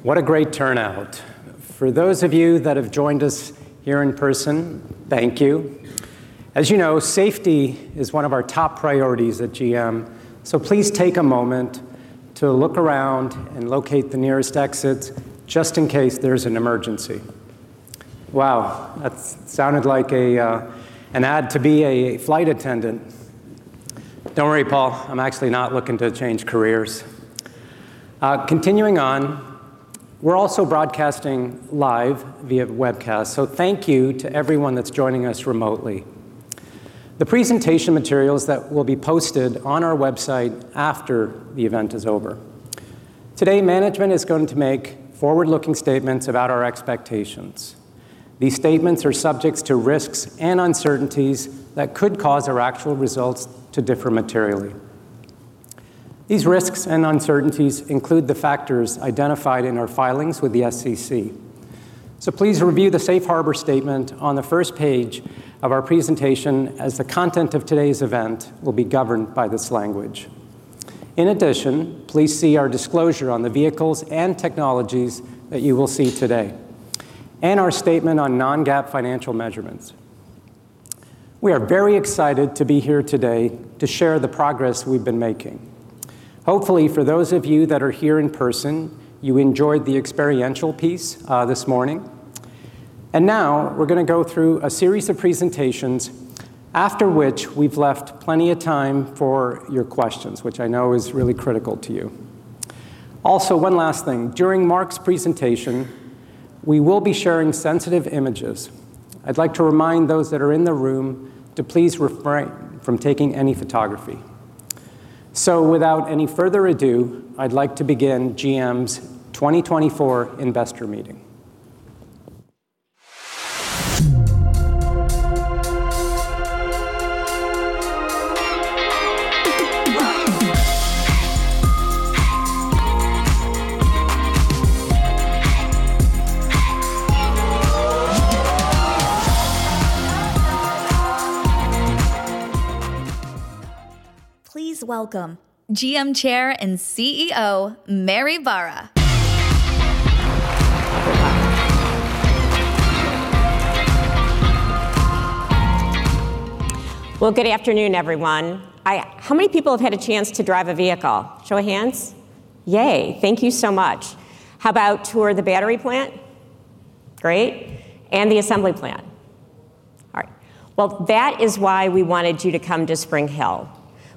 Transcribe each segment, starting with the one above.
Good afternoon, everyone. What a great turnout! For those of you that have joined us here in person, thank you. As you know, safety is one of our top priorities at GM, so please take a moment to look around and locate the nearest exits, just in case there's an emergency. Wow, that sounded like a, an ad to be a flight attendant. Don't worry, Paul, I'm actually not looking to change careers. Continuing on, we're also broadcasting live via webcast, so thank you to everyone that's joining us remotely. The presentation materials that will be posted on our website after the event is over. Today, management is going to make forward-looking statements about our expectations. These statements are subjects to risks and uncertainties that could cause our actual results to differ materially. These risks and uncertainties include the factors identified in our filings with the SEC. Please review the safe harbor statement on the first page of our presentation, as the content of today's event will be governed by this language. In addition, please see our disclosure on the vehicles and technologies that you will see today, and our statement on non-GAAP financial measurements. We are very excited to be here today to share the progress we've been making. Hopefully, for those of you that are here in person, you enjoyed the experiential piece this morning. Now, we're gonna go through a series of presentations, after which we've left plenty of time for your questions, which I know is really critical to you. Also, one last thing, during Mark's presentation, we will be sharing sensitive images. I'd like to remind those that are in the room to please refrain from taking any photography. Without any further ado, I'd like to begin GM's 2024 investor meeting. Please welcome GM Chair and CEO, Mary Barra. Good afternoon, everyone. How many people have had a chance to drive a vehicle? Show of hands. Yay! Thank you so much. How about tour the battery plant? Great, and the assembly plant? All right. That is why we wanted you to come to Spring Hill.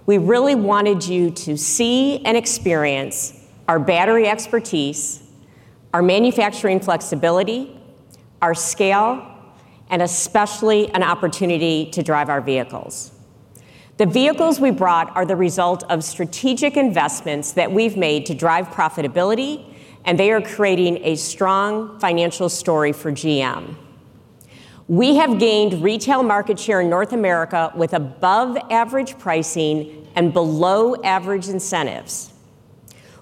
We really wanted you to see and experience our battery expertise, our manufacturing flexibility, our scale, and especially an opportunity to drive our vehicles. The vehicles we brought are the result of strategic investments that we've made to drive profitability, and they are creating a strong financial story for GM. We have gained retail market share in North America, with above-average pricing and below-average incentives.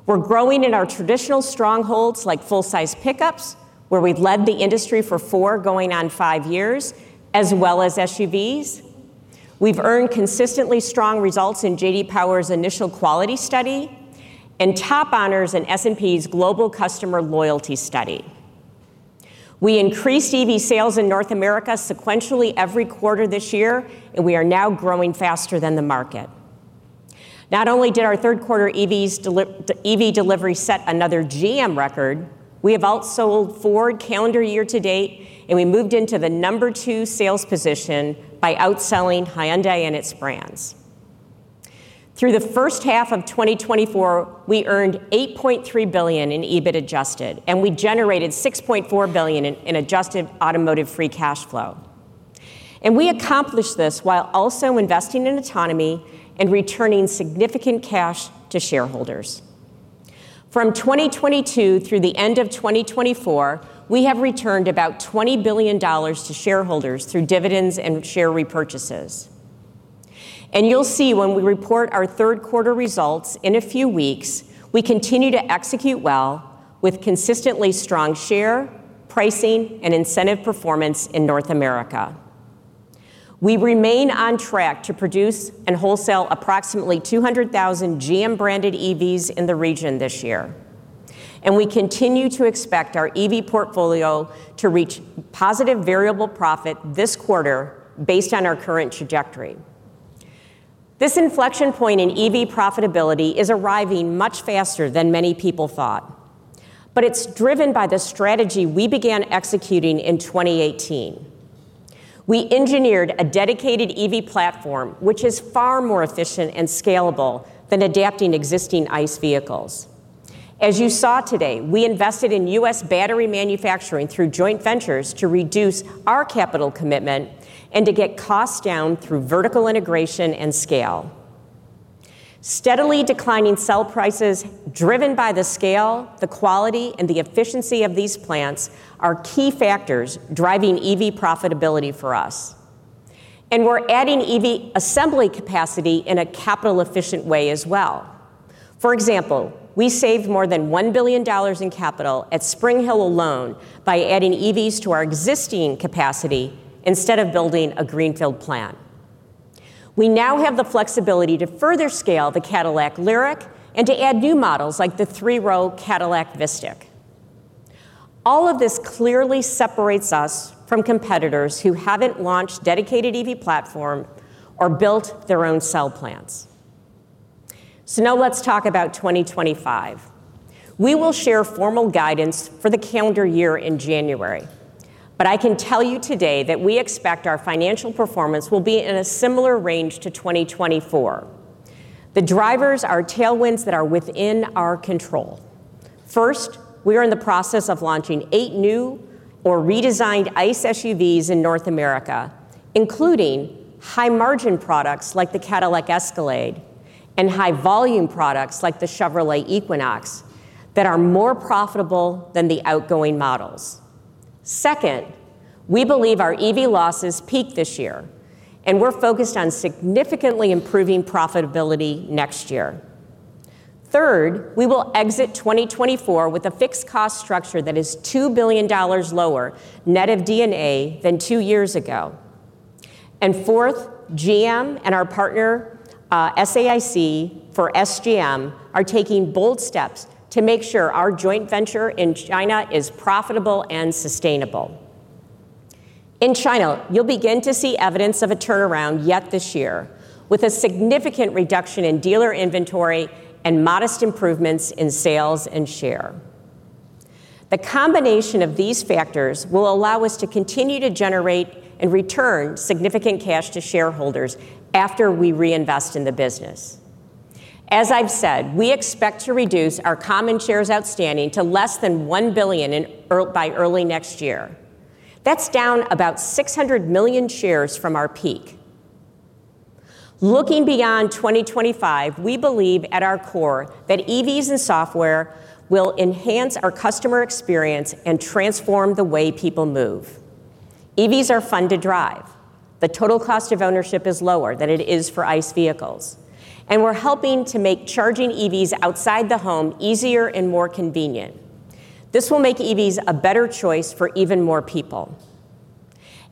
We're growing in our traditional strongholds, like full-size pickups, where we've led the industry for four, going on five years, as well as SUVs. We've earned consistently strong results in J.D. Power's Initial Quality Study and top honors in S&P Global's Customer Loyalty Study. We increased EV sales in North America sequentially every quarter this year, and we are now growing faster than the market. Not only did our third quarter EV delivery set another GM record, we have outsold Ford calendar year to date, and we moved into the number two sales position by outselling Hyundai and its brands. Through the first half of twenty twenty-four, we earned $8.3 billion in EBIT adjusted, and we generated $6.4 billion in adjusted automotive free cash flow. We accomplished this while also investing in autonomy and returning significant cash to shareholders. From twenty twenty-two through the end of twenty twenty-four, we have returned about $20 billion to shareholders through dividends and share repurchases. You'll see when we report our third quarter results in a few weeks, we continue to execute well, with consistently strong share, pricing, and incentive performance in North America. We remain on track to produce and wholesale approximately 200,000 GM-branded EVs in the region this year, and we continue to expect our EV portfolio to reach positive variable profit this quarter, based on our current trajectory. This inflection point in EV profitability is arriving much faster than many people thought, but it's driven by the strategy we began executing in 2018. We engineered a dedicated EV platform, which is far more efficient and scalable than adapting existing ICE vehicles. As you saw today, we invested in U.S. battery manufacturing through joint ventures to reduce our capital commitment and to get costs down through vertical integration and scale. Steadily declining cell prices, driven by the scale, the quality, and the efficiency of these plants, are key factors driving EV profitability for us. And we're adding EV assembly capacity in a capital-efficient way as well. For example, we saved more than $1 billion in capital at Spring Hill alone by adding EVs to our existing capacity instead of building a greenfield plant. We now have the flexibility to further scale the Cadillac LYRIQ and to add new models, like the three-row Cadillac VISTIQ. All of this clearly separates us from competitors who haven't launched dedicated EV platform or built their own cell plants. So now let's talk about 2025. We will share formal guidance for the calendar year in January, but I can tell you today that we expect our financial performance will be in a similar range to twenty twenty-four. The drivers are tailwinds that are within our control. First, we are in the process of launching eight new or redesigned ICE SUVs in North America, including high-margin products like the Cadillac Escalade, and high-volume products like the Chevrolet Equinox, that are more profitable than the outgoing models. Second, we believe our EV losses peaked this year, and we're focused on significantly improving profitability next year. Third, we will exit 2024 with a fixed cost structure that is $2 billion lower, net of D&A, than two years ago. And fourth, GM and our partner, SAIC, for SGM, are taking bold steps to make sure our joint venture in China is profitable and sustainable. In China, you'll begin to see evidence of a turnaround yet this year, with a significant reduction in dealer inventory and modest improvements in sales and share. The combination of these factors will allow us to continue to generate and return significant cash to shareholders after we reinvest in the business. As I've said, we expect to reduce our common shares outstanding to less than one billion in early next year. That's down about 600 million shares from our peak. Looking beyond 2025, we believe at our core that EVs and software will enhance our customer experience and transform the way people move. EVs are fun to drive, the total cost of ownership is lower than it is for ICE vehicles, and we're helping to make charging EVs outside the home easier and more convenient. This will make EVs a better choice for even more people.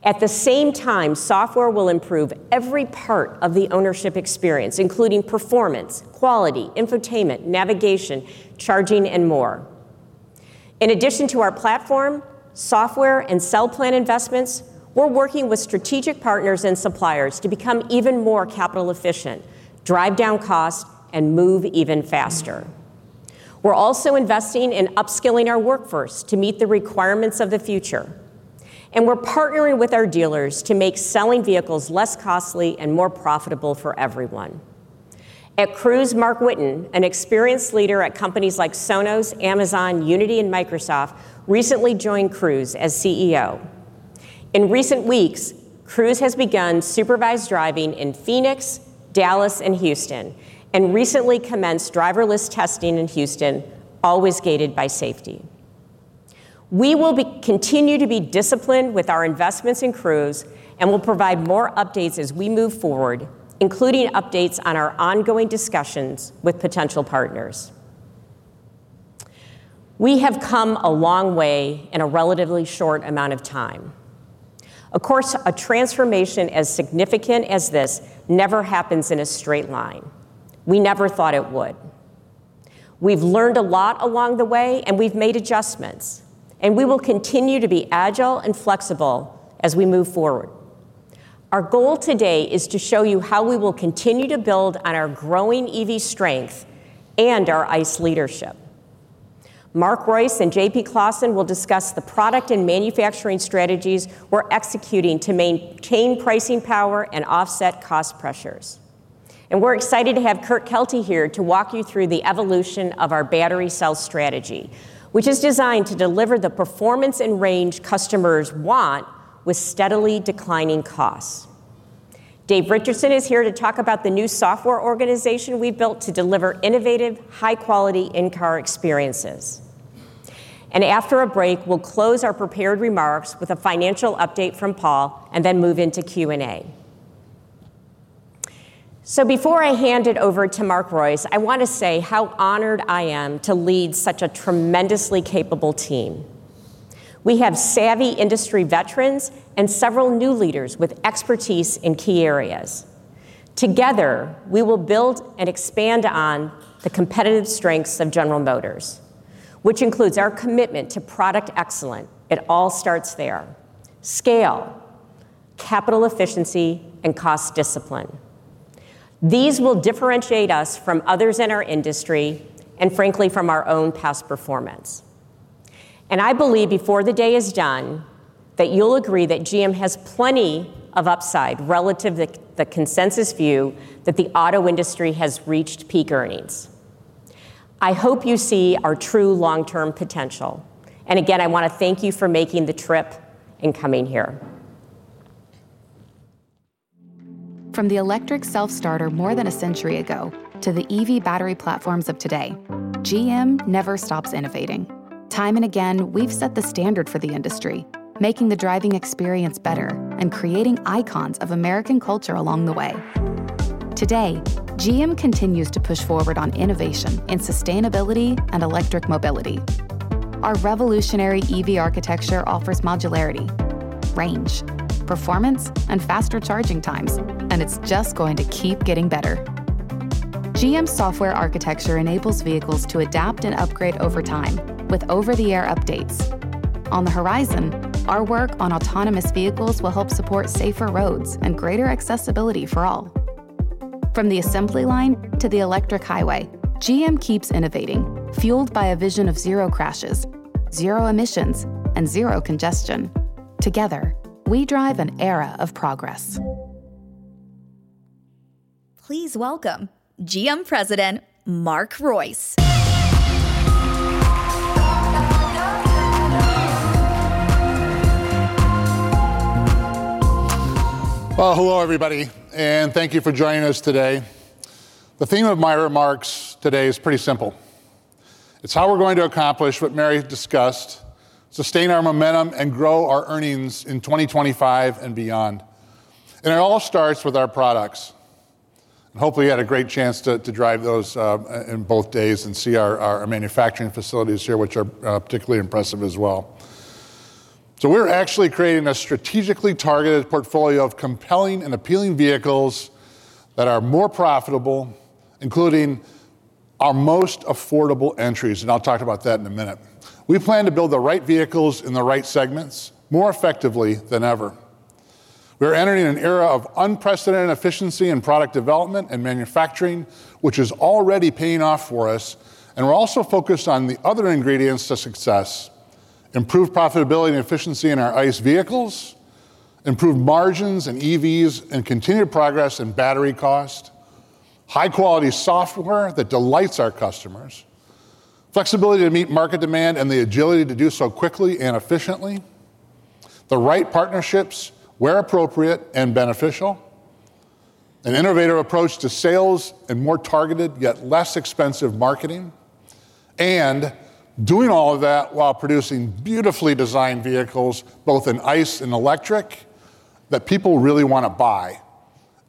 At the same time, software will improve every part of the ownership experience, including performance, quality, infotainment, navigation, charging, and more. In addition to our platform, software, and cell plant investments, we're working with strategic partners and suppliers to become even more capital efficient, drive down costs, and move even faster. We're also investing in upskilling our workforce to meet the requirements of the future, and we're partnering with our dealers to make selling vehicles less costly and more profitable for everyone. At Cruise, Marc Whitten, an experienced leader at companies like Sonos, Amazon, Unity, and Microsoft, recently joined Cruise as CEO. In recent weeks, Cruise has begun supervised driving in Phoenix, Dallas, and Houston, and recently commenced driverless testing in Houston, always gated by safety. We will continue to be disciplined with our investments in Cruise, and we'll provide more updates as we move forward, including updates on our ongoing discussions with potential partners. We have come a long way in a relatively short amount of time. Of course, a transformation as significant as this never happens in a straight line. We never thought it would. We've learned a lot along the way, and we've made adjustments, and we will continue to be agile and flexible as we move forward. Our goal today is to show you how we will continue to build on our growing EV strength and our ICE leadership. Mark Reuss and JP Clausen will discuss the product and manufacturing strategies we're executing to maintain pricing power and offset cost pressures, and we're excited to have Kurt Kelty here to walk you through the evolution of our battery cell strategy, which is designed to deliver the performance and range customers want, with steadily declining costs. Dave Richardson is here to talk about the new software organization we built to deliver innovative, high-quality in-car experiences. After a break, we'll close our prepared remarks with a financial update from Paul, and then move into Q&A. Before I hand it over to Mark Reuss, I want to say how honored I am to lead such a tremendously capable team. We have savvy industry veterans and several new leaders with expertise in key areas. Together, we will build and expand on the competitive strengths of General Motors, which includes our commitment to product excellence, it all starts there, scale, capital efficiency, and cost discipline. These will differentiate us from others in our industry and, frankly, from our own past performance. I believe, before the day is done, that you'll agree that GM has plenty of upside relative to the consensus view that the auto industry has reached peak earnings. I hope you see our true long-term potential, and again, I want to thank you for making the trip and coming here. From the electric self-starter more than a century ago, to the EV battery platforms of today, GM never stops innovating. Time and again, we've set the standard for the industry, making the driving experience better and creating icons of American culture along the way. Today, GM continues to push forward on innovation in sustainability and electric mobility. Our revolutionary EV architecture offers modularity, range, performance, and faster charging times, and it's just going to keep getting better. GM's software architecture enables vehicles to adapt and upgrade over time with over-the-air updates. On the horizon, our work on autonomous vehicles will help support safer roads and greater accessibility for all. From the assembly line to the electric highway, GM keeps innovating, fueled by a vision of zero crashes, zero emissions, and zero congestion. Together, we drive an era of progress. Please welcome GM President, Mark Reuss. Well, hello, everybody, and thank you for joining us today. The theme of my remarks today is pretty simple. It's how we're going to accomplish what Mary discussed, sustain our momentum, and grow our earnings in 2025 and beyond. And it all starts with our products. And hopefully, you had a great chance to drive those in both days and see our manufacturing facilities here, which are particularly impressive as well. So we're actually creating a strategically targeted portfolio of compelling and appealing vehicles that are more profitable, including our most affordable entries, and I'll talk about that in a minute. We plan to build the right vehicles in the right segments more effectively than ever. We're entering an era of unprecedented efficiency in product development and manufacturing, which is already paying off for us, and we're also focused on the other ingredients to success: improved profitability and efficiency in our ICE vehicles, improved margins in EVs, and continued progress in battery cost, high-quality software that delights our customers, flexibility to meet market demand and the agility to do so quickly and efficiently, the right partnerships where appropriate and beneficial, an innovative approach to sales and more targeted, yet less expensive marketing, and doing all of that while producing beautifully designed vehicles, both in ICE and electric, that people really want to buy,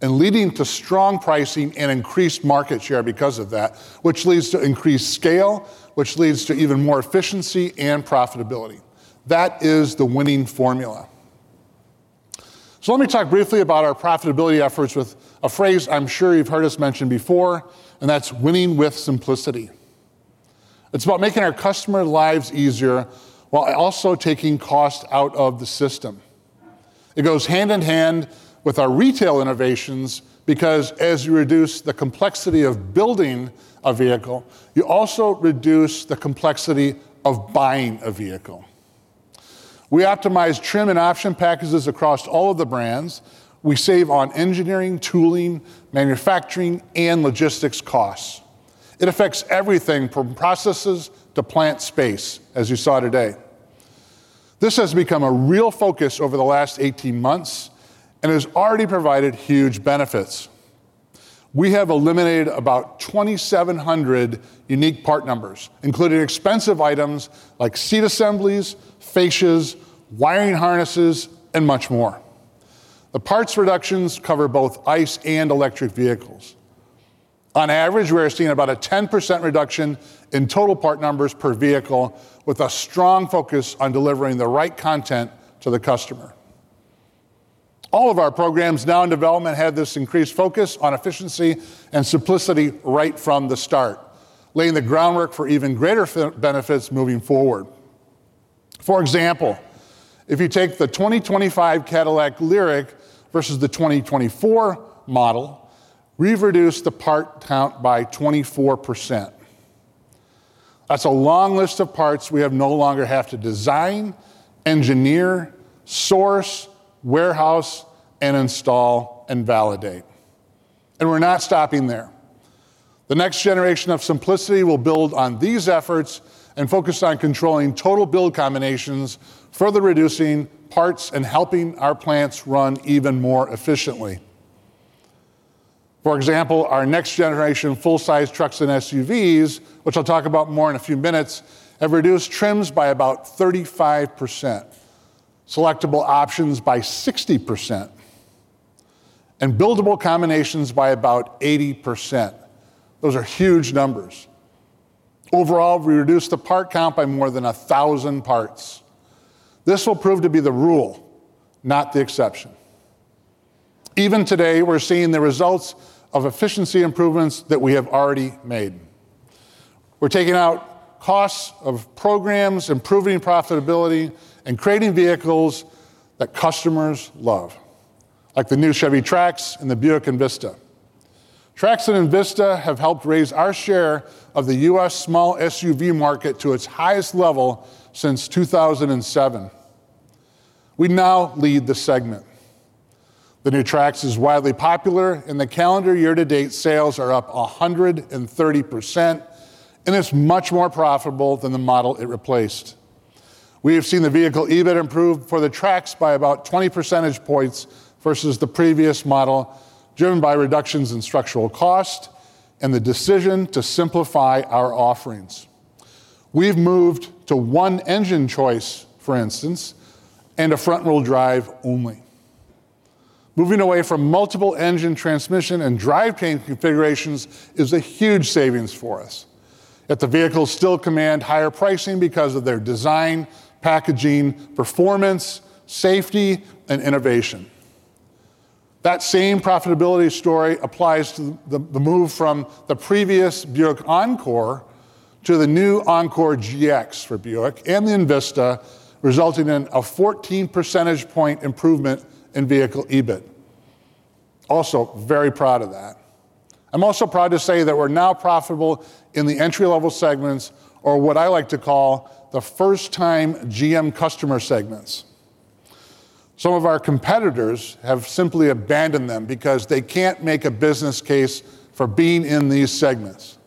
and leading to strong pricing and increased market share because of that, which leads to increased scale, which leads to even more efficiency and profitability. That is the winning formula. Let me talk briefly about our profitability efforts with a phrase I'm sure you've heard us mention before, and that's winning with simplicity. It's about making our customer lives easier while also taking cost out of the system. It goes hand in hand with our retail innovations because as you reduce the complexity of building a vehicle, you also reduce the complexity of buying a vehicle. We optimize trim and option packages across all of the brands. We save on engineering, tooling, manufacturing, and logistics costs. It affects everything from processes to plant space, as you saw today. This has become a real focus over the last eighteen months and has already provided huge benefits. We have eliminated about 2,700 unique part numbers, including expensive items like seat assemblies, fascias, wiring harnesses, and much more. The parts reductions cover both ICE and electric vehicles. On average, we're seeing about a 10% reduction in total part numbers per vehicle, with a strong focus on delivering the right content to the customer. All of our programs now in development have this increased focus on efficiency and simplicity right from the start, laying the groundwork for even greater benefits moving forward. For example, if you take the 2025 Cadillac LYRIQ versus the 2024 model, we've reduced the part count by 24%. That's a long list of parts we no longer have to design, engineer, source, warehouse, and install and validate, and we're not stopping there. The next generation of simplicity will build on these efforts and focus on controlling total build combinations, further reducing parts, and helping our plants run even more efficiently. For example, our next-generation full-size trucks and SUVs, which I'll talk about more in a few minutes, have reduced trims by about 35%, selectable options by 60%, and buildable combinations by about 80%. Those are huge numbers. Overall, we reduced the part count by more than a thousand parts. This will prove to be the rule, not the exception. Even today, we're seeing the results of efficiency improvements that we have already made. We're taking out costs of programs, improving profitability, and creating vehicles that customers love, like the new Chevy Trax and the Buick Envista. Trax and Envista have helped raise our share of the U.S. small SUV market to its highest level since 2007. We now lead the segment. The new Trax is widely popular, and the calendar year-to-date sales are up 130%, and it's much more profitable than the model it replaced. We have seen the vehicle EBIT improve for the Trax by about 20 percentage points versus the previous model, driven by reductions in structural cost and the decision to simplify our offerings. We've moved to one engine choice, for instance, and a front-wheel drive only. Moving away from multiple engine transmission and drivetrain configurations is a huge savings for us. Yet the vehicles still command higher pricing because of their design, packaging, performance, safety, and innovation. That same profitability story applies to the move from the previous Buick Encore to the new Encore GX for Buick and the Envista, resulting in a 14 percentage point improvement in vehicle EBIT. Also, very proud of that. I'm also proud to say that we're now profitable in the entry-level segments, or what I like to call the first-time GM customer segments. Some of our competitors have simply abandoned them because they can't make a business case for being in these segments.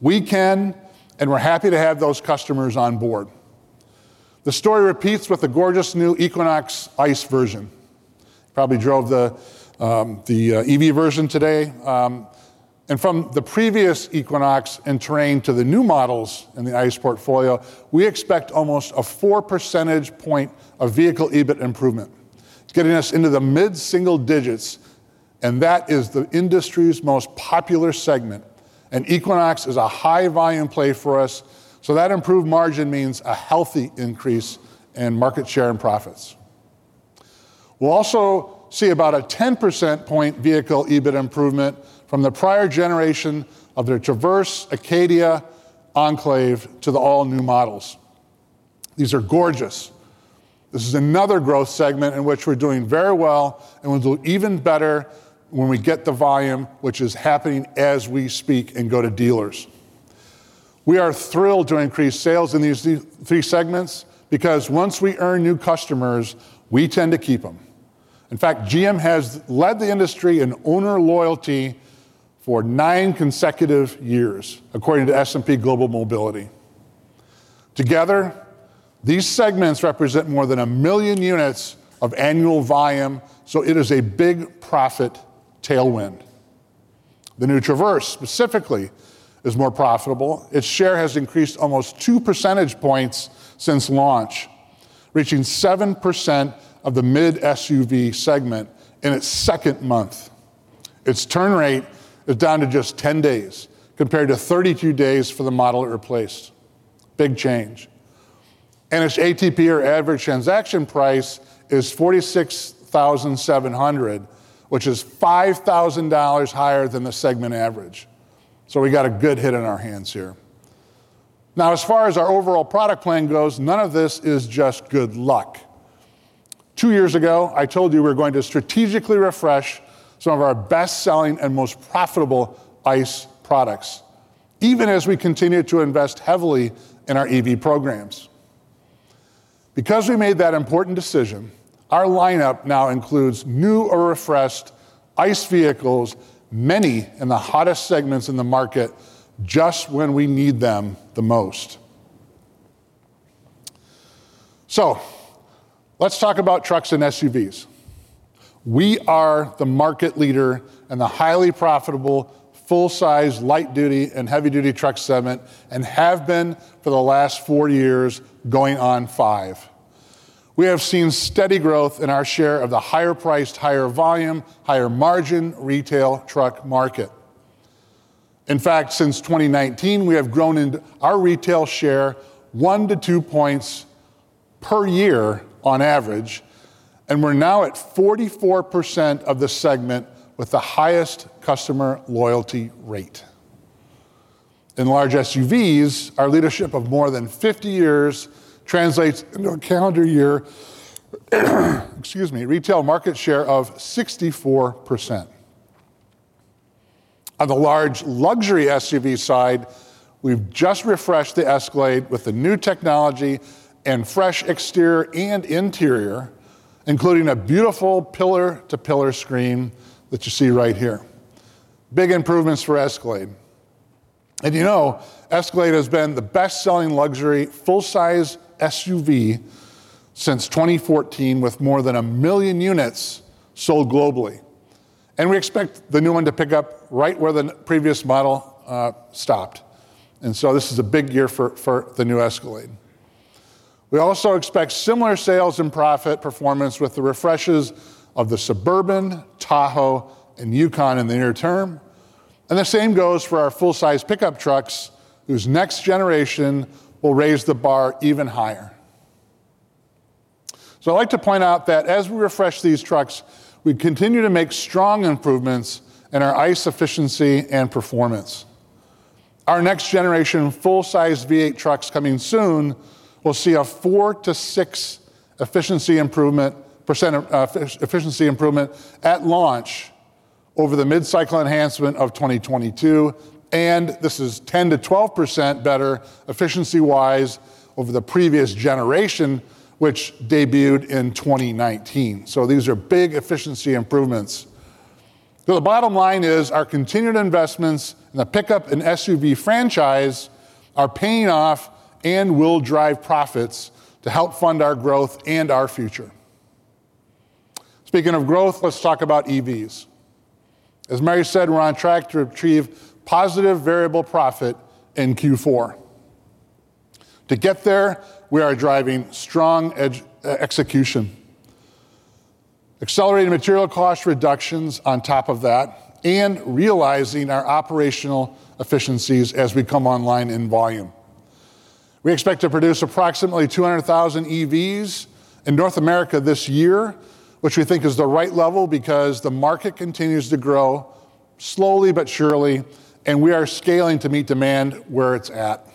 We can, and we're happy to have those customers on board. The story repeats with the gorgeous new Equinox ICE version. Probably drove the EV version today, and from the previous Equinox and Terrain to the new models in the ICE portfolio, we expect almost a four percentage point of vehicle EBIT improvement. It's getting us into the mid-single digits, and that is the industry's most popular segment, and Equinox is a high-volume play for us, so that improved margin means a healthy increase in market share and profits. We'll also see about a 10 percentage point vehicle EBIT improvement from the prior generation of the Traverse, Acadia, Enclave to the all-new models. These are gorgeous. This is another growth segment in which we're doing very well, and we'll do even better when we get the volume, which is happening as we speak and go to dealers. We are thrilled to increase sales in these three, three segments because once we earn new customers, we tend to keep them. In fact, GM has led the industry in owner loyalty for nine consecutive years, according to S&P Global Mobility. Together, these segments represent more than 1 million units of annual volume, so it is a big profit tailwind. The new Traverse, specifically, is more profitable. Its share has increased almost two percentage points since launch, reaching 7% of the mid-SUV segment in its second month. Its turn rate is down to just 10 days, compared to 32 days for the model it replaced. Big change, and its ATP, or average transaction price, is $46,700, which is $5,000 higher than the segment average, so we got a good hit on our hands here. Now, as far as our overall product plan goes, none of this is just good luck. Two years ago, I told you we were going to strategically refresh some of our best-selling and most profitable ICE products, even as we continued to invest heavily in our EV programs. Because we made that important decision, our lineup now includes new or refreshed ICE vehicles, many in the hottest segments in the market, just when we need them the most, so let's talk about trucks and SUVs. We are the market leader in the highly profitable, full-size, light-duty, and heavy-duty truck segment and have been for the last four years, going on five. We have seen steady growth in our share of the higher-priced, higher-volume, higher-margin retail truck market. In fact, since twenty nineteen, we have grown in our retail share one to two points per year on average, and we're now at 44% of the segment with the highest customer loyalty rate. In large SUVs, our leadership of more than fifty years translates into a calendar year, excuse me, retail market share of 64%. On the large luxury SUV side, we've just refreshed the Escalade with the new technology and fresh exterior and interior, including a beautiful pillar-to-pillar screen that you see right here. Big improvements for Escalade. And you know, Escalade has been the best-selling luxury, full-size SUV since 2014, with more than a million units sold globally, and we expect the new one to pick up right where the previous model stopped, and so this is a big year for the new Escalade. We also expect similar sales and profit performance with the refreshes of the Suburban, Tahoe, and Yukon in the near term, and the same goes for our full-size pickup trucks, whose next generation will raise the bar even higher. So I'd like to point out that as we refresh these trucks, we continue to make strong improvements in our ICE efficiency and performance. Our next-generation full-size V8 trucks coming soon will see a four-to-six % efficiency improvement at launch over the mid-cycle enhancement of 2022, and this is 10-12% better efficiency-wise over the previous generation, which debuted in 2019. These are big efficiency improvements. The bottom line is, our continued investments in the pickup and SUV franchise are paying off and will drive profits to help fund our growth and our future. Speaking of growth, let's talk about EVs. As Mary said, we're on track to achieve positive variable profit in Q4. To get there, we are driving strong execution, accelerating material cost reductions on top of that, and realizing our operational efficiencies as we come online in volume. We expect to produce approximately 200,000 EVs in North America this year, which we think is the right level because the market continues to grow, slowly but surely, and we are scaling to meet demand where it's at.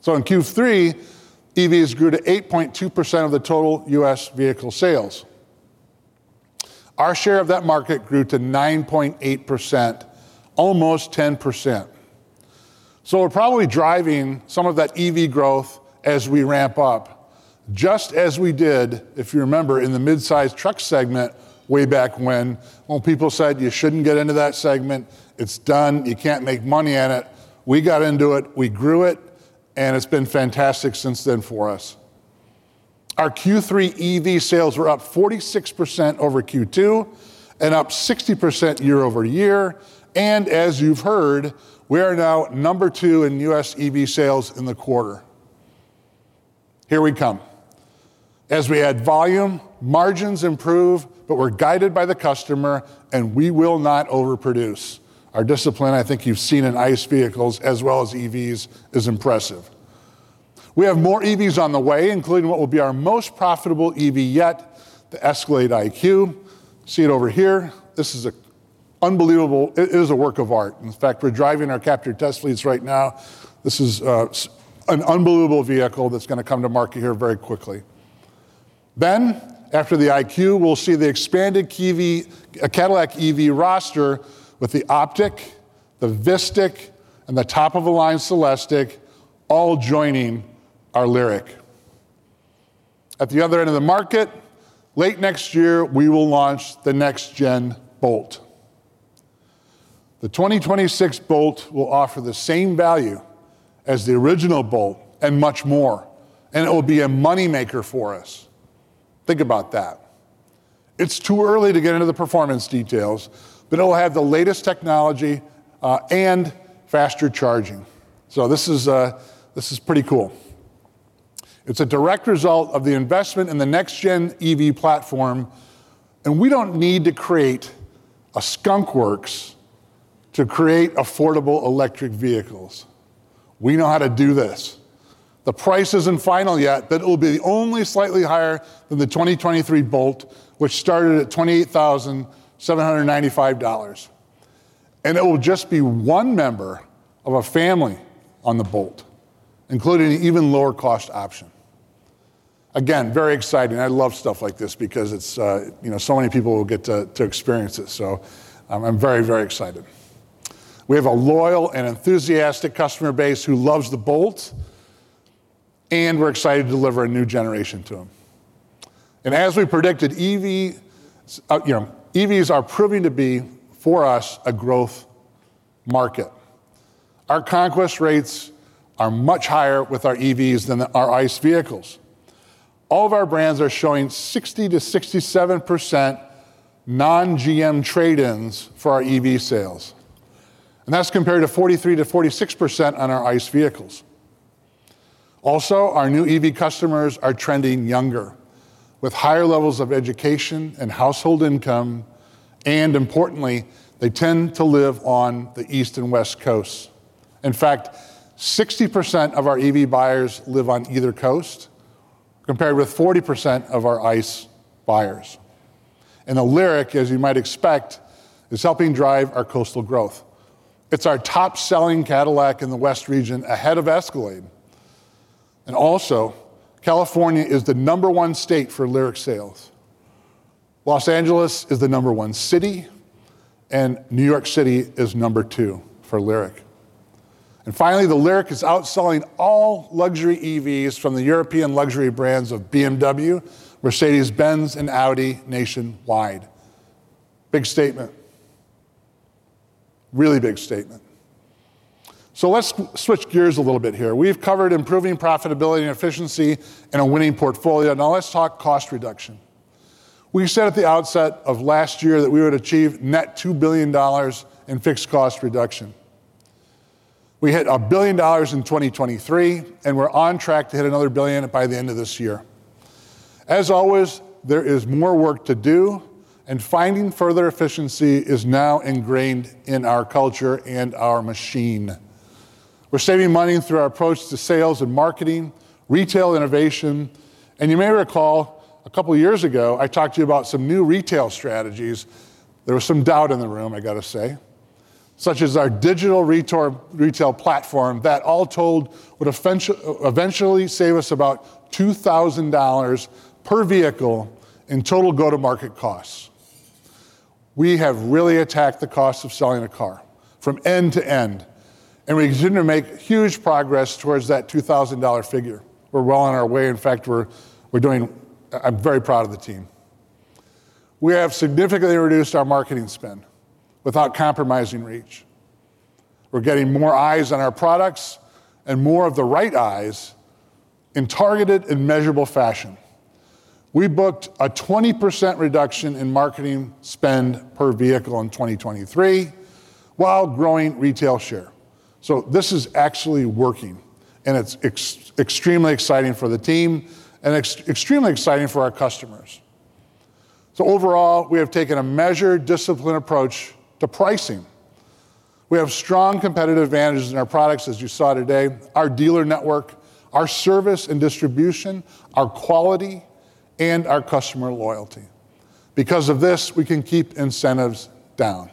So in Q3, EVs grew to 8.2% of the total U.S. vehicle sales. Our share of that market grew to 9.8%, almost 10%. So we're probably driving some of that EV growth as we ramp up, just as we did, if you remember, in the mid-size truck segment, way back when, when people said, "You shouldn't get into that segment, it's done. You can't make money at it." We got into it, we grew it, and it's been fantastic since then for us. Our Q3 EV sales were up 46% over Q2 and up 60% year over year, and as you've heard, we are now number two in U.S. EV sales in the quarter. Here we come. As we add volume, margins improve, but we're guided by the customer, and we will not overproduce. Our discipline, I think you've seen in ICE vehicles as well as EVs, is impressive. We have more EVs on the way, including what will be our most profitable EV yet, the ESCALADE IQ. See it over here. This is unbelievable. It is a work of art. In fact, we're driving our captive test fleets right now. This is an unbelievable vehicle that's gonna come to market here very quickly. Then, after the IQ, we'll see the expanded EV Cadillac EV roster with the OPTIQ, the VISTIQ, and the top-of-the-line CELESTIQ, all joining our LYRIQ. At the other end of the market, late next year, we will launch the next-gen Bolt. The twenty twenty-six Bolt will offer the same value as the original Bolt and much more, and it will be a money maker for us. Think about that. It's too early to get into the performance details, but it'll have the latest technology and faster charging. So this is, this is pretty cool. It's a direct result of the investment in the next-gen EV platform, and we don't need to create a skunkworks to create affordable electric vehicles. We know how to do this. The price isn't final yet, but it'll be only slightly higher than the twenty twenty-three Bolt, which started at $28,795, and it will just be one member of a family on the Bolt, including an even lower-cost option. Again, very exciting. I love stuff like this because it's, you know, so many people will get to experience it, so I'm very, very excited. We have a loyal and enthusiastic customer base who loves the Bolt, and we're excited to deliver a new generation to them. As we predicted, EV, you know, EVs are proving to be, for us, a growth market. Our conquest rates are much higher with our EVs than our ICE vehicles. All of our brands are showing 60%-67% non-GM trade-ins for our EV sales, and that's compared to 43%-46% on our ICE vehicles. Also, our new EV customers are trending younger, with higher levels of education and household income, and importantly, they tend to live on the East and West Coasts. In fact, 60% of our EV buyers live on either coast, compared with 40% of our ICE buyers. And the LYRIQ, as you might expect, is helping drive our coastal growth. It's our top-selling Cadillac in the West region, ahead of Escalade. And also, California is the number one state for LYRIQ sales. Los Angeles is the number one city, and New York City is number two for LYRIQ. And finally, the LYRIQ is outselling all luxury EVs from the European luxury brands of BMW, Mercedes-Benz, and Audi nationwide. Big statement. Really big statement. So let's switch gears a little bit here. We've covered improving profitability and efficiency and a winning portfolio. Now let's talk cost reduction. We said at the outset of last year that we would achieve net $2 billion in fixed cost reduction. We hit $1 billion in 2023, and we're on track to hit another $1 billion by the end of this year. As always, there is more work to do, and finding further efficiency is now ingrained in our culture and our machine. We're saving money through our approach to sales and marketing, retail innovation... and you may recall, a couple of years ago, I talked to you about some new retail strategies. There was some doubt in the room, I got to say, such as our digital retail, retail platform that, all told, would eventually save us about $2,000 per vehicle in total go-to-market costs. We have really attacked the cost of selling a car from end to end, and we continue to make huge progress towards that $2,000 figure. We're well on our way. In fact, we're doing... I'm very proud of the team. We have significantly reduced our marketing spend without compromising reach. We're getting more eyes on our products and more of the right eyes in targeted and measurable fashion. We booked a 20% reduction in marketing spend per vehicle in 2023 while growing retail share. So this is actually working, and it's extremely exciting for the team and extremely exciting for our customers. So overall, we have taken a measured, disciplined approach to pricing. We have strong competitive advantages in our products, as you saw today, our dealer network, our service and distribution, our quality, and our customer loyalty. Because of this, we can keep incentives down.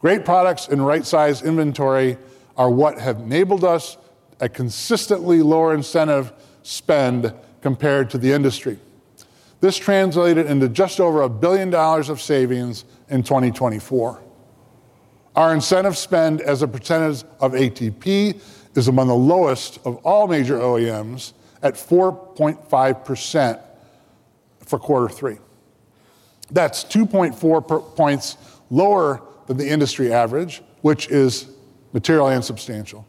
Great products and right-size inventory are what have enabled us a consistently lower incentive spend compared to the industry. This translated into just over $1 billion of savings in 2024. Our incentive spend as a percentage of ATP is among the lowest of all major OEMs, at 4.5% for quarter three. That's two point four percentage points lower than the industry average, which is material and substantial.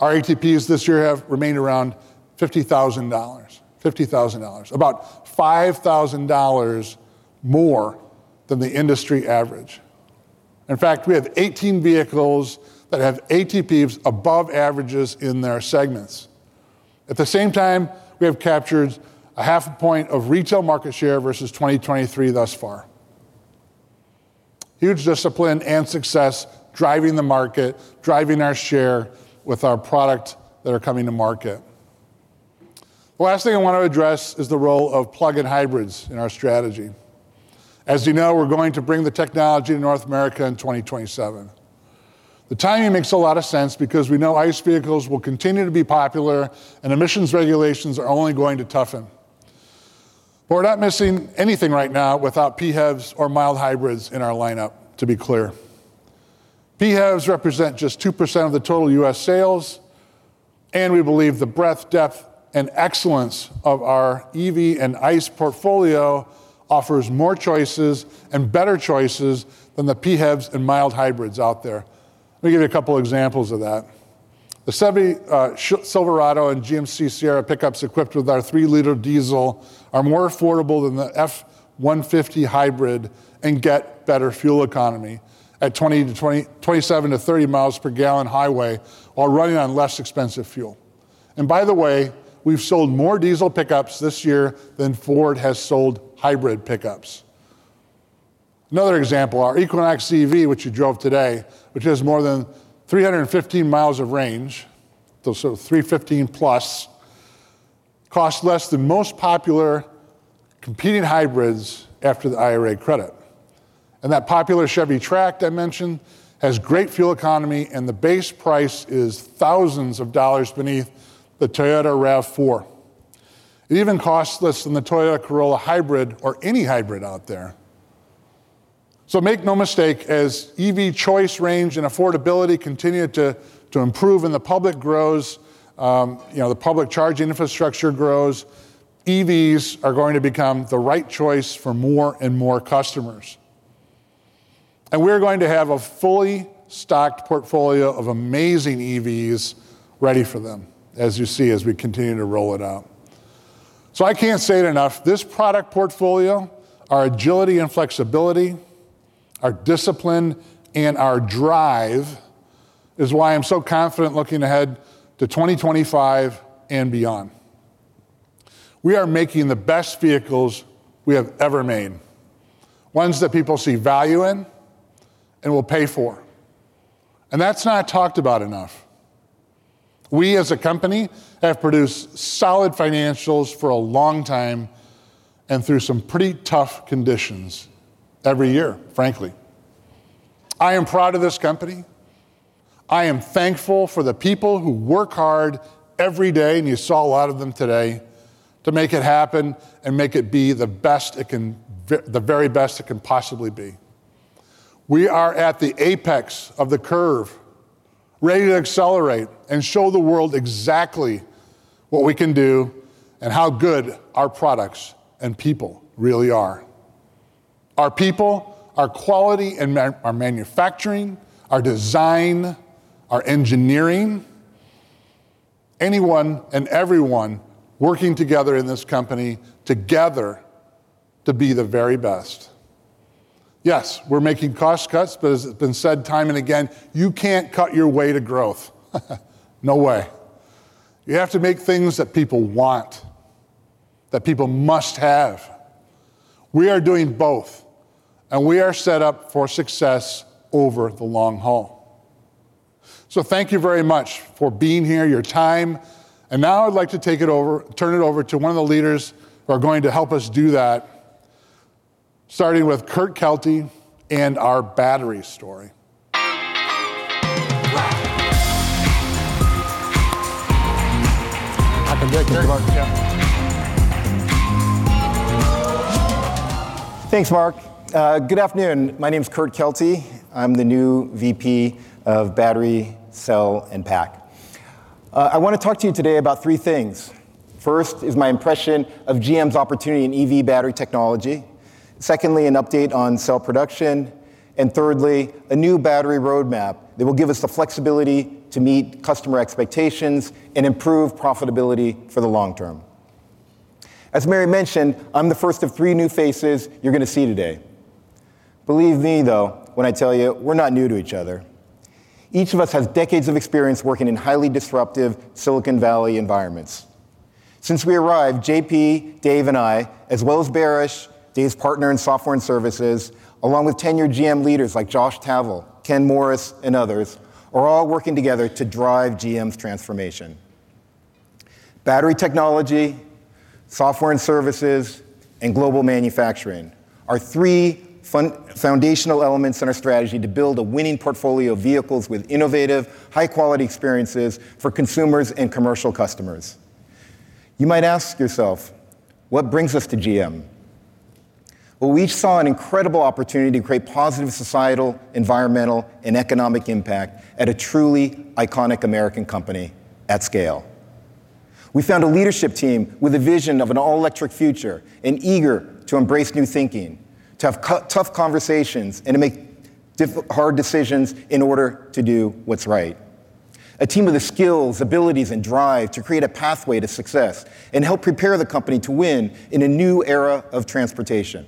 Our ATPs this year have remained around $50,000, $50,000, about $5,000 more than the industry average. In fact, we have 18 vehicles that have ATPs above averages in their segments. At the same time, we have captured 0.5 point of retail market share versus 2023 thus far. Huge discipline and success driving the market, driving our share with our product that are coming to market. The last thing I want to address is the role of plug-in hybrids in our strategy. As you know, we're going to bring the technology to North America in 2027. The timing makes a lot of sense because we know ICE vehicles will continue to be popular, and emissions regulations are only going to toughen. But we're not missing anything right now without PHEVs or mild hybrids in our lineup, to be clear. PHEVs represent just 2% of the total U.S. sales, and we believe the breadth, depth, and excellence of our EV and ICE portfolio offers more choices and better choices than the PHEVs and mild hybrids out there. Let me give you a couple examples of that. The Chevy Silverado and GMC Sierra pickups equipped with our three-liter diesel are more affordable than the F-150 hybrid and get better fuel economy at 20-27, 27-30 miles per gallon highway, while running on less expensive fuel. By the way, we've sold more diesel pickups this year than Ford has sold hybrid pickups. Another example, our Equinox EV, which you drove today, which has more than 315 miles of range, that's 315-plus, costs less than most popular competing hybrids after the IRA credit. And that popular Chevy Trax I mentioned has great fuel economy, and the base price is thousands of dollars beneath the Toyota RAV4. It even costs less than the Toyota Corolla hybrid or any hybrid out there. So make no mistake, as EV choice, range, and affordability continue to improve and the public grows, you know, the public charging infrastructure grows, EVs are going to become the right choice for more and more customers. We're going to have a fully stocked portfolio of amazing EVs ready for them, as you see, as we continue to roll it out. I can't say it enough, this product portfolio, our agility and flexibility, our discipline, and our drive is why I'm so confident looking ahead to 2025 and beyond. We are making the best vehicles we have ever made, ones that people see value in and will pay for, and that's not talked about enough. We, as a company, have produced solid financials for a long time and through some pretty tough conditions every year, frankly. I am proud of this company. I am thankful for the people who work hard every day, and you saw a lot of them today, to make it happen and make it the very best it can possibly be. We are at the apex of the curve, ready to accelerate and show the world exactly what we can do and how good our products and people really are. Our people, our quality and our manufacturing, our design, our engineering, anyone and everyone working together in this company together to be the very best. Yes, we're making cost cuts, but as has been said time and again, you can't cut your way to growth. No way. You have to make things that people want, that people must have. We are doing both, and we are set up for success over the long haul. So thank you very much for being here, your time, and now I'd like to turn it over to one of the leaders who are going to help us do that, starting with Kurt Kelty and our battery story. Welcome, Kurt Kelty. Yeah. Thanks, Mark. Good afternoon. My name is Kurt Kelty. I'm the new VP of Battery, Cell, and Pack. I want to talk to you today about three things. First is my impression of GM's opportunity in EV battery technology. Secondly, an update on cell production, and thirdly, a new battery roadmap that will give us the flexibility to meet customer expectations and improve profitability for the long term. As Mary mentioned, I'm the first of three new faces you're gonna see today. Believe me, though, when I tell you, we're not new to each other. Each of us has decades of experience working in highly disruptive Silicon Valley environments. Since we arrived, JP, Dave, and I, as well as Baris, Dave's partner in Software and Services, along with tenured GM leaders like Josh Tavel, Ken Morris, and others, are all working together to drive GM's transformation. Battery technology, Software and Services, and global manufacturing are three foundational elements in our strategy to build a winning portfolio of vehicles with innovative, high-quality experiences for consumers and commercial customers. You might ask yourself, what brings us to GM? Well, we each saw an incredible opportunity to create positive societal, environmental, and economic impact at a truly iconic American company at scale. We found a leadership team with a vision of an all-electric future and eager to embrace new thinking, to have tough conversations, and to make hard decisions in order to do what's right. A team with the skills, abilities, and drive to create a pathway to success and help prepare the company to win in a new era of transportation.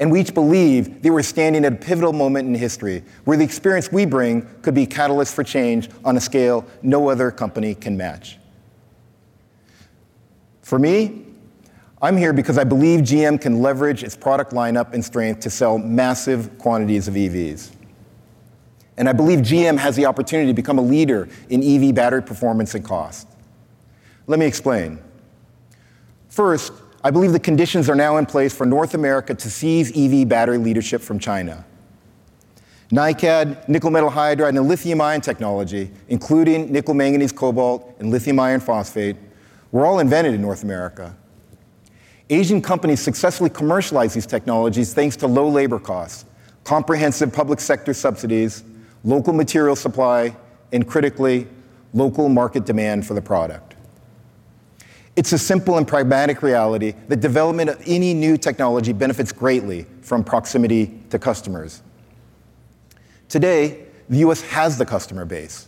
And we each believe that we're standing at a pivotal moment in history where the experience we bring could be a catalyst for change on a scale no other company can match. For me, I'm here because I believe GM can leverage its product lineup and strength to sell massive quantities of EVs, and I believe GM has the opportunity to become a leader in EV battery performance and cost. Let me explain. First, I believe the conditions are now in place for North America to seize EV battery leadership from China. NiCad, nickel metal hydride, and lithium-ion technology, including nickel manganese cobalt and lithium iron phosphate, were all invented in North America. Asian companies successfully commercialized these technologies thanks to low labor costs, comprehensive public sector subsidies, local material supply, and critically, local market demand for the product. It's a simple and pragmatic reality that development of any new technology benefits greatly from proximity to customers. Today, the U.S. has the customer base.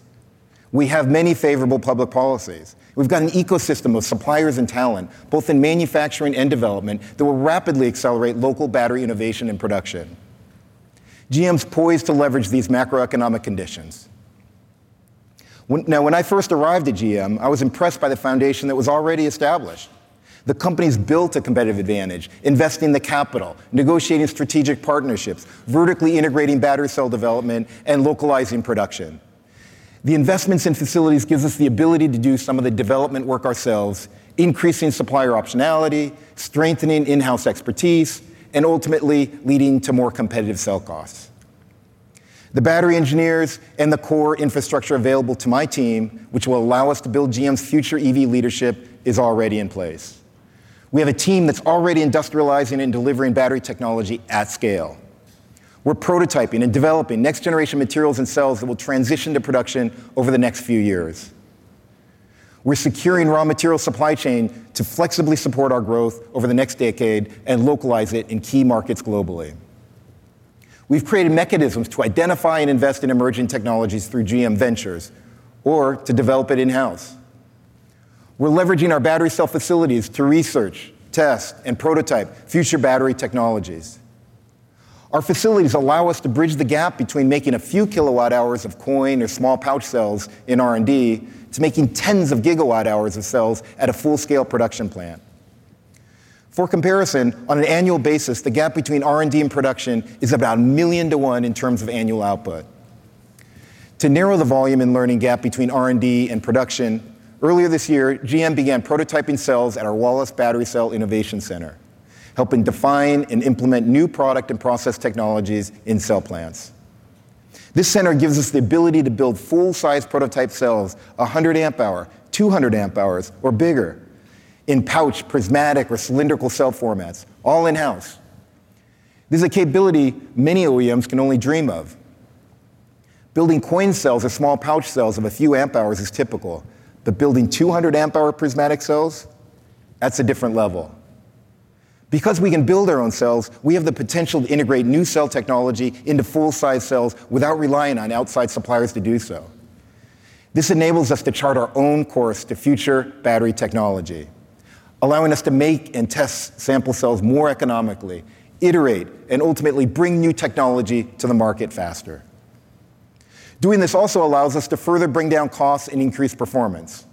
We have many favorable public policies. We've got an ecosystem of suppliers and talent, both in manufacturing and development, that will rapidly accelerate local battery innovation and production. GM's poised to leverage these macroeconomic conditions. When I first arrived at GM, I was impressed by the foundation that was already established. The company's built a competitive advantage, investing the capital, negotiating strategic partnerships, vertically integrating battery cell development, and localizing production. The investments in facilities gives us the ability to do some of the development work ourselves, increasing supplier optionality, strengthening in-house expertise, and ultimately leading to more competitive cell costs. The battery engineers and the core infrastructure available to my team, which will allow us to build GM's future EV leadership, is already in place. We have a team that's already industrializing and delivering battery technology at scale. We're prototyping and developing next-generation materials and cells that will transition to production over the next few years. We're securing raw material supply chain to flexibly support our growth over the next decade and localize it in key markets globally. We've created mechanisms to identify and invest in emerging technologies through GM Ventures or to develop it in-house. We're leveraging our battery cell facilities to research, test, and prototype future battery technologies. Our facilities allow us to bridge the gap between making a few kilowatt-hours of coin or small pouch cells in R&D to making tens of gigawatt hours of cells at a full-scale production plant. For comparison, on an annual basis, the gap between R&D and production is about a million to one in terms of annual output. To narrow the volume and learning gap between R&D and production, earlier this year, GM began prototyping cells at our Warren Battery Cell Innovation Center, helping define and implement new product and process technologies in cell plants. This center gives us the ability to build full-size prototype cells, one hundred amp hour, two hundred amp hours, or bigger, in pouch, prismatic, or cylindrical cell formats, all in-house. This is a capability many OEMs can only dream of. Building coin cells or small pouch cells of a few amp hours is typical, but building two hundred amp hour prismatic cells, that's a different level. Because we can build our own cells, we have the potential to integrate new cell technology into full-size cells without relying on outside suppliers to do so. This enables us to chart our own course to future battery technology, allowing us to make and test sample cells more economically, iterate, and ultimately bring new technology to the market faster. Doing this also allows us to further bring down costs and increase performance.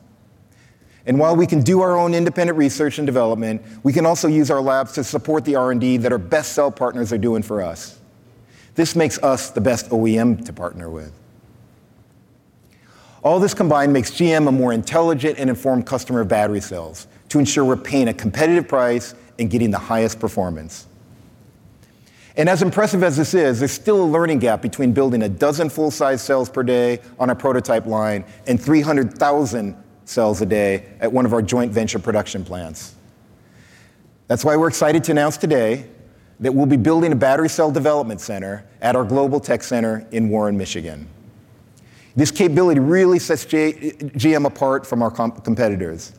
And while we can do our own independent research and development, we can also use our labs to support the R&D that our best cell partners are doing for us. This makes us the best OEM to partner with. All this combined makes GM a more intelligent and informed customer of battery cells to ensure we're paying a competitive price and getting the highest performance. As impressive as this is, there's still a learning gap between building a dozen full-size cells per day on a prototype line and 300,000 cells a day at one of our joint venture production plants. That's why we're excited to announce today that we'll be building a Battery Cell Development Center at our Global Tech Center in Warren, Michigan. This capability really sets GM apart from our competitors.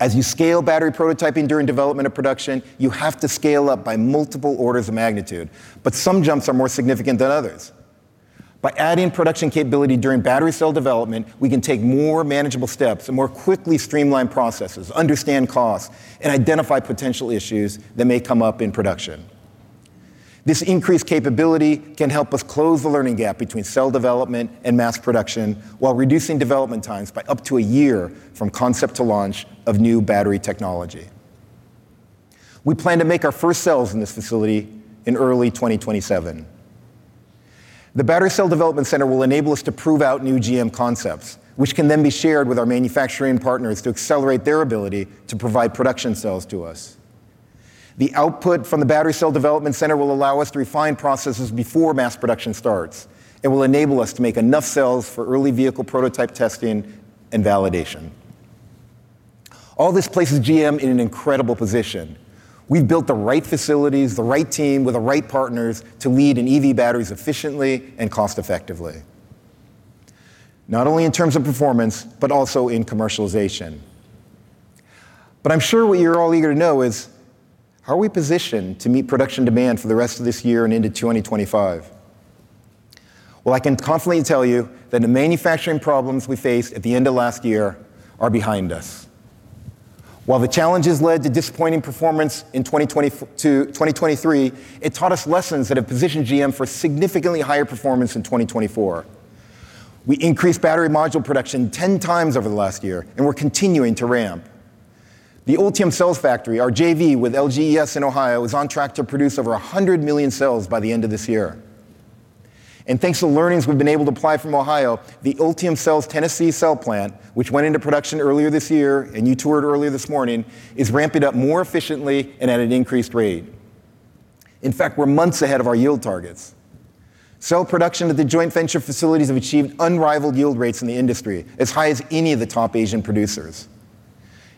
As you scale battery prototyping during development of production, you have to scale up by multiple orders of magnitude, but some jumps are more significant than others. By adding production capability during battery cell development, we can take more manageable steps and more quickly streamline processes, understand costs, and identify potential issues that may come up in production. This increased capability can help us close the learning gap between cell development and mass production, while reducing development times by up to a year from concept to launch of new battery technology. We plan to make our first cells in this facility in early 2027. The Battery Cell Development Center will enable us to prove out new GM concepts, which can then be shared with our manufacturing partners to accelerate their ability to provide production cells to us. The output from the Battery Cell Development Center will allow us to refine processes before mass production starts, and will enable us to make enough cells for early vehicle prototype testing and validation. All this places GM in an incredible position. We've built the right facilities, the right team, with the right partners to lead in EV batteries efficiently and cost-effectively, not only in terms of performance, but also in commercialization. But I'm sure what you're all eager to know is, how are we positioned to meet production demand for the rest of this year and into twenty twenty-five? Well, I can confidently tell you that the manufacturing problems we faced at the end of last year are behind us. While the challenges led to disappointing performance in twenty twenty-three, it taught us lessons that have positioned GM for significantly higher performance in twenty twenty-four. We increased battery module production 10 times over the last year, and we're continuing to ramp. The Ultium Cells factory, our JV with LGES in Ohio, is on track to produce over 100 million cells by the end of this year. Thanks to the learnings we've been able to apply from Ohio, the Ultium Cells Tennessee cell plant, which went into production earlier this year, and you toured earlier this morning, is ramping up more efficiently and at an increased rate. In fact, we're months ahead of our yield targets. Cell production at the joint venture facilities have achieved unrivaled yield rates in the industry, as high as any of the top Asian producers.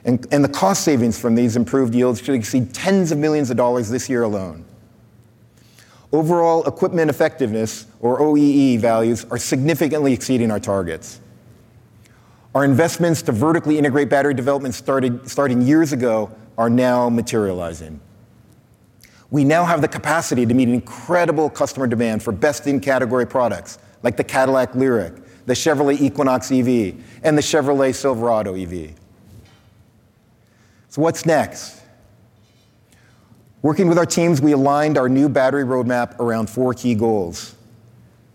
And the cost savings from these improved yields should exceed tens of millions of dollars this year alone. Overall equipment effectiveness, or OEE values, are significantly exceeding our targets. Our investments to vertically integrate battery development starting years ago are now materializing. We now have the capacity to meet an incredible customer demand for best-in-category products, like the Cadillac LYRIQ, the Chevrolet Equinox EV, and the Chevrolet Silverado EV. What's next? Working with our teams, we aligned our new battery roadmap around four key goals.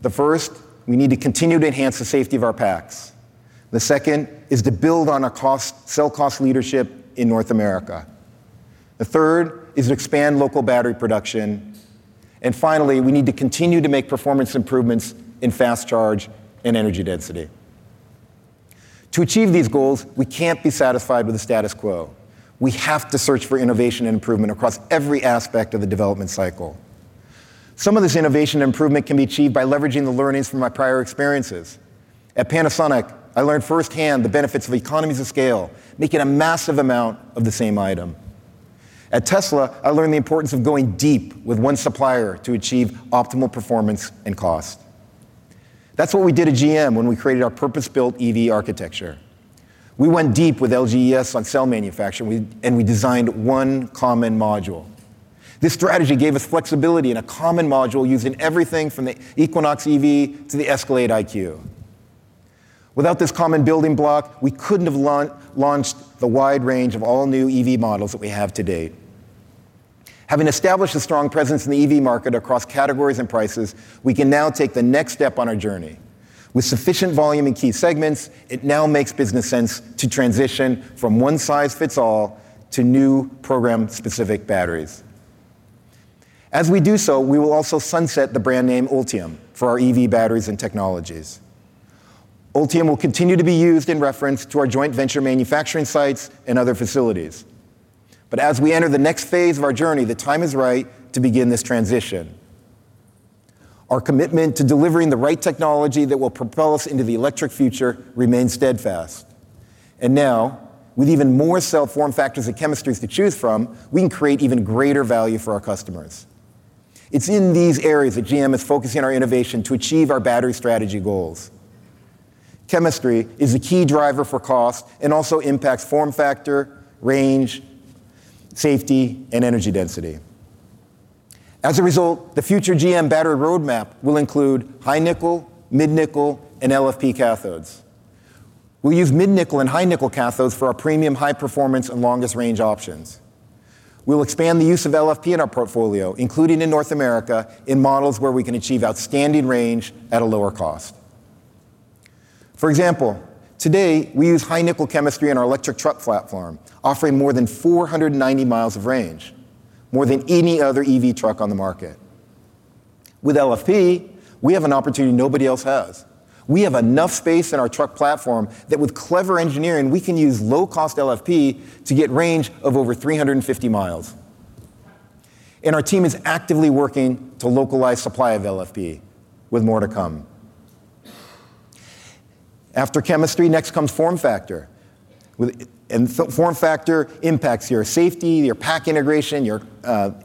The first, we need to continue to enhance the safety of our packs. The second is to build on our cost, cell cost leadership in North America. The third is to expand local battery production, and finally, we need to continue to make performance improvements in fast charge and energy density. To achieve these goals, we can't be satisfied with the status quo. We have to search for innovation and improvement across every aspect of the development cycle. Some of this innovation improvement can be achieved by leveraging the learnings from my prior experiences. At Panasonic, I learned firsthand the benefits of economies of scale, making a massive amount of the same item. At Tesla, I learned the importance of going deep with one supplier to achieve optimal performance and cost. That's what we did at GM when we created our purpose-built EV architecture. We went deep with LGES on cell manufacturing, and we designed one common module. This strategy gave us flexibility in a common module, using everything from the Equinox EV to the ESCALADE IQ. Without this common building block, we couldn't have launched the wide range of all-new EV models that we have today. Having established a strong presence in the EV market across categories and prices, we can now take the next step on our journey. With sufficient volume in key segments, it now makes business sense to transition from one-size-fits-all to new program-specific batteries. As we do so, we will also sunset the brand name Ultium for our EV batteries and technologies. Ultium will continue to be used in reference to our joint venture manufacturing sites and other facilities. But as we enter the next phase of our journey, the time is right to begin this transition. Our commitment to delivering the right technology that will propel us into the electric future remains steadfast. And now, with even more cell form factors and chemistries to choose from, we can create even greater value for our customers. It's in these areas that GM is focusing our innovation to achieve our battery strategy goals. Chemistry is a key driver for cost and also impacts form factor, range, safety, and energy density. As a result, the future GM battery roadmap will include high-nickel, mid-nickel, and LFP cathodes. We'll use mid-nickel and high-nickel cathodes for our premium high performance and longest range options. We'll expand the use of LFP in our portfolio, including in North America, in models where we can achieve outstanding range at a lower cost. For example, today, we use high-nickel chemistry in our electric truck platform, offering more than 490 miles of range, more than any other EV truck on the market. With LFP, we have an opportunity nobody else has. We have enough space in our truck platform that with clever engineering, we can use low-cost LFP to get range of over 350 miles. And our team is actively working to localize supply of LFP, with more to come. After chemistry, next comes form factor. With... and form factor impacts your safety, your pack integration, your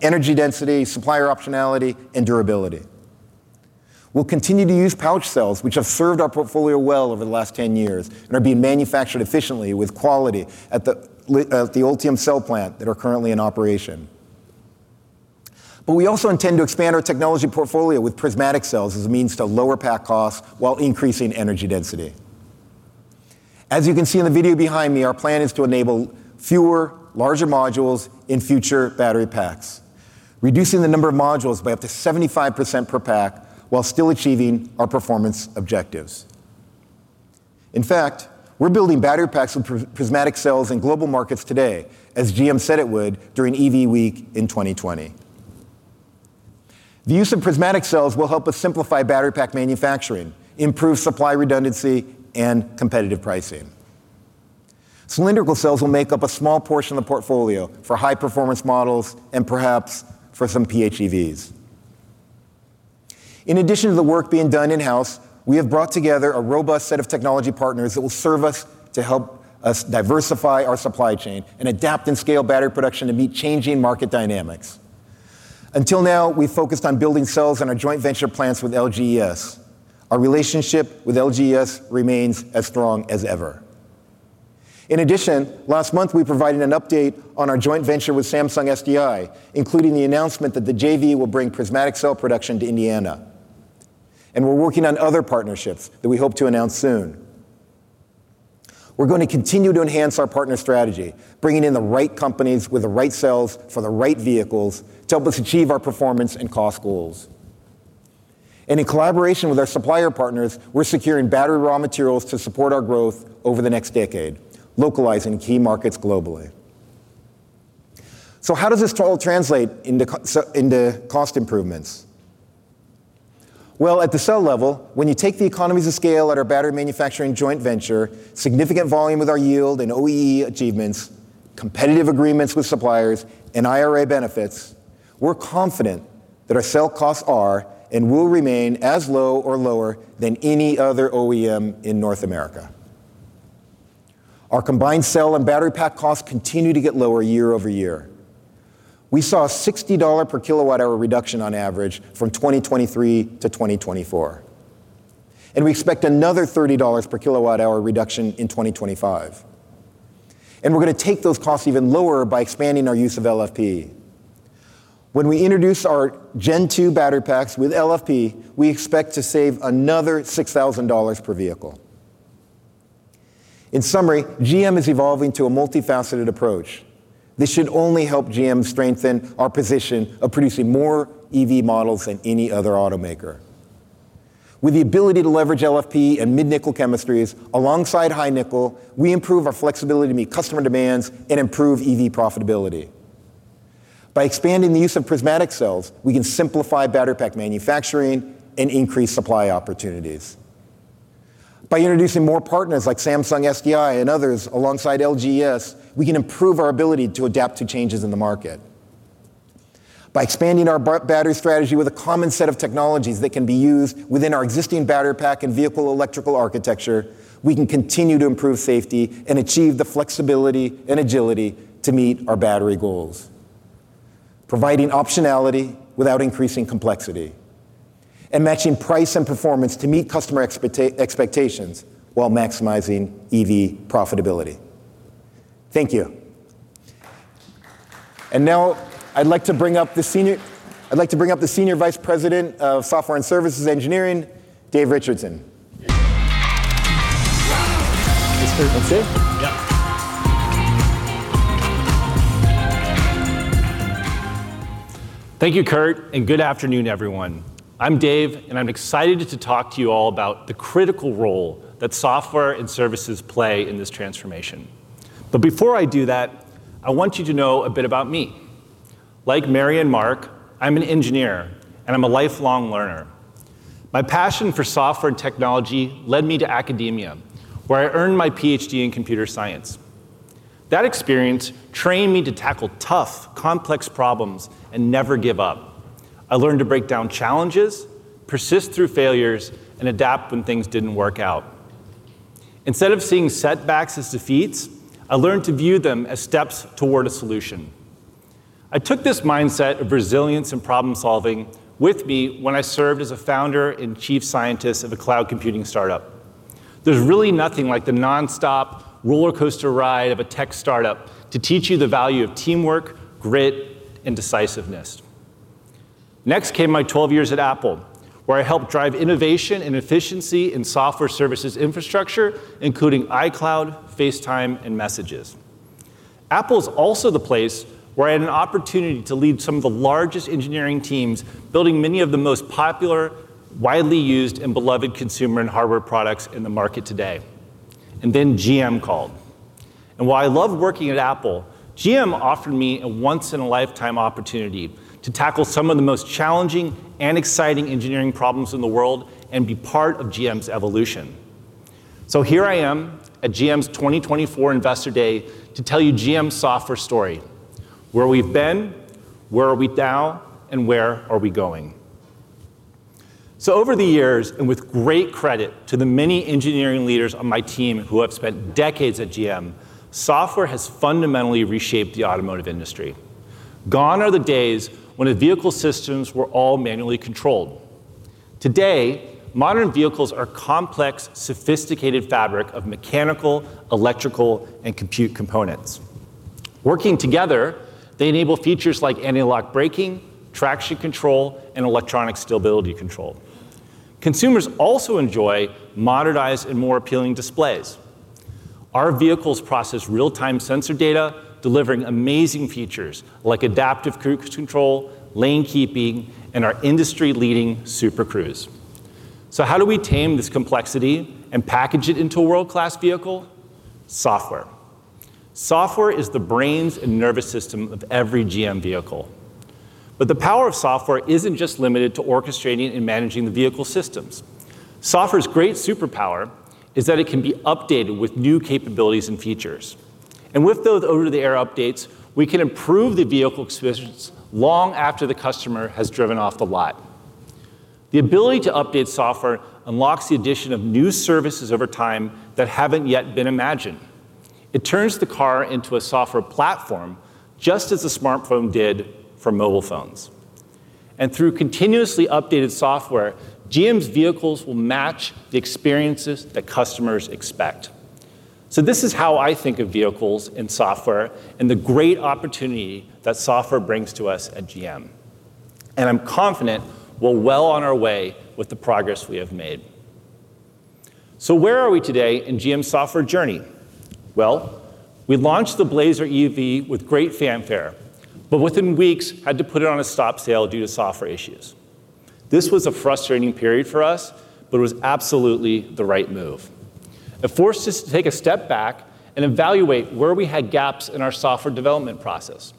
energy density, supplier optionality, and durability. We'll continue to use pouch cells, which have served our portfolio well over the last 10 years and are being manufactured efficiently with quality at the Ultium Cells plant that are currently in operation. But we also intend to expand our technology portfolio with prismatic cells as a means to lower pack costs while increasing energy density. As you can see in the video behind me, our plan is to enable fewer, larger modules in future battery packs, reducing the number of modules by up to 75% per pack, while still achieving our performance objectives. In fact, we're building battery packs with prismatic cells in global markets today, as GM said it would during EV Week in 2020. The use of prismatic cells will help us simplify battery pack manufacturing, improve supply redundancy, and competitive pricing. Cylindrical cells will make up a small portion of the portfolio for high-performance models and perhaps for some PHEVs. In addition to the work being done in-house, we have brought together a robust set of technology partners that will serve us to help us diversify our supply chain and adapt and scale battery production to meet changing market dynamics. Until now, we focused on building cells in our joint venture plants with LGES. Our relationship with LGES remains as strong as ever. In addition, last month, we provided an update on our joint venture with Samsung SDI, including the announcement that the JV will bring prismatic cell production to Indiana, and we're working on other partnerships that we hope to announce soon. We're going to continue to enhance our partner strategy, bringing in the right companies with the right cells for the right vehicles to help us achieve our performance and cost goals. In collaboration with our supplier partners, we're securing battery raw materials to support our growth over the next decade, localizing key markets globally. How does this all translate into cost improvements? At the cell level, when you take the economies of scale at our battery manufacturing joint venture, significant volume with our yield and OEE achievements, competitive agreements with suppliers, and IRA benefits, we're confident that our cell costs are and will remain as low or lower than any other OEM in North America. Our combined cell and battery pack costs continue to get lower year over year. We saw a $60 per kilowatt-hour reduction on average from 2023-2024, and we expect another $30 per kilowatt-hour reduction in 2025, and we're going to take those costs even lower by expanding our use of LFP. When we introduce our Gen 2 battery packs with LFP, we expect to save another $6,000 per vehicle. In summary, GM is evolving to a multifaceted approach. This should only help GM strengthen our position of producing more EV models than any other automaker. With the ability to leverage LFP and mid-nickel chemistries alongside high-nickel, we improve our flexibility to meet customer demands and improve EV profitability. By expanding the use of prismatic cells, we can simplify battery pack manufacturing and increase supply opportunities. By introducing more partners like Samsung SDI and others, alongside LGES, we can improve our ability to adapt to changes in the market. By expanding our battery strategy with a common set of technologies that can be used within our existing battery pack and vehicle electrical architecture, we can continue to improve safety and achieve the flexibility and agility to meet our battery goals, providing optionality without increasing complexity, and matching price and performance to meet customer expectations while maximizing EV profitability. Thank you, and now I'd like to bring up the Senior Vice President of Software and Services Engineering, Dave Richardson. This here, that's it? Yep. Thank you, Kurt, and good afternoon, everyone. I'm Dave, and I'm excited to talk to you all about the critical role that software and services play in this transformation. But before I do that, I want you to know a bit about me. Like Mary and Mark, I'm an engineer, and I'm a lifelong learner. My passion for software and technology led me to academia, where I earned my PhD in computer science. That experience trained me to tackle tough, complex problems and never give up. I learned to break down challenges, persist through failures, and adapt when things didn't work out. Instead of seeing setbacks as defeats, I learned to view them as steps toward a solution. I took this mindset of resilience and problem-solving with me when I served as a founder and chief scientist of a cloud computing startup. There's really nothing like the nonstop rollercoaster ride of a tech startup to teach you the value of teamwork, grit, and decisiveness. Next came my 12 years at Apple, where I helped drive innovation and efficiency in software services infrastructure, including iCloud, FaceTime, and Messages. Apple is also the place where I had an opportunity to lead some of the largest engineering teams, building many of the most popular, widely used, and beloved consumer and hardware products in the market today. And then GM called. And while I loved working at Apple, GM offered me a once-in-a-lifetime opportunity to tackle some of the most challenging and exciting engineering problems in the world and be part of GM's evolution. So here I am at GM's 2024 Investor Day to tell you GM's software story, where we've been, where are we now, and where are we going. So over the years, and with great credit to the many engineering leaders on my team who have spent decades at GM, software has fundamentally reshaped the automotive industry. Gone are the days when the vehicle systems were all manually controlled. Today, modern vehicles are complex, sophisticated fabric of mechanical, electrical, and compute components. Working together, they enable features like anti-lock braking, traction control, and electronic stability control. Consumers also enjoy modernized and more appealing displays. Our vehicles process real-time sensor data, delivering amazing features like adaptive cruise control, lane keeping, and our industry-leading Super Cruise. So how do we tame this complexity and package it into a world-class vehicle? Software. Software is the brains and nervous system of every GM vehicle. But the power of software isn't just limited to orchestrating and managing the vehicle systems. Software's great superpower is that it can be updated with new capabilities and features, and with those over-the-air updates, we can improve the vehicle experience long after the customer has driven off the lot. The ability to update software unlocks the addition of new services over time that haven't yet been imagined. It turns the car into a software platform, just as the smartphone did for mobile phones. And through continuously updated software, GM's vehicles will match the experiences that customers expect. So this is how I think of vehicles and software, and the great opportunity that software brings to us at GM, and I'm confident we're well on our way with the progress we have made. So where are we today in GM's software journey? Well, we launched the Blazer EV with great fanfare, but within weeks, had to put it on a stop sale due to software issues. This was a frustrating period for us, but it was absolutely the right move. It forced us to take a step back and evaluate where we had gaps in our software development process.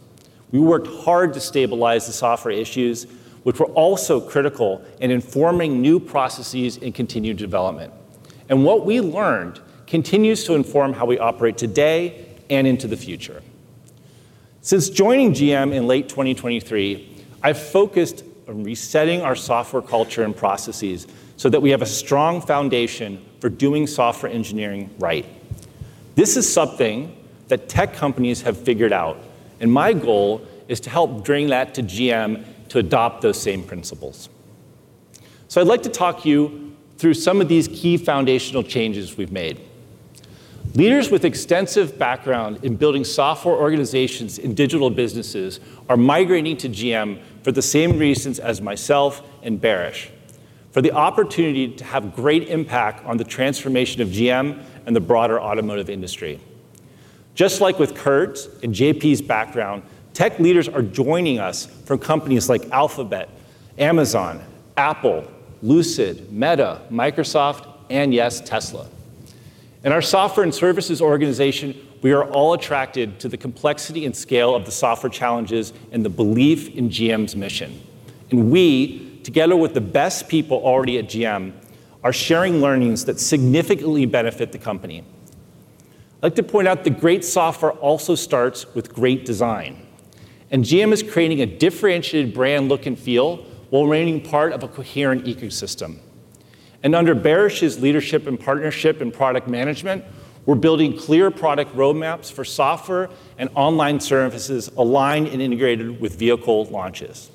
We worked hard to stabilize the software issues, which were also critical in informing new processes and continued development. And what we learned continues to inform how we operate today and into the future. Since joining GM in late 2023, I've focused on resetting our software culture and processes so that we have a strong foundation for doing software engineering right. This is something that tech companies have figured out, and my goal is to help bring that to GM to adopt those same principles. So I'd like to talk you through some of these key foundational changes we've made. Leaders with extensive background in building software organizations in digital businesses are migrating to GM for the same reasons as myself and Barış, for the opportunity to have great impact on the transformation of GM and the broader automotive industry. Just like with Kurt's and JP's background, tech leaders are joining us from companies like Alphabet, Amazon, Apple, Lucid, Meta, Microsoft, and, yes, Tesla. In our software and services organization, we are all attracted to the complexity and scale of the software challenges and the belief in GM's mission. And we, together with the best people already at GM, are sharing learnings that significantly benefit the company. I'd like to point out that great software also starts with great design, and GM is creating a differentiated brand look and feel while remaining part of a coherent ecosystem. Under Barış's leadership and partnership in product management, we're building clear product roadmaps for software and online services aligned and integrated with vehicle launches.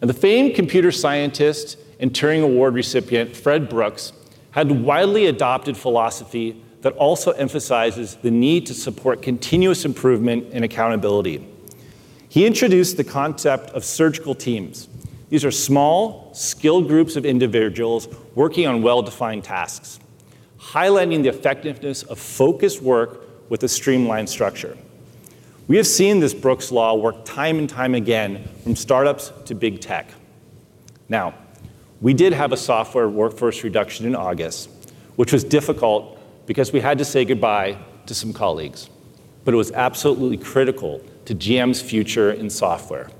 The famed computer scientist and Turing Award recipient, Fred Brooks, had a widely adopted philosophy that also emphasizes the need to support continuous improvement and accountability. He introduced the concept of surgical teams. These are small, skilled groups of individuals working on well-defined tasks, highlighting the effectiveness of focused work with a streamlined structure. We have seen this Brooks's law work time and time again, from startups to big tech. Now, we did have a software workforce reduction in August, which was difficult because we had to say goodbye to some colleagues, but it was absolutely critical to GM's future in software.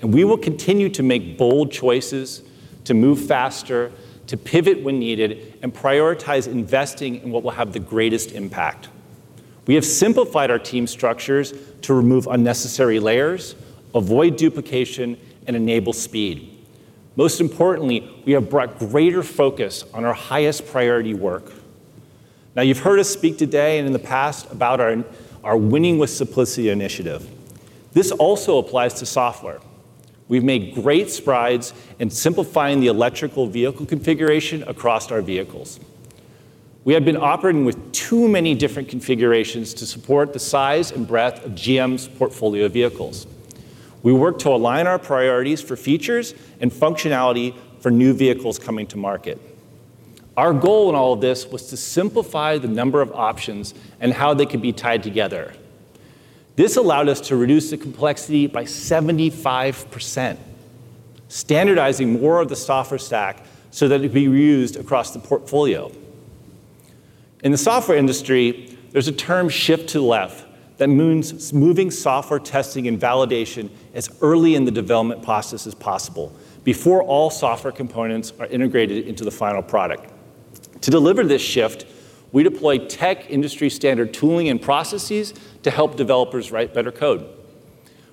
And we will continue to make bold choices, to move faster, to pivot when needed, and prioritize investing in what will have the greatest impact. We have simplified our team structures to remove unnecessary layers, avoid duplication, and enable speed. Most importantly, we have brought greater focus on our highest priority work. Now, you've heard us speak today and in the past about our Winning with Simplicity initiative. This also applies to software. We've made great strides in simplifying the electric vehicle configuration across our vehicles. We had been operating with too many different configurations to support the size and breadth of GM's portfolio of vehicles. We worked to align our priorities for features and functionality for new vehicles coming to market. Our goal in all of this was to simplify the number of options and how they could be tied together. This allowed us to reduce the complexity by 75%, standardizing more of the software stack so that it'd be reused across the portfolio. In the software industry, there's a term, shift to the left, that means moving software testing and validation as early in the development process as possible, before all software components are integrated into the final product. To deliver this shift, we deployed tech industry-standard tooling and processes to help developers write better code.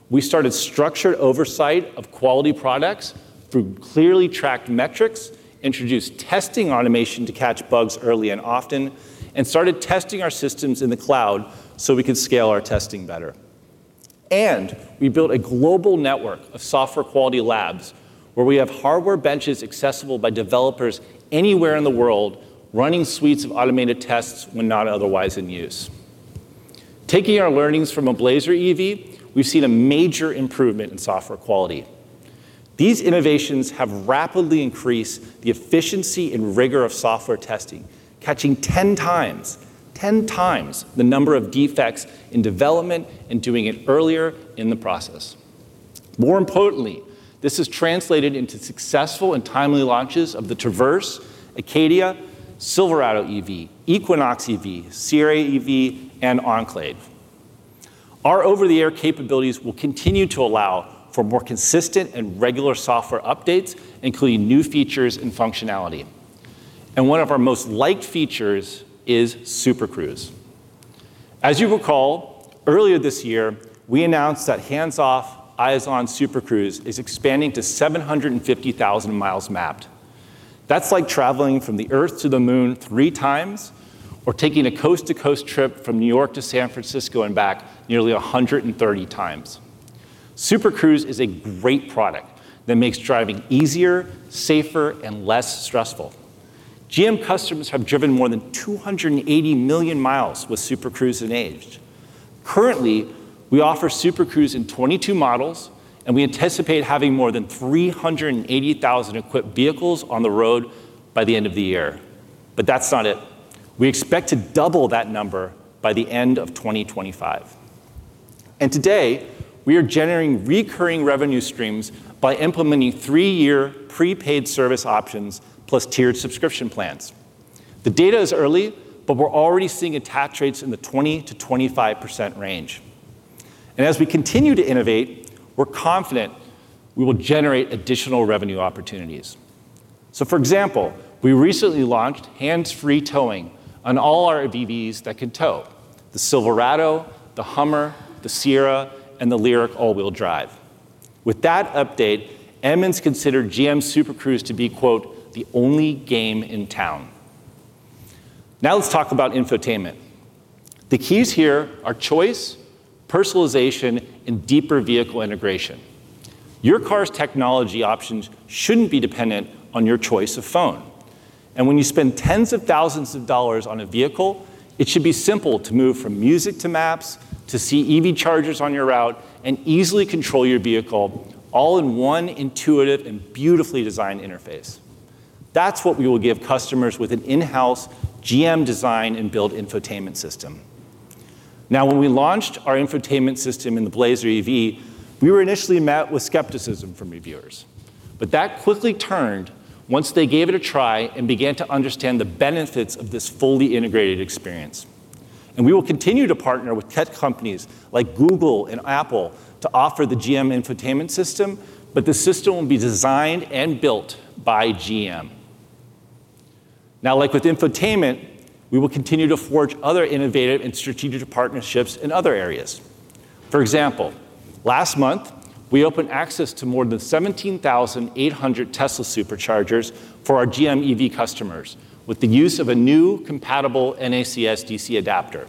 We started structured oversight of quality products through clearly tracked metrics, introduced testing automation to catch bugs early and often, and started testing our systems in the cloud so we could scale our testing better, and we built a global network of software quality labs, where we have hardware benches accessible by developers anywhere in the world, running suites of automated tests when not otherwise in use. Taking our learnings from a Blazer EV, we've seen a major improvement in software quality. These innovations have rapidly increased the efficiency and rigor of software testing, catching ten times, ten times, the number of defects in development and doing it earlier in the process. More importantly, this has translated into successful and timely launches of the Traverse, Acadia, Silverado EV, Equinox EV, Sierra EV, and Enclave. Our over-the-air capabilities will continue to allow for more consistent and regular software updates, including new features and functionality. And one of our most liked features is Super Cruise. As you recall, earlier this year, we announced that hands-off, eyes-on Super Cruise is expanding to seven hundred and fifty thousand miles mapped. That's like traveling from the Earth to the Moon three times, or taking a coast-to-coast trip from New York to San Francisco and back nearly a hundred and thirty times. Super Cruise is a great product that makes driving easier, safer, and less stressful. GM customers have driven more than two hundred and eighty million miles with Super Cruise enabled. Currently, we offer Super Cruise in twenty-two models, and we anticipate having more than three hundred and eighty thousand equipped vehicles on the road by the end of the year. But that's not it. We expect to double that number by the end of twenty twenty-five. And today, we are generating recurring revenue streams by implementing three-year prepaid service options, plus tiered subscription plans. The data is early, but we're already seeing attach rates in the 20%-25% range. And as we continue to innovate, we're confident we will generate additional revenue opportunities. For example, we recently launched hands-free towing on all our EVs that can tow: the Silverado, the Hummer, the Sierra, and the LYRIQ all-wheel drive. With that update, Edmunds considered GM's Super Cruise to be, quote, "The only game in town." Now, let's talk about infotainment. The keys here are choice, personalization, and deeper vehicle integration. Your car's technology options shouldn't be dependent on your choice of phone. And when you spend tens of thousands of dollars on a vehicle, it should be simple to move from music to maps, to see EV chargers on your route, and easily control your vehicle, all in one intuitive and beautifully designed interface. That's what we will give customers with an in-house GM designed and built infotainment system. Now, when we launched our infotainment system in the Blazer EV, we were initially met with skepticism from reviewers, but that quickly turned once they gave it a try and began to understand the benefits of this fully integrated experience. And we will continue to partner with tech companies like Google and Apple to offer the GM infotainment system, but the system will be designed and built by GM. Now, like with infotainment, we will continue to forge other innovative and strategic partnerships in other areas. For example, last month, we opened access to more than 17,800 Tesla Superchargers for our GM EV customers with the use of a new compatible NACS DC adapter.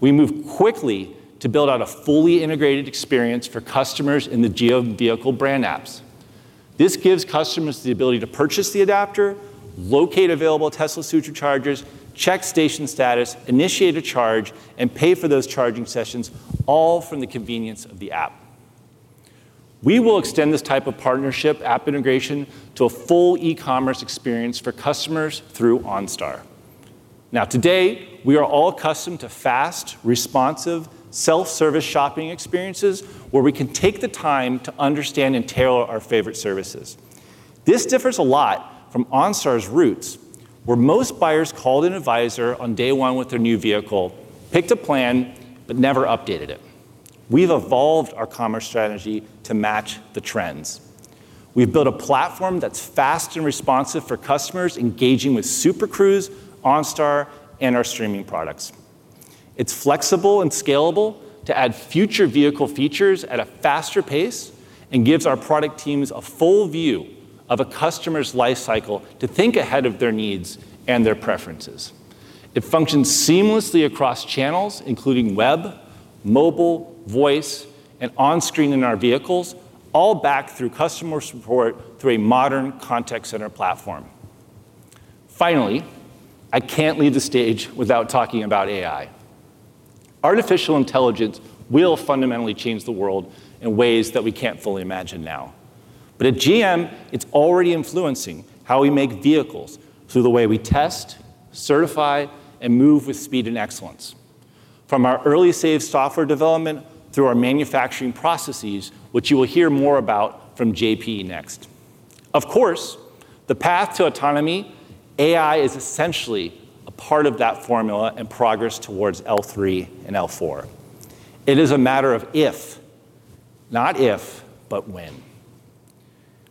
We moved quickly to build out a fully integrated experience for customers in the GM vehicle brand apps. This gives customers the ability to purchase the adapter, locate available Tesla Superchargers, check station status, initiate a charge, and pay for those charging sessions, all from the convenience of the app. We will extend this type of partnership app integration to a full e-commerce experience for customers through OnStar. Now, today, we are all accustomed to fast, responsive, self-service shopping experiences, where we can take the time to understand and tailor our favorite services. This differs a lot from OnStar's roots, where most buyers called an advisor on day one with their new vehicle, picked a plan, but never updated it. We've evolved our commerce strategy to match the trends. We've built a platform that's fast and responsive for customers engaging with Super Cruise, OnStar, and our streaming products. It's flexible and scalable to add future vehicle features at a faster pace and gives our product teams a full view of a customer's life cycle to think ahead of their needs and their preferences. It functions seamlessly across channels, including web, mobile, voice, and on-screen in our vehicles, all backed through customer support through a modern contact center platform. Finally, I can't leave the stage without talking about AI. Artificial intelligence will fundamentally change the world in ways that we can't fully imagine now. But at GM, it's already influencing how we make vehicles through the way we test, certify, and move with speed and excellence, from our early-stage software development through our manufacturing processes, which you will hear more about from JP next. Of course, the path to autonomy. AI is essentially a part of that formula and progress towards L3 and L4. It is a matter of if, not if, but when,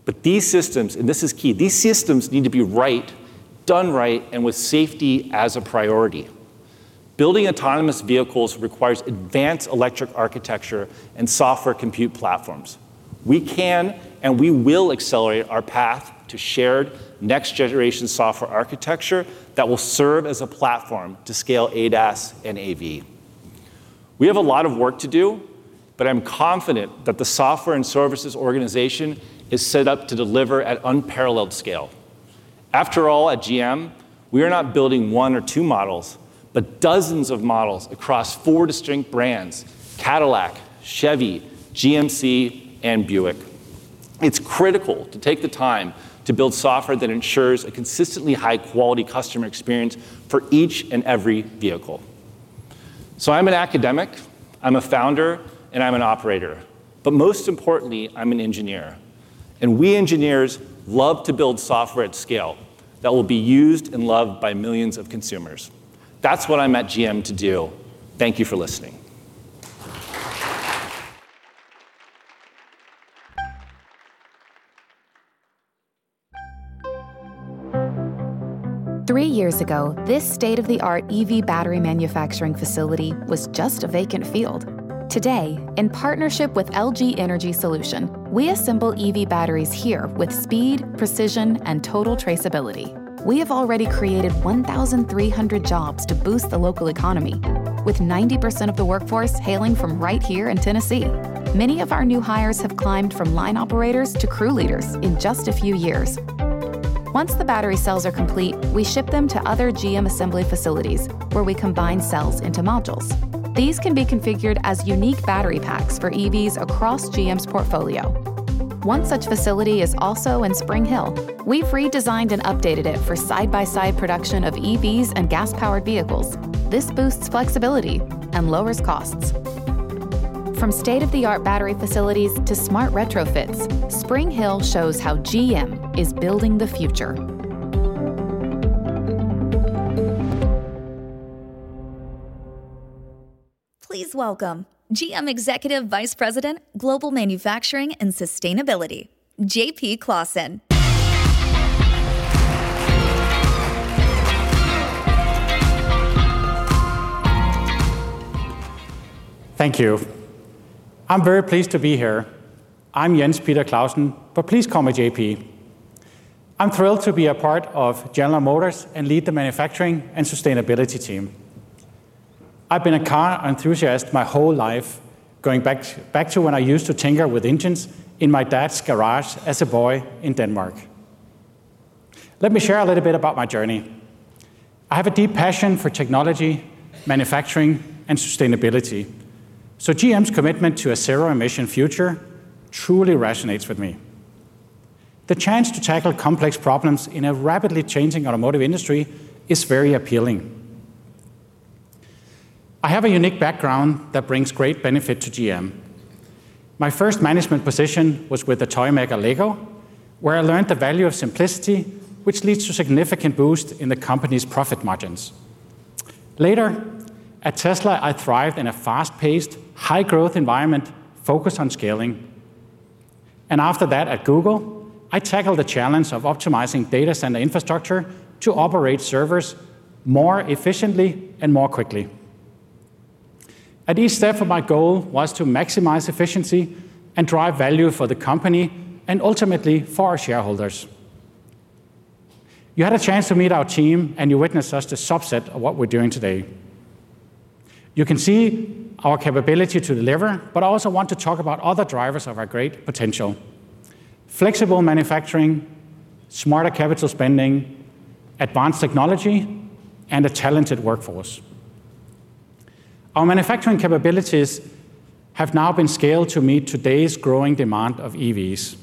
but these systems, and this is key, these systems need to be right, done right, and with safety as a priority. Building autonomous vehicles requires advanced electric architecture and software compute platforms… We can and we will accelerate our path to shared next-generation software architecture that will serve as a platform to scale ADAS and AV. We have a lot of work to do, but I'm confident that the software and services organization is set up to deliver at unparalleled scale. After all, at GM, we are not building one or two models, but dozens of models across four distinct brands: Cadillac, Chevy, GMC, and Buick. It's critical to take the time to build software that ensures a consistently high-quality customer experience for each and every vehicle. So I'm an academic, I'm a founder, and I'm an operator, but most importantly, I'm an engineer, and we engineers love to build software at scale that will be used and loved by millions of consumers. That's what I'm at GM to do. Thank you for listening. Three years ago, this state-of-the-art EV battery manufacturing facility was just a vacant field. Today, in partnership with LG Energy Solution, we assemble EV batteries here with speed, precision, and total traceability. We have already created 1,300 jobs to boost the local economy, with 90% of the workforce hailing from right here in Tennessee. Many of our new hires have climbed from line operators to crew leaders in just a few years. Once the battery cells are complete, we ship them to other GM assembly facilities, where we combine cells into modules. These can be configured as unique battery packs for EVs across GM's portfolio. One such facility is also in Spring Hill. We've redesigned and updated it for side-by-side production of EVs and gas-powered vehicles. This boosts flexibility and lowers costs. From state-of-the-art battery facilities to smart retrofits, Spring Hill shows how GM is building the future. Please welcome GM Executive Vice President, Global Manufacturing and Sustainability, JP Clausen. Thank you. I'm very pleased to be here. I'm Jens Peter Clausen, but please call me JP. I'm thrilled to be a part of General Motors and lead the manufacturing and sustainability team. I've been a car enthusiast my whole life, going back to, back to when I used to tinker with engines in my dad's garage as a boy in Denmark. Let me share a little bit about my journey. I have a deep passion for technology, manufacturing, and sustainability, so GM's commitment to a zero-emission future truly resonates with me. The chance to tackle complex problems in a rapidly changing automotive industry is very appealing. I have a unique background that brings great benefit to GM. My first management position was with the toy maker LEGO, where I learned the value of simplicity, which leads to significant boost in the company's profit margins. Later, at Tesla, I thrived in a fast-paced, high-growth environment focused on scaling. After that, at Google, I tackled the challenge of optimizing data center infrastructure to operate servers more efficiently and more quickly. At each step, my goal was to maximize efficiency and drive value for the company and ultimately for our shareholders. You had a chance to meet our team, and you witnessed just a subset of what we're doing today. You can see our capability to deliver, but I also want to talk about other drivers of our great potential: flexible manufacturing, smarter capital spending, advanced technology, and a talented workforce. Our manufacturing capabilities have now been scaled to meet today's growing demand of EVs.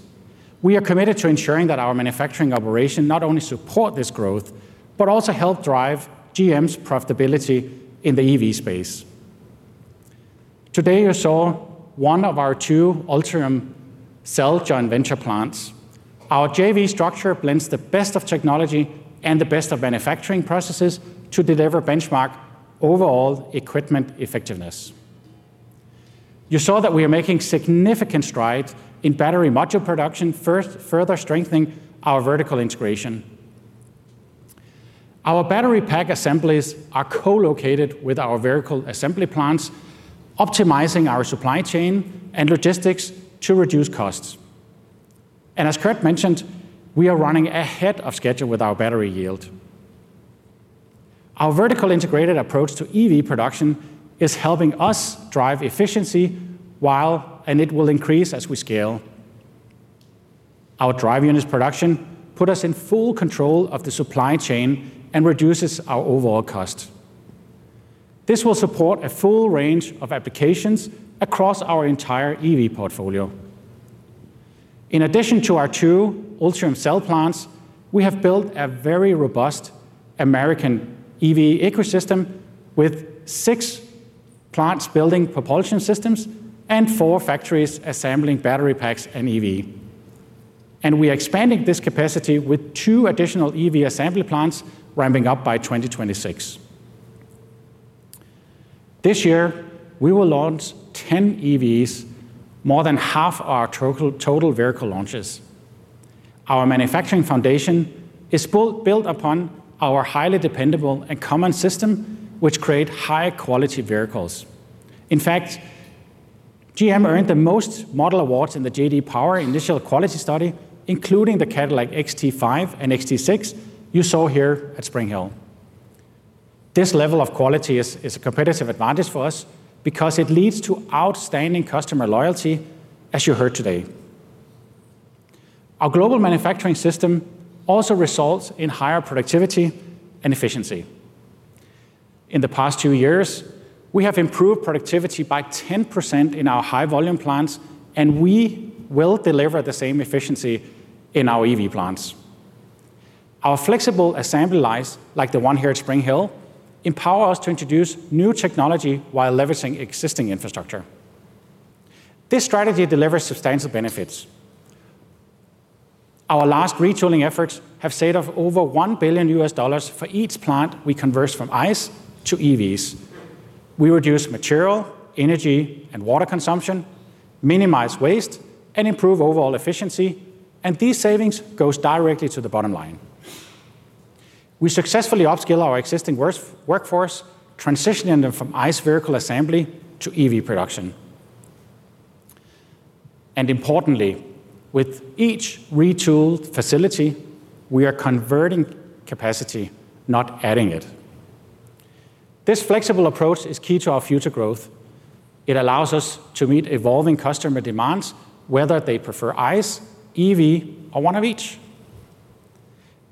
We are committed to ensuring that our manufacturing operation not only support this growth, but also help drive GM's profitability in the EV space. Today, you saw one of our two Ultium Cells joint venture plants. Our JV structure blends the best of technology and the best of manufacturing processes to deliver benchmark overall equipment effectiveness. You saw that we are making significant strides in battery module production, first, further strengthening our vertical integration. Our battery pack assemblies are co-located with our vehicle assembly plants, optimizing our supply chain and logistics to reduce costs. And as Kurt mentioned, we are running ahead of schedule with our battery yield. Our vertically integrated approach to EV production is helping us drive efficiency while and it will increase as we scale. Our drive unit production put us in full control of the supply chain and reduces our overall cost. This will support a full range of applications across our entire EV portfolio. In addition to our two Ultium Cells plants, we have built a very robust American EV ecosystem with six plants building propulsion systems and four factories assembling battery packs and EV. We are expanding this capacity with two additional EV assembly plants, ramping up by 2026. This year, we will launch 10 EVs, more than half our total vehicle launches... Our manufacturing foundation is built upon our highly dependable and common system, which create high-quality vehicles. In fact, GM earned the most model awards in the J.D. Power Initial Quality Study, including the Cadillac XT5 and XT6 you saw here at Spring Hill. This level of quality is a competitive advantage for us because it leads to outstanding customer loyalty, as you heard today. Our global manufacturing system also results in higher productivity and efficiency. In the past two years, we have improved productivity by 10% in our high-volume plants, and we will deliver the same efficiency in our EV plants. Our flexible assembly lines, like the one here at Spring Hill, empower us to introduce new technology while leveraging existing infrastructure. This strategy delivers substantial benefits. Our last retooling efforts have saved over $1 billion for each plant we convert from ICE to EVs. We reduce material, energy, and water consumption, minimize waste, and improve overall efficiency, and these savings goes directly to the bottom line. We successfully upskill our existing workforce, transitioning them from ICE vehicle assembly to EV production. Importantly, with each retooled facility, we are converting capacity, not adding it. This flexible approach is key to our future growth. It allows us to meet evolving customer demands, whether they prefer ICE, EV, or one of each.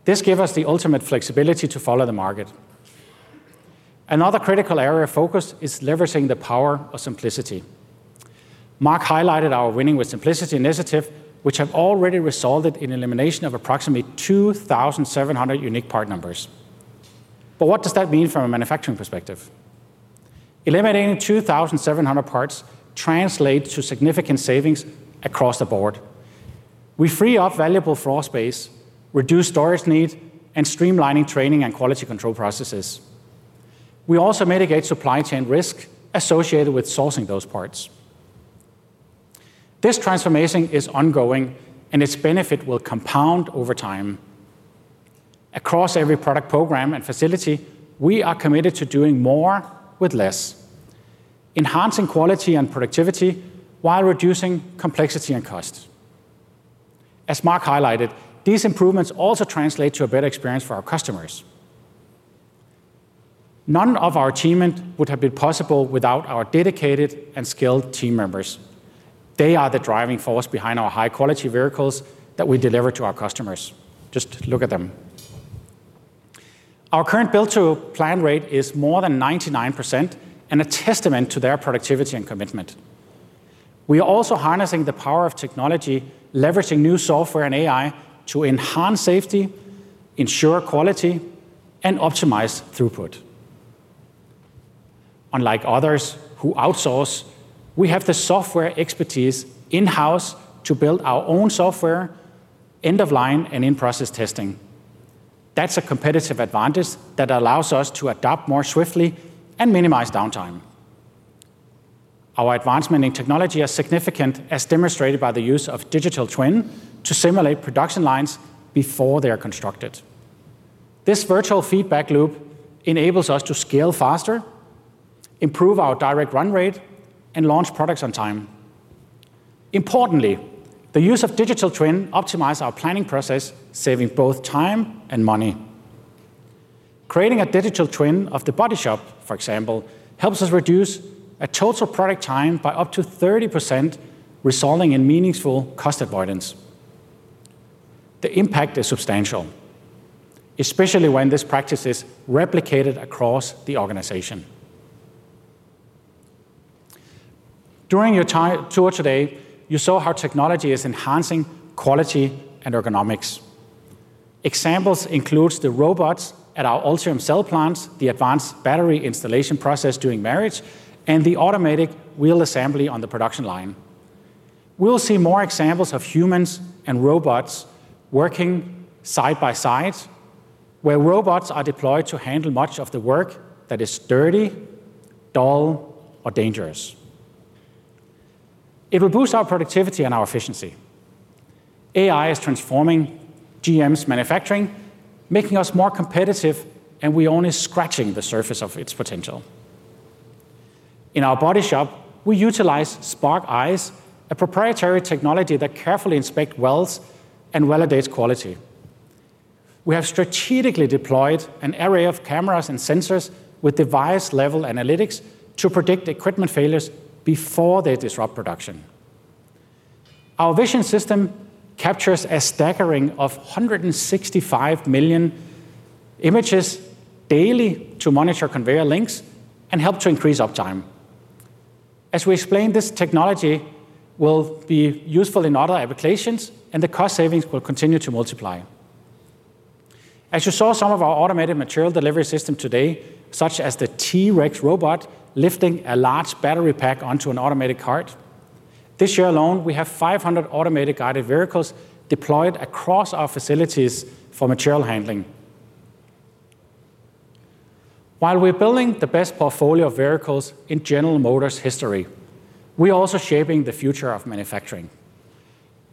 This gives us the ultimate flexibility to follow the market. Another critical area of focus is leveraging the power of simplicity. Mark highlighted our Winning with Simplicity initiative, which has already resulted in elimination of approximately 2,700 unique part numbers. But what does that mean from a manufacturing perspective? Eliminating 2,700 parts translates to significant savings across the board. We free up valuable floor space, reduce storage needs, and streamline training and quality control processes. We also mitigate supply chain risk associated with sourcing those parts. This transformation is ongoing, and its benefit will compound over time. Across every product program and facility, we are committed to doing more with less, enhancing quality and productivity while reducing complexity and cost. As Mark highlighted, these improvements also translate to a better experience for our customers. None of our achievement would have been possible without our dedicated and skilled team members. They are the driving force behind our high-quality vehicles that we deliver to our customers. Just look at them. Our current build-to-plan rate is more than 99% and a testament to their productivity and commitment. We are also harnessing the power of technology, leveraging new software and AI to enhance safety, ensure quality, and optimize throughput. Unlike others who outsource, we have the software expertise in-house to build our own software, end-of-line, and in-process testing. That's a competitive advantage that allows us to adapt more swiftly and minimize downtime. Our advancement in technology is significant, as demonstrated by the use of digital twin to simulate production lines before they are constructed. This virtual feedback loop enables us to scale faster, improve our direct run rate, and launch products on time. Importantly, the use of digital twin optimizes our planning process, saving both time and money. Creating a digital twin of the body shop, for example, helps us reduce a total product time by up to 30%, resulting in meaningful cost avoidance. The impact is substantial, especially when this practice is replicated across the organization. During your tour today, you saw how technology is enhancing quality and ergonomics. Examples include the robots at our Ultium Cells plants, the advanced battery installation process during marriage, and the automatic wheel assembly on the production line. We'll see more examples of humans and robots working side by side, where robots are deployed to handle much of the work that is dirty, dull, or dangerous. It will boost our productivity and our efficiency. AI is transforming GM's manufacturing, making us more competitive, and we're only scratching the surface of its potential. In our body shop, we utilize Spark Eyes, a proprietary technology that carefully inspects welds and validates quality. We have strategically deployed an array of cameras and sensors with device-level analytics to predict equipment failures before they disrupt production. Our vision system captures a staggering 165 million images daily to monitor conveyor links and help to increase uptime. As we explained, this technology will be useful in other applications, and the cost savings will continue to multiply. As you saw, some of our automated material delivery system today, such as the T-Rex robot, lifting a large battery pack onto an automated cart. This year alone, we have 500 automated guided vehicles deployed across our facilities for material handling. While we're building the best portfolio of vehicles in General Motors' history, we are also shaping the future of manufacturing.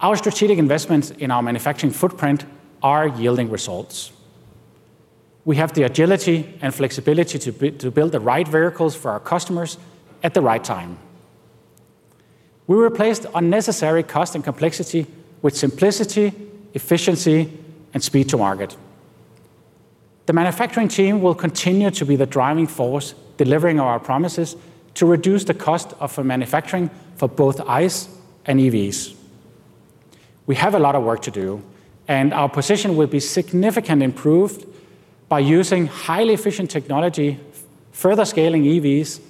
Our strategic investments in our manufacturing footprint are yielding results. We have the agility and flexibility to build the right vehicles for our customers at the right time. We replaced unnecessary cost and complexity with simplicity, efficiency, and speed to market. The manufacturing team will continue to be the driving force, delivering on our promises to reduce the cost of manufacturing for both ICE and EVs. We have a lot of work to do, and our position will be significantly improved by using highly efficient technology, further scaling EVs,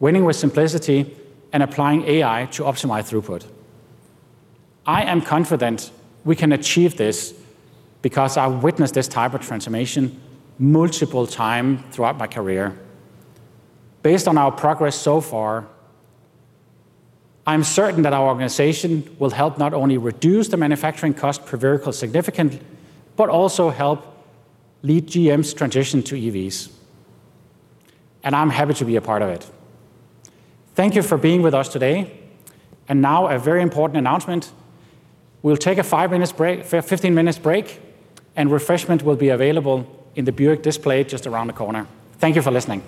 winning with simplicity, and applying AI to optimize throughput. I am confident we can achieve this, because I've witnessed this type of transformation multiple times throughout my career. Based on our progress so far, I'm certain that our organization will help not only reduce the manufacturing cost per vehicle significantly, but also help lead GM's transition to EVs, and I'm happy to be a part of it. Thank you for being with us today, and now, a very important announcement. We'll take a five-minute break, fifteen-minute break, and refreshments will be available in the Buick display just around the corner. Thank you for listening.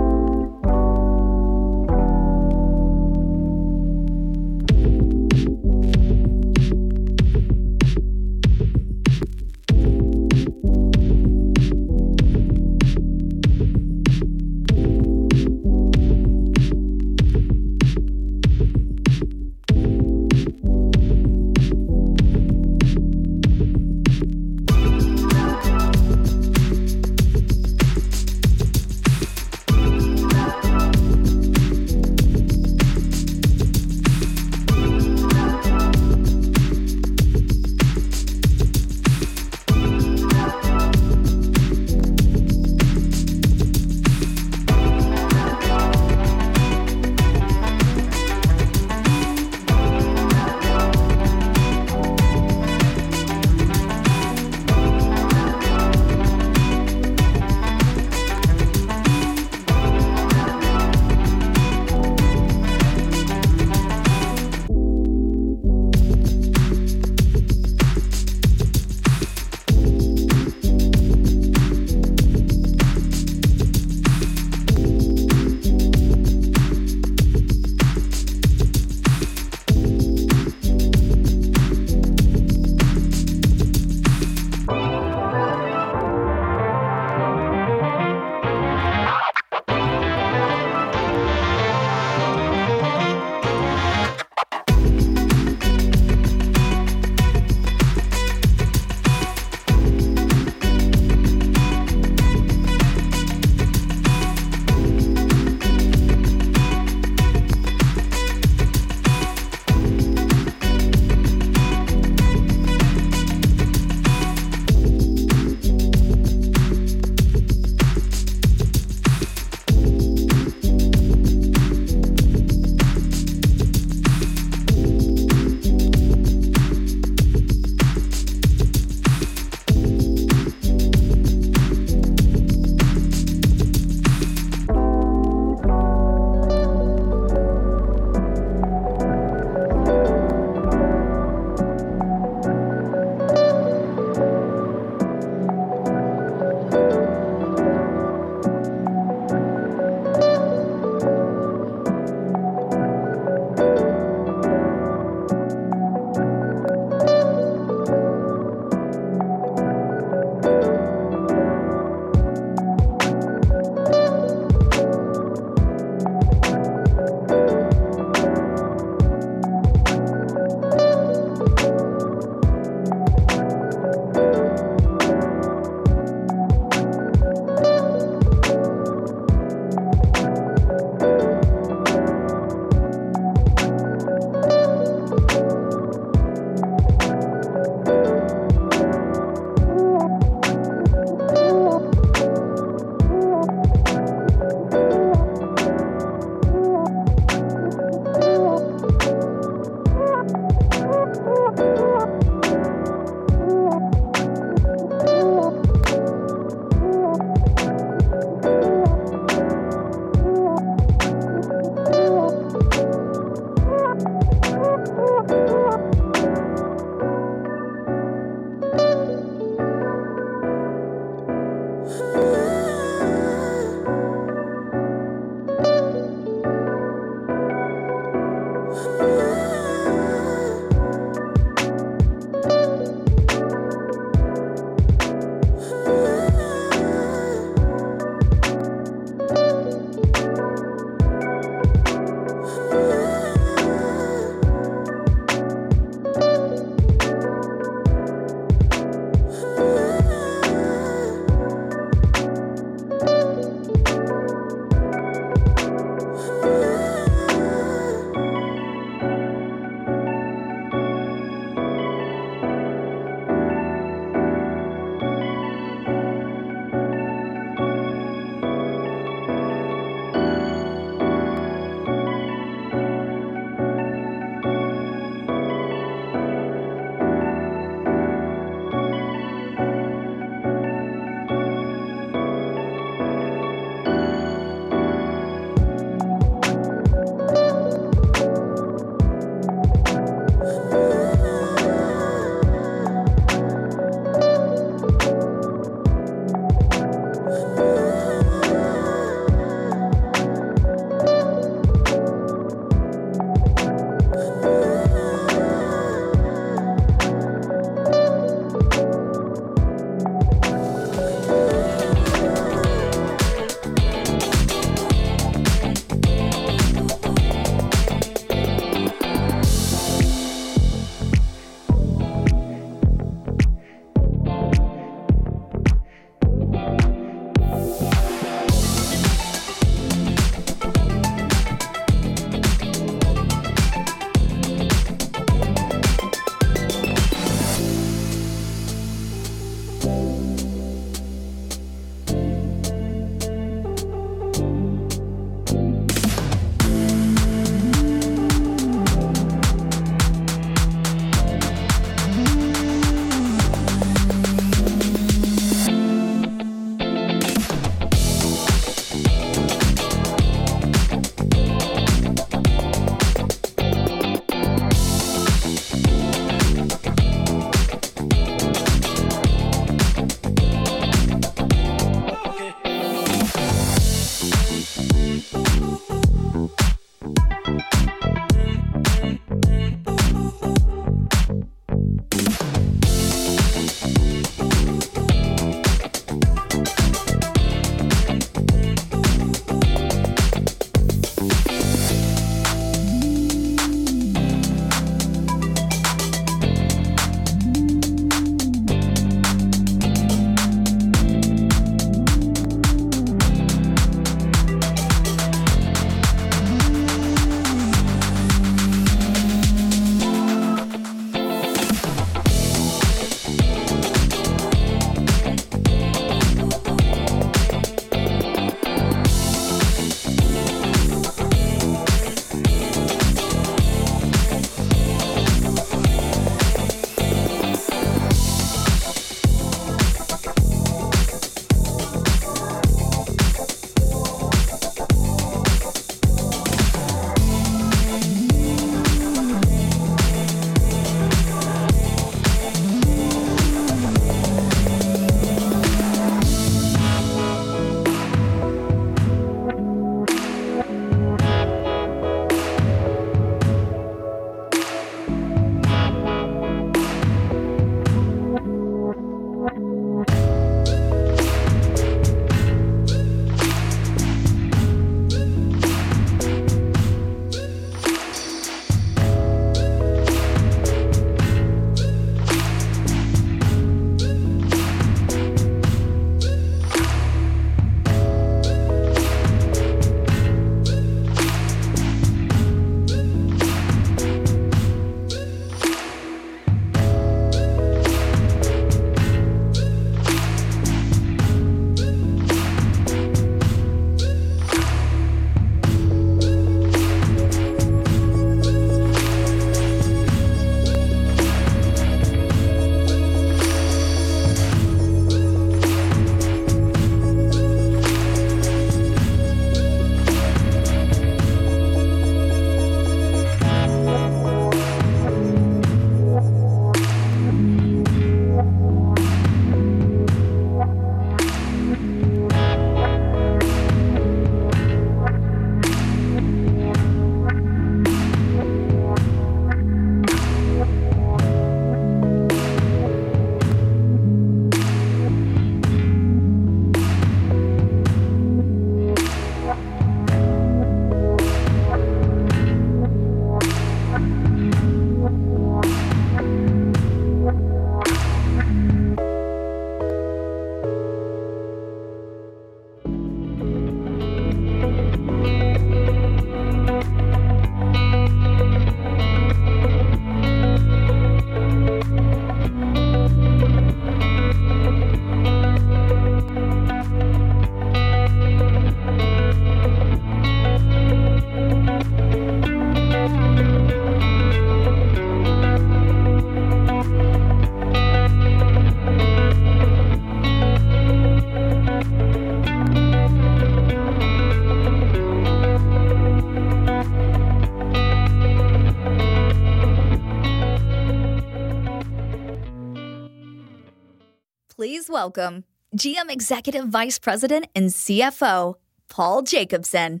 Please welcome GM Executive Vice President and CFO, Paul Jacobson.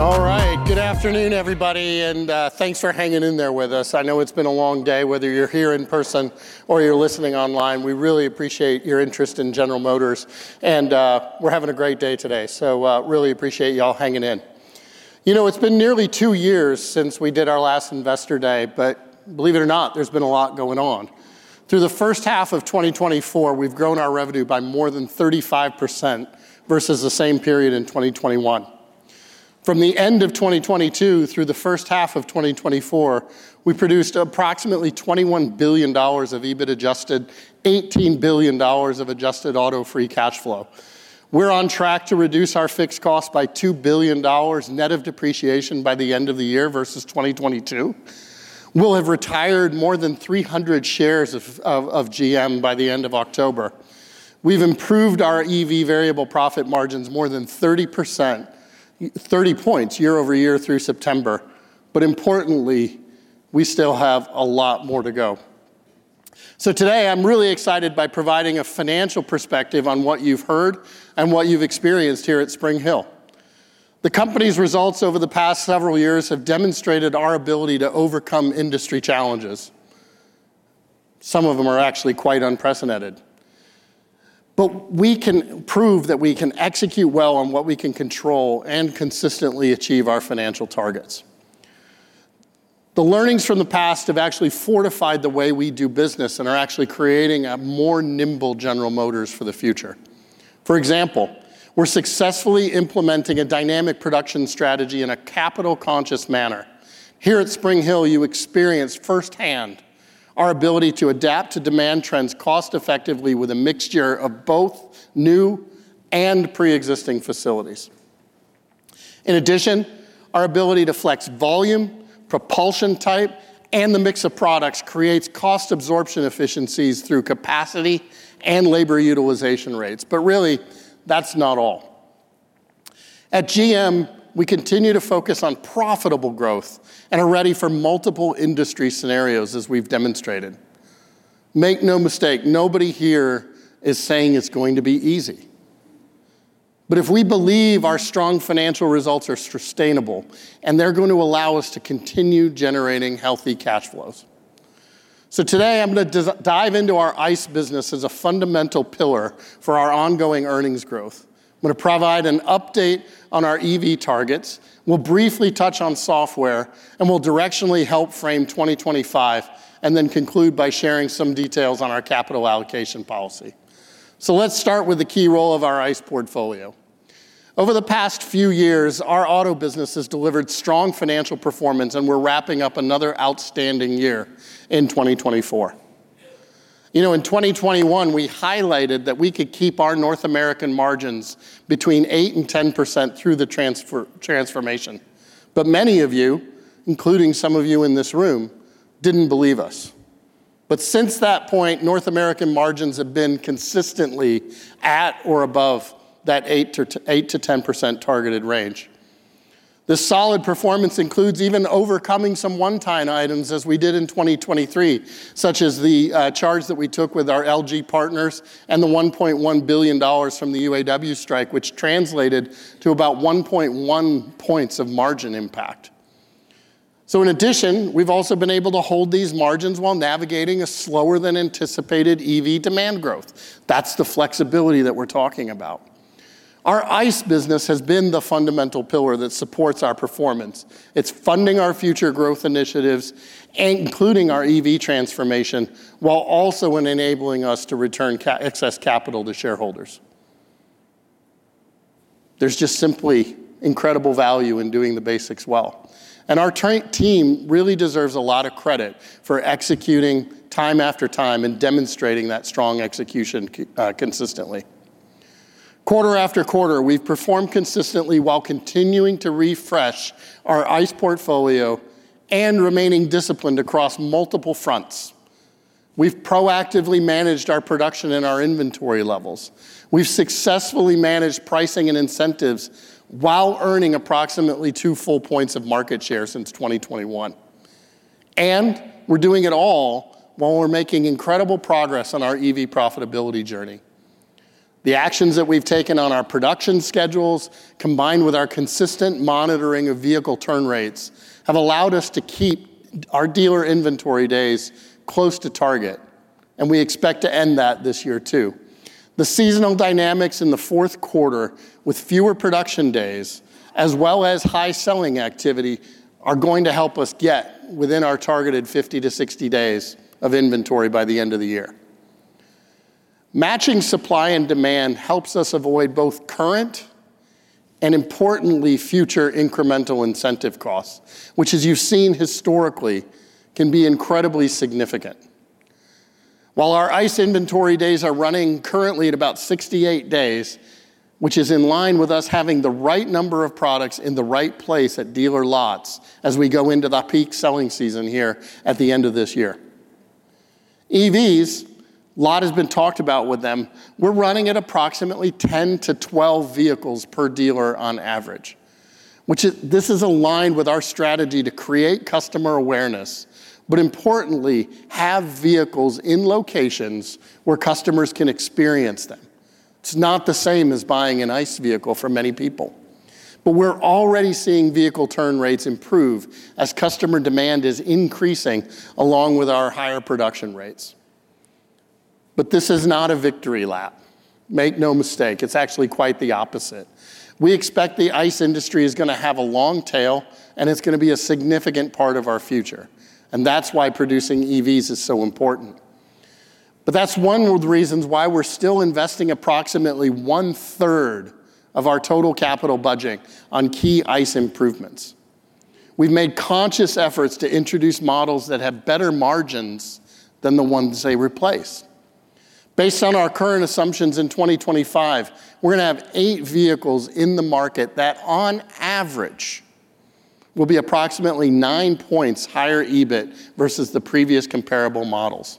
All right. Good afternoon, everybody, and, thanks for hanging in there with us. I know it's been a long day, whether you're here in person or you're listening online. We really appreciate your interest in General Motors, and, we're having a great day today. So, really appreciate y'all hanging in. You know, it's been nearly two years since we did our last Investor Day, but believe it or not, there's been a lot going on. Through the first half of twenty twenty-four, we've grown our revenue by more than 35% versus the same period in twenty twenty-one. From the end of twenty twenty-two through the first half of twenty twenty-four, we produced approximately $21 billion of EBIT-adjusted, $18 billion of adjusted auto free cash flow. We're on track to reduce our fixed costs by $2 billion net of depreciation by the end of the year versus 2022. We'll have retired more than 300 million shares of GM by the end of October. We've improved our EV variable profit margins more than 30%, 30 points year over year through September, but importantly, we still have a lot more to go. So today, I'm really excited by providing a financial perspective on what you've heard and what you've experienced here at Spring Hill. The company's results over the past several years have demonstrated our ability to overcome industry challenges. Some of them are actually quite unprecedented, but we can prove that we can execute well on what we can control and consistently achieve our financial targets. The learnings from the past have actually fortified the way we do business and are actually creating a more nimble General Motors for the future. For example, we're successfully implementing a dynamic production strategy in a capital-conscious manner. Here at Spring Hill, you experience firsthand our ability to adapt to demand trends cost-effectively with a mixture of both new and pre-existing facilities. In addition, our ability to flex volume, propulsion type, and the mix of products creates cost absorption efficiencies through capacity and labor utilization rates. But really, that's not all. At GM, we continue to focus on profitable growth and are ready for multiple industry scenarios, as we've demonstrated. Make no mistake, nobody here is saying it's going to be easy. But if we believe our strong financial results are sustainable, and they're going to allow us to continue generating healthy cash flows. So today, I'm gonna dive into our ICE business as a fundamental pillar for our ongoing earnings growth. I'm gonna provide an update on our EV targets, we'll briefly touch on software, and we'll directionally help frame twenty twenty-five, and then conclude by sharing some details on our capital allocation policy. So let's start with the key role of our ICE portfolio. Over the past few years, our auto business has delivered strong financial performance, and we're wrapping up another outstanding year in twenty twenty-four. You know, in twenty twenty-one, we highlighted that we could keep our North American margins between 8% and 10% through the transformation. But many of you, including some of you in this room, didn't believe us. But since that point, North American margins have been consistently at or above that 8%-10% targeted range. This solid performance includes even overcoming some one-time items, as we did in twenty twenty-three, such as the charge that we took with our LG partners and the $1.1 billion from the UAW strike, which translated to about 1.1 points of margin impact. So in addition, we've also been able to hold these margins while navigating a slower-than-anticipated EV demand growth. That's the flexibility that we're talking about. Our ICE business has been the fundamental pillar that supports our performance. It's funding our future growth initiatives, including our EV transformation, while also enabling us to return excess capital to shareholders. There's just simply incredible value in doing the basics well, and our team really deserves a lot of credit for executing time after time and demonstrating that strong execution consistently. Quarter after quarter, we've performed consistently while continuing to refresh our ICE portfolio and remaining disciplined across multiple fronts. We've proactively managed our production and our inventory levels. We've successfully managed pricing and incentives while earning approximately two full points of market share since twenty twenty-one, and we're doing it all while we're making incredible progress on our EV profitability journey. The actions that we've taken on our production schedules, combined with our consistent monitoring of vehicle turn rates, have allowed us to keep our dealer inventory days close to target, and we expect to end that this year, too. The seasonal dynamics in the fourth quarter, with fewer production days, as well as high selling activity, are going to help us get within our targeted 50 to 60 days of inventory by the end of the year. Matching supply and demand helps us avoid both current and, importantly, future incremental incentive costs, which, as you've seen historically, can be incredibly significant. While our ICE inventory days are running currently at about 68 days, which is in line with us having the right number of products in the right place at dealer lots as we go into the peak selling season here at the end of this year. EV lots have been talked about with them. We're running at approximately 10 to 12 vehicles per dealer on average, which this is aligned with our strategy to create customer awareness, but importantly, have vehicles in locations where customers can experience them. It's not the same as buying an ICE vehicle for many people, but we're already seeing vehicle turn rates improve as customer demand is increasing, along with our higher production rates. But this is not a victory lap. Make no mistake, it's actually quite the opposite. We expect the ICE industry is gonna have a long tail, and it's gonna be a significant part of our future, and that's why producing EVs is so important. But that's one of the reasons why we're still investing approximately one-third of our total capital budget on key ICE improvements. We've made conscious efforts to introduce models that have better margins than the ones they replace. Based on our current assumptions in 2025, we're gonna have eight vehicles in the market that, on average, will be approximately nine points higher EBIT versus the previous comparable models.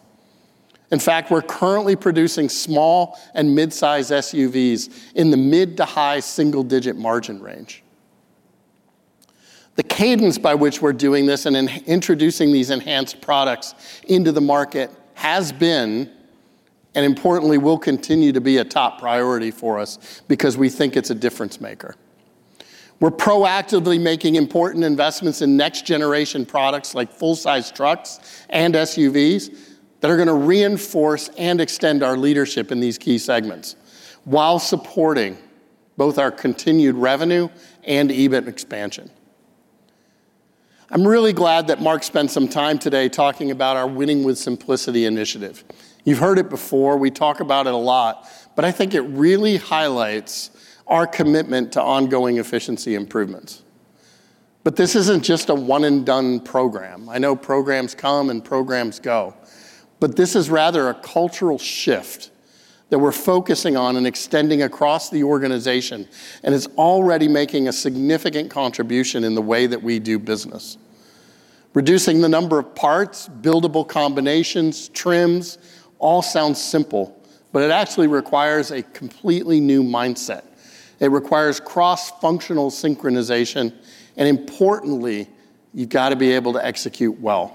In fact, we're currently producing small and mid-size SUVs in the mid- to high single-digit margin range. The cadence by which we're doing this and introducing these enhanced products into the market has been, and importantly, will continue to be, a top priority for us because we think it's a difference-maker. We're proactively making important investments in next-generation products like full-size trucks and SUVs that are gonna reinforce and extend our leadership in these key segments, while supporting both our continued revenue and EBIT expansion. I'm really glad that Mark spent some time today talking about our Winning with Simplicity initiative. You've heard it before, we talk about it a lot, but I think it really highlights our commitment to ongoing efficiency improvements. But this isn't just a one-and-done program. I know programs come and programs go, but this is rather a cultural shift that we're focusing on and extending across the organization, and it's already making a significant contribution in the way that we do business. Reducing the number of parts, buildable combinations, trims, all sounds simple, but it actually requires a completely new mindset. It requires cross-functional synchronization, and importantly, you've got to be able to execute well.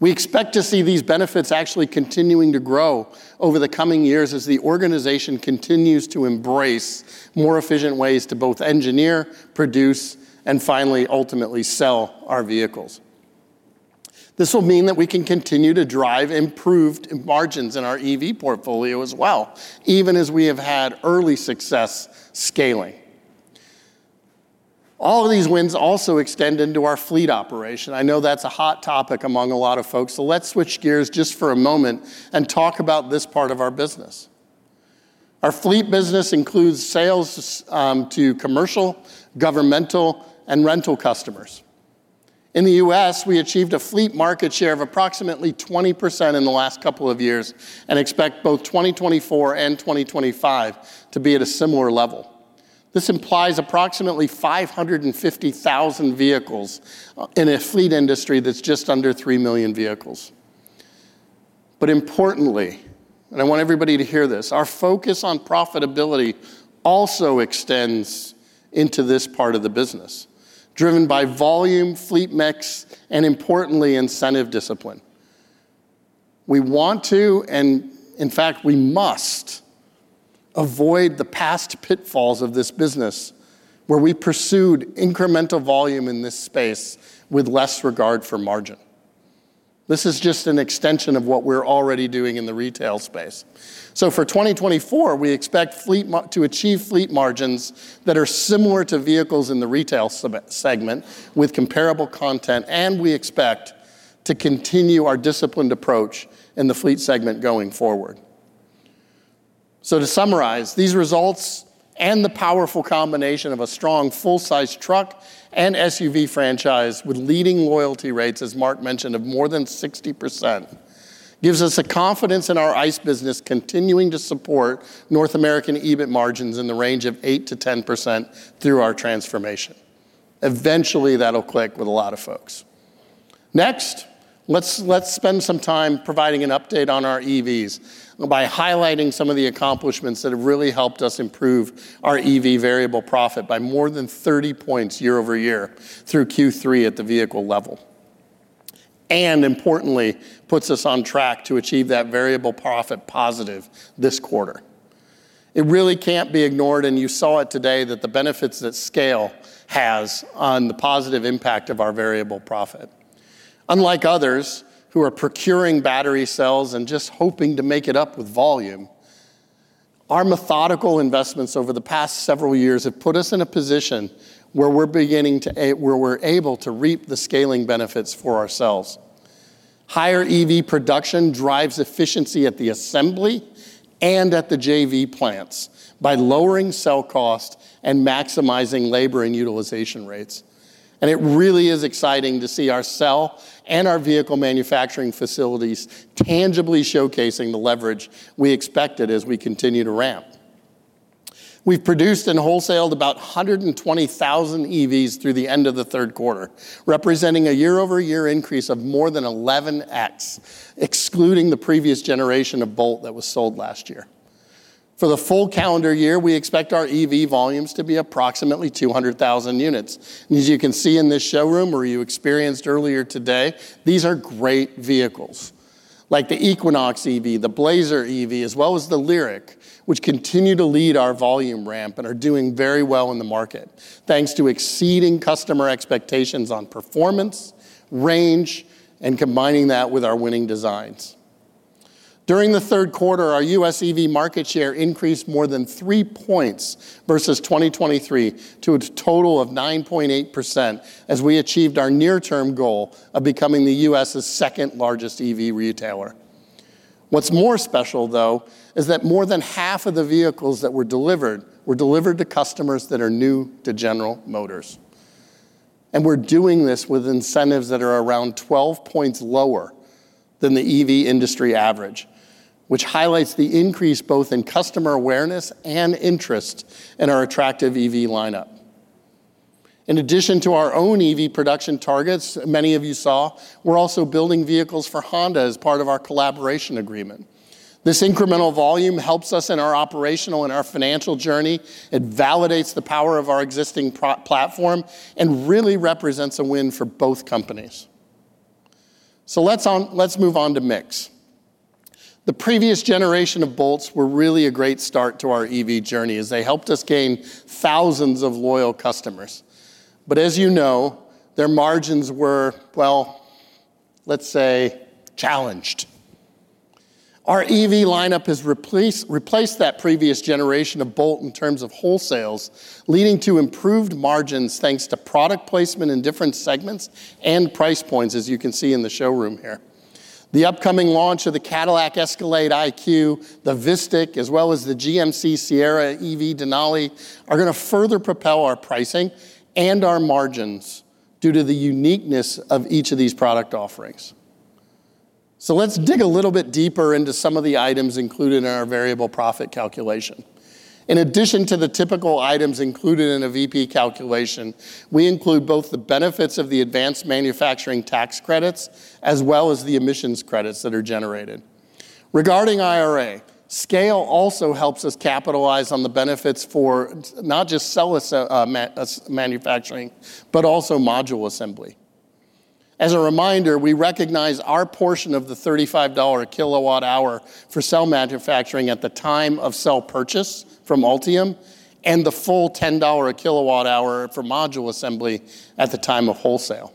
We expect to see these benefits actually continuing to grow over the coming years as the organization continues to embrace more efficient ways to both engineer, produce, and finally, ultimately sell our vehicles. This will mean that we can continue to drive improved margins in our EV portfolio as well, even as we have had early success scaling. All of these wins also extend into our fleet operation. I know that's a hot topic among a lot of folks, so let's switch gears just for a moment and talk about this part of our business. Our fleet business includes sales to commercial, governmental, and rental customers. In the U.S., we achieved a fleet market share of approximately 20% in the last couple of years and expect both 2024 and 2025 to be at a similar level. This implies approximately 550,000 vehicles in a fleet industry that's just under 3 million vehicles. But importantly, and I want everybody to hear this, our focus on profitability also extends into this part of the business, driven by volume, fleet mix, and importantly, incentive discipline. We want to, and in fact, we must avoid the past pitfalls of this business, where we pursued incremental volume in this space with less regard for margin. This is just an extension of what we're already doing in the retail space. So for 2024, we expect to achieve fleet margins that are similar to vehicles in the retail segment, with comparable content, and we expect to continue our disciplined approach in the fleet segment going forward. So to summarize, these results and the powerful combination of a strong full-size truck and SUV franchise with leading loyalty rates, as Mark mentioned, of more than 60%, gives us the confidence in our ICE business continuing to support North American EBIT margins in the range of 8%-10% through our transformation. Eventually, that'll click with a lot of folks. Next, let's spend some time providing an update on our EVs by highlighting some of the accomplishments that have really helped us improve our EV variable profit by more than 30 points year over year through Q3 at the vehicle level, and importantly, puts us on track to achieve that variable profit positive this quarter. It really can't be ignored, and you saw it today, that the benefits that scale has on the positive impact of our variable profit. Unlike others who are procuring battery cells and just hoping to make it up with volume, our methodical investments over the past several years have put us in a position where we're beginning to where we're able to reap the scaling benefits for ourselves. Higher EV production drives efficiency at the assembly and at the JV plants by lowering cell cost and maximizing labor and utilization rates. It really is exciting to see our cell and our vehicle manufacturing facilities tangibly showcasing the leverage we expected as we continue to ramp. We've produced and wholesaled about a hundred and twenty thousand EVs through the end of the third quarter, representing a year-over-year increase of more than 11x, excluding the previous generation of Bolt that was sold last year. For the full calendar year, we expect our EV volumes to be approximately 200,000 units. As you can see in this showroom or you experienced earlier today, these are great vehicles, like the Equinox EV, the Blazer EV, as well as the LYRIQ, which continue to lead our volume ramp and are doing very well in the market, thanks to exceeding customer expectations on performance, range, and combining that with our winning designs. During the third quarter, our U.S. EV market share increased more than three points versus 2023, to a total of 9.8%, as we achieved our near-term goal of becoming the U.S.'s second-largest EV retailer. What's more special, though, is that more than half of the vehicles that were delivered were delivered to customers that are new to General Motors. And we're doing this with incentives that are around 12 points lower than the EV industry average, which highlights the increase both in customer awareness and interest in our attractive EV lineup. In addition to our own EV production targets, many of you saw, we're also building vehicles for Honda as part of our collaboration agreement. This incremental volume helps us in our operational and our financial journey, it validates the power of our existing Ultium platform, and really represents a win for both companies. Let's move on to mix. The previous generation of Bolts were really a great start to our EV journey, as they helped us gain thousands of loyal customers. But as you know, their margins were, well, let's say, challenged. Our EV lineup has replaced that previous generation of Bolt in terms of wholesales, leading to improved margins, thanks to product placement in different segments and price points, as you can see in the showroom here. The upcoming launch of the Cadillac ESCALADE IQ, the VISTIQ, as well as the GMC Sierra EV Denali, are gonna further propel our pricing and our margins due to the uniqueness of each of these product offerings. Let's dig a little bit deeper into some of the items included in our variable profit calculation. In addition to the typical items included in a VP calculation, we include both the benefits of the advanced manufacturing tax credits, as well as the emissions credits that are generated. Regarding IRA, scale also helps us capitalize on the benefits for not just cell assembly manufacturing, but also module assembly. As a reminder, we recognize our portion of the $35 a kilowatt hour for cell manufacturing at the time of cell purchase from Ultium, and the full $10 a kilowatt hour for module assembly at the time of wholesale.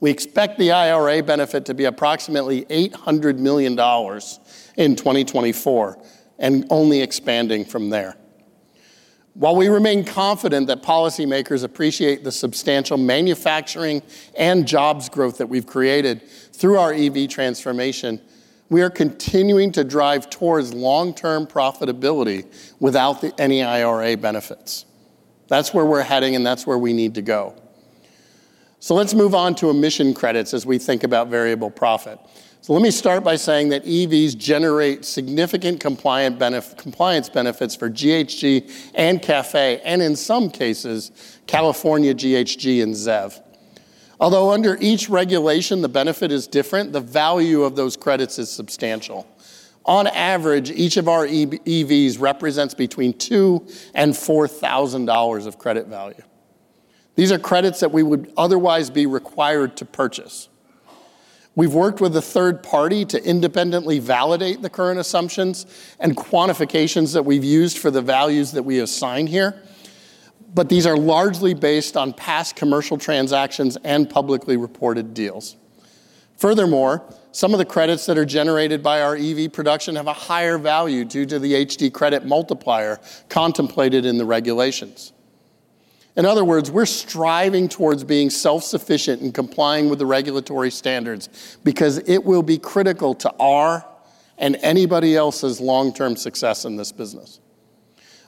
We expect the IRA benefit to be approximately $800 million in 2024, and only expanding from there. While we remain confident that policymakers appreciate the substantial manufacturing and jobs growth that we've created through our EV transformation, we are continuing to drive towards long-term profitability without any IRA benefits. That's where we're heading, and that's where we need to go. So let's move on to emission credits as we think about variable profit. So let me start by saying that EVs generate significant compliance benefits for GHG and CAFE, and in some cases, California GHG and ZEV. Although under each regulation, the benefit is different, the value of those credits is substantial. On average, each of our EVs represents between $2,000 and $4,000 of credit value. These are credits that we would otherwise be required to purchase. We've worked with a third party to independently validate the current assumptions and quantifications that we've used for the values that we assign here, but these are largely based on past commercial transactions and publicly reported deals. Furthermore, some of the credits that are generated by our EV production have a higher value due to the HD credit multiplier contemplated in the regulations. In other words, we're striving towards being self-sufficient in complying with the regulatory standards, because it will be critical to our and anybody else's long-term success in this business.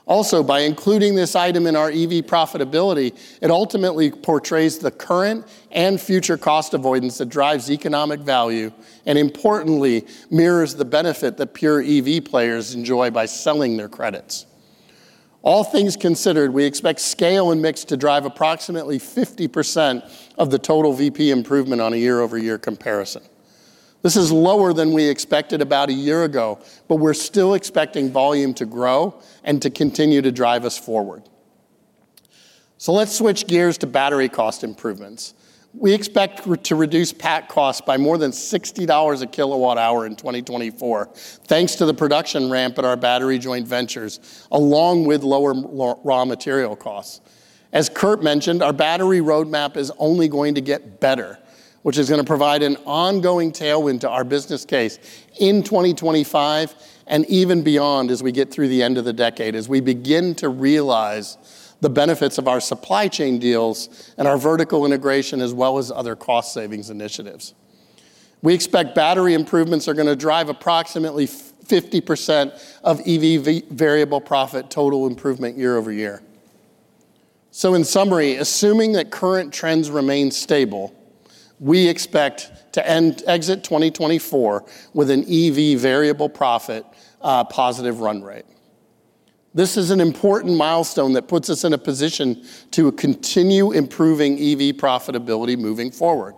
Also, by including this item in our EV profitability, it ultimately portrays the current and future cost avoidance that drives economic value, and importantly, mirrors the benefit that pure EV players enjoy by selling their credits. All things considered, we expect scale and mix to drive approximately 50% of the total VP improvement on a year-over-year comparison. This is lower than we expected about a year ago, but we're still expecting volume to grow and to continue to drive us forward. So let's switch gears to battery cost improvements. We expect to reduce pack costs by more than $60 a kilowatt hour in 2024, thanks to the production ramp at our battery joint ventures, along with lower raw material costs. As Kurt mentioned, our battery roadmap is only going to get better, which is gonna provide an ongoing tailwind to our business case in 2025 and even beyond as we get through the end of the decade, as we begin to realize the benefits of our supply chain deals and our vertical integration, as well as other cost savings initiatives. We expect battery improvements are gonna drive approximately 50% of EV variable profit total improvement year over year. So in summary, assuming that current trends remain stable, we expect to exit 2024 with an EV variable profit positive run rate. This is an important milestone that puts us in a position to continue improving EV profitability moving forward.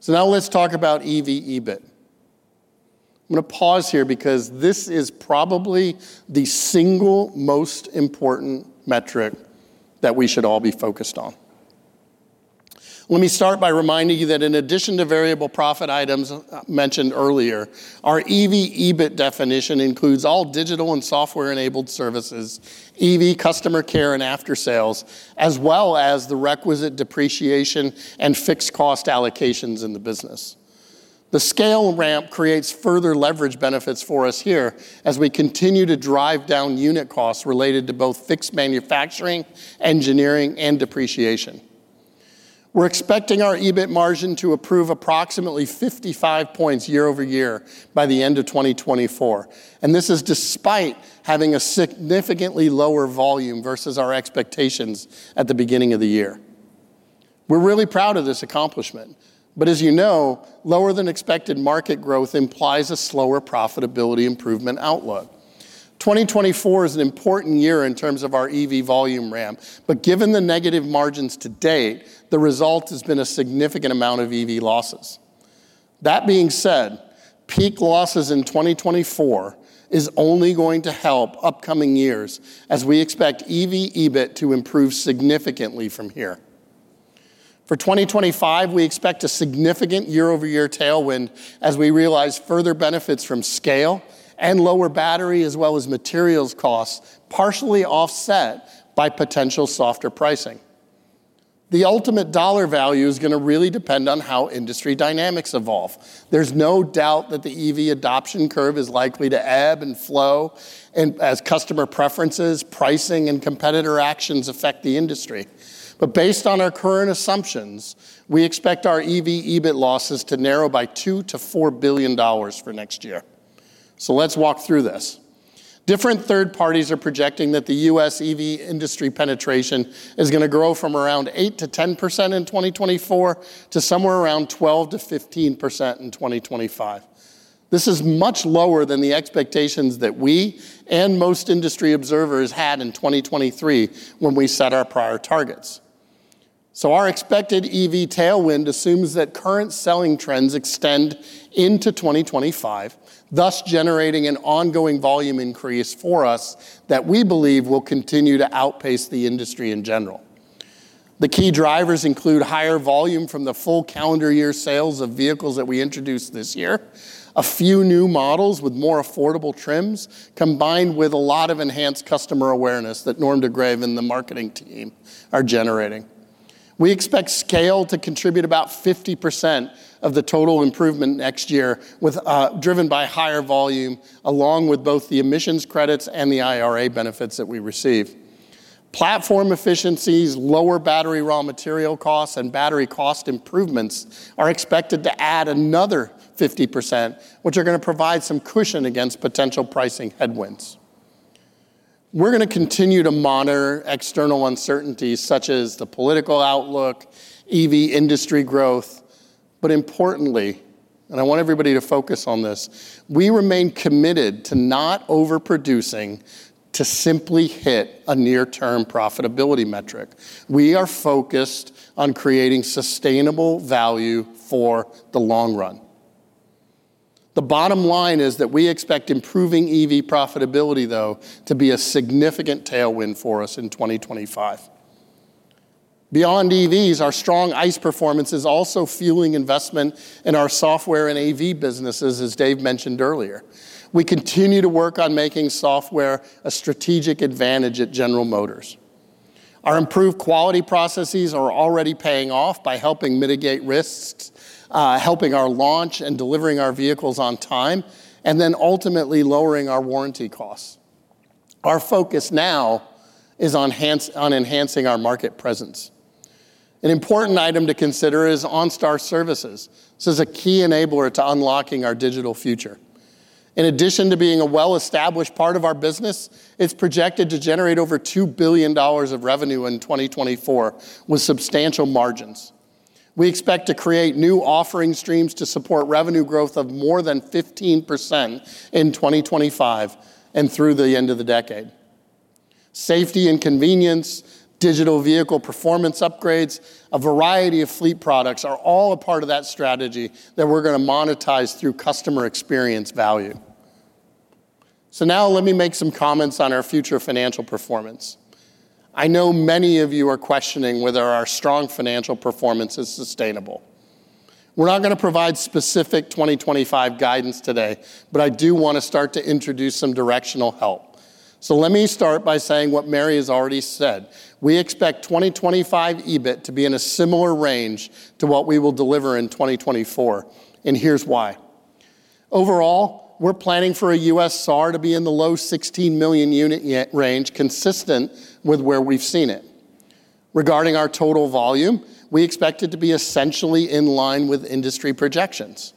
So now let's talk about EV EBIT. I'm gonna pause here, because this is probably the single most important metric that we should all be focused on. Let me start by reminding you that in addition to variable profit items, mentioned earlier, our EV EBIT definition includes all digital and software-enabled services, EV customer care and aftersales, as well as the requisite depreciation and fixed cost allocations in the business. The scale ramp creates further leverage benefits for us here as we continue to drive down unit costs related to both fixed manufacturing, engineering, and depreciation. We're expecting our EBIT margin to improve approximately 55 points year over year by the end of 2024, and this is despite having a significantly lower volume versus our expectations at the beginning of the year. We're really proud of this accomplishment, but as you know, lower-than-expected market growth implies a slower profitability improvement outlook. 2024 is an important year in terms of our EV volume ramp, but given the negative margins to date, the result has been a significant amount of EV losses. That being said, peak losses in 2024 is only going to help upcoming years, as we expect EV EBIT to improve significantly from here. For 2025, we expect a significant year-over-year tailwind as we realize further benefits from scale and lower battery, as well as materials costs, partially offset by potential softer pricing. The ultimate dollar value is gonna really depend on how industry dynamics evolve. There's no doubt that the EV adoption curve is likely to ebb and flow, as customer preferences, pricing, and competitor actions affect the industry. But based on our current assumptions, we expect our EV EBIT losses to narrow by $2 billion-$4 billion for next year. So let's walk through this. Different third parties are projecting that the U.S. EV industry penetration is gonna grow from around 8%-10% in 2024, to somewhere around 12%-15% in 2025. This is much lower than the expectations that we and most industry observers had in 2023 when we set our prior targets. Our expected EV tailwind assumes that current selling trends extend into 2025, thus generating an ongoing volume increase for us, that we believe will continue to outpace the industry in general. The key drivers include higher volume from the full calendar year sales of vehicles that we introduced this year, a few new models with more affordable trims, combined with a lot of enhanced customer awareness that Norm de Greve and the marketing team are generating. We expect scale to contribute about 50% of the total improvement next year, with driven by higher volume, along with both the emissions credits and the IRA benefits that we receive. Platform efficiencies, lower battery raw material costs, and battery cost improvements are expected to add another 50%, which are gonna provide some cushion against potential pricing headwinds. We're gonna continue to monitor external uncertainties, such as the political outlook, EV industry growth, but importantly, and I want everybody to focus on this, we remain committed to not overproducing to simply hit a near-term profitability metric. We are focused on creating sustainable value for the long run. The bottom line is that we expect improving EV profitability, though, to be a significant tailwind for us in twenty twenty-five. Beyond EVs, our strong ICE performance is also fueling investment in our software and AV businesses, as Dave mentioned earlier. We continue to work on making software a strategic advantage at General Motors. Our improved quality processes are already paying off by helping mitigate risks, helping our launch and delivering our vehicles on time, and then ultimately lowering our warranty costs. Our focus now is on enhancing our market presence. An important item to consider is OnStar services. This is a key enabler to unlocking our digital future. In addition to being a well-established part of our business, it's projected to generate over $2 billion of revenue in 2024, with substantial margins. We expect to create new offering streams to support revenue growth of more than 15% in 2025 and through the end of the decade. Safety and convenience, digital vehicle performance upgrades, a variety of fleet products are all a part of that strategy that we're gonna monetize through customer experience value. So now let me make some comments on our future financial performance. I know many of you are questioning whether our strong financial performance is sustainable. We're not gonna provide specific 2025 guidance today, but I do want to start to introduce some directional help. Let me start by saying what Mary has already said: We expect 2025 EBIT to be in a similar range to what we will deliver in 2024, and here's why. Overall, we're planning for a U.S. SAAR to be in the low 16 million units-year range, consistent with where we've seen it. Regarding our total volume, we expect it to be essentially in line with industry projections.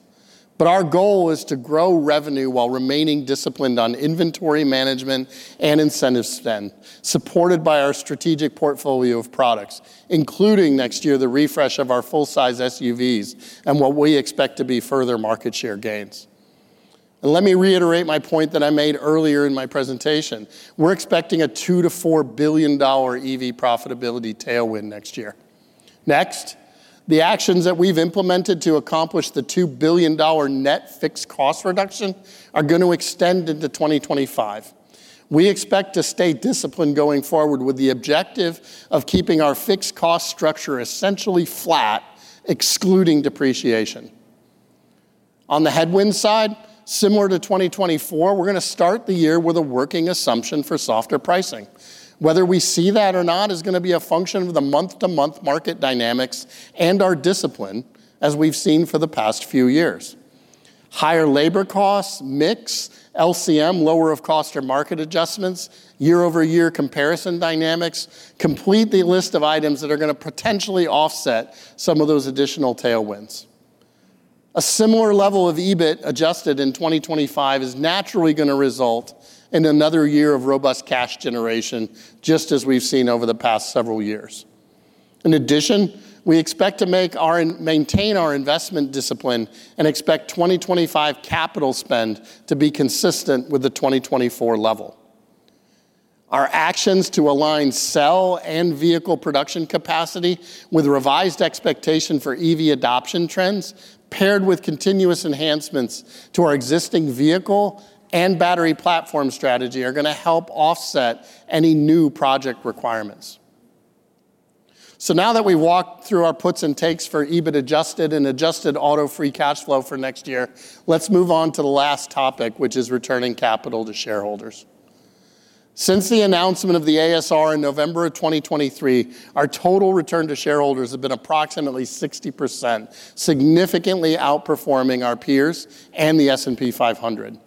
But our goal is to grow revenue while remaining disciplined on inventory management and incentive spend, supported by our strategic portfolio of products, including next year, the refresh of our full-size SUVs and what we expect to be further market share gains. And let me reiterate my point that I made earlier in my presentation. We're expecting a $2 billion-$4 billion EV profitability tailwind next year. Next, the actions that we've implemented to accomplish the $2 billion net fixed cost reduction are going to extend into 2025. We expect to stay disciplined going forward with the objective of keeping our fixed cost structure essentially flat, excluding depreciation. On the headwind side, similar to 2024, we're gonna start the year with a working assumption for softer pricing. Whether we see that or not is gonna be a function of the month-to-month market dynamics and our discipline, as we've seen for the past few years. Higher labor costs, mix, LCM, lower of cost or market adjustments, year-over-year comparison dynamics, complete the list of items that are gonna potentially offset some of those additional tailwinds. A similar level of EBIT adjusted in 2025 is naturally gonna result in another year of robust cash generation, just as we've seen over the past several years. In addition, we expect to maintain our investment discipline and expect 2025 capital spend to be consistent with the 2024 level. Our actions to align cell and vehicle production capacity with revised expectation for EV adoption trends, paired with continuous enhancements to our existing vehicle and battery platform strategy, are gonna help offset any new project requirements. So now that we've walked through our puts and takes for EBIT adjusted and adjusted auto free cash flow for next year, let's move on to the last topic, which is returning capital to shareholders. Since the announcement of the ASR in November of 2023, our total return to shareholders has been approximately 60%, significantly outperforming our peers and the S&P 500.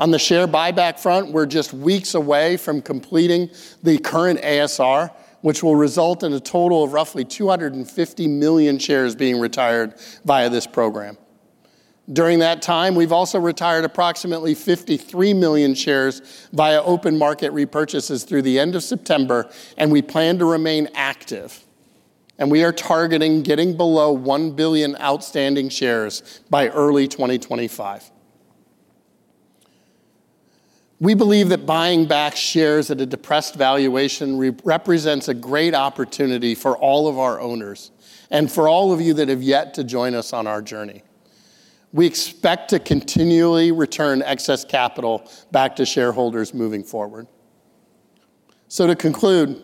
On the share buyback front, we're just weeks away from completing the current ASR, which will result in a total of roughly 250 million shares being retired via this program. During that time, we've also retired approximately 53 million shares via open market repurchases through the end of September, and we plan to remain active, and we are targeting getting below 1 billion outstanding shares by early 2025. We believe that buying back shares at a depressed valuation represents a great opportunity for all of our owners and for all of you that have yet to join us on our journey. We expect to continually return excess capital back to shareholders moving forward. So to conclude,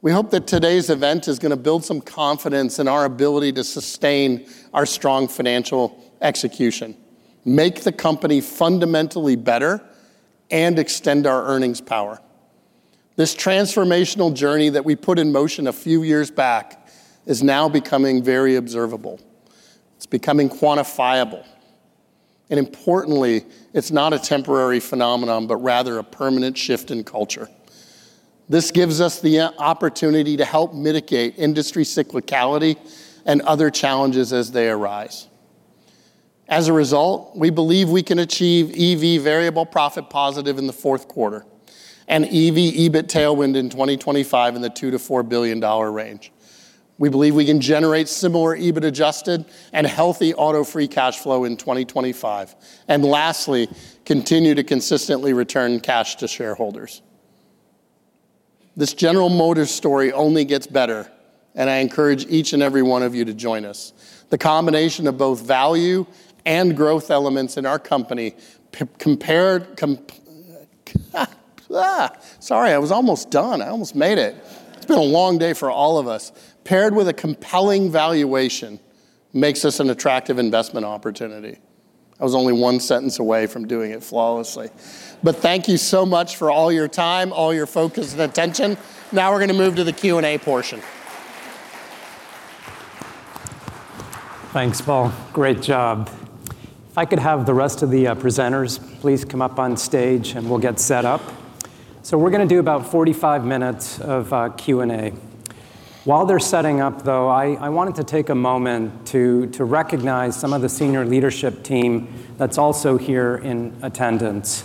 we hope that today's event is gonna build some confidence in our ability to sustain our strong financial execution, make the company fundamentally better, and extend our earnings power. This transformational journey that we put in motion a few years back is now becoming very observable. It's becoming quantifiable, and importantly, it's not a temporary phenomenon, but rather a permanent shift in culture. This gives us the opportunity to help mitigate industry cyclicality and other challenges as they arise. As a result, we believe we can achieve EV variable profit positive in the fourth quarter and EV EBIT tailwind in twenty twenty-five in the $2 billion-4 billion range. We believe we can generate similar EBIT adjusted and healthy auto-free cash flow in twenty twenty-five, and lastly, continue to consistently return cash to shareholders. This General Motors story only gets better, and I encourage each and every one of you to join us. The combination of both value and growth elements in our company—compared... comp—sorry, I was almost done. I almost made it. It's been a long day for all of us. Paired with a compelling valuation, makes us an attractive investment opportunity. I was only one sentence away from doing it flawlessly. But thank you so much for all your time, all your focus and attention. Now we're gonna move to the Q&A portion. Thanks, Paul. Great job. If I could have the rest of the presenters please come up on stage, and we'll get set up. So we're gonna do about 45 minutes of Q&A. While they're setting up, though, I wanted to take a moment to recognize some of the senior leadership team that's also here in attendance.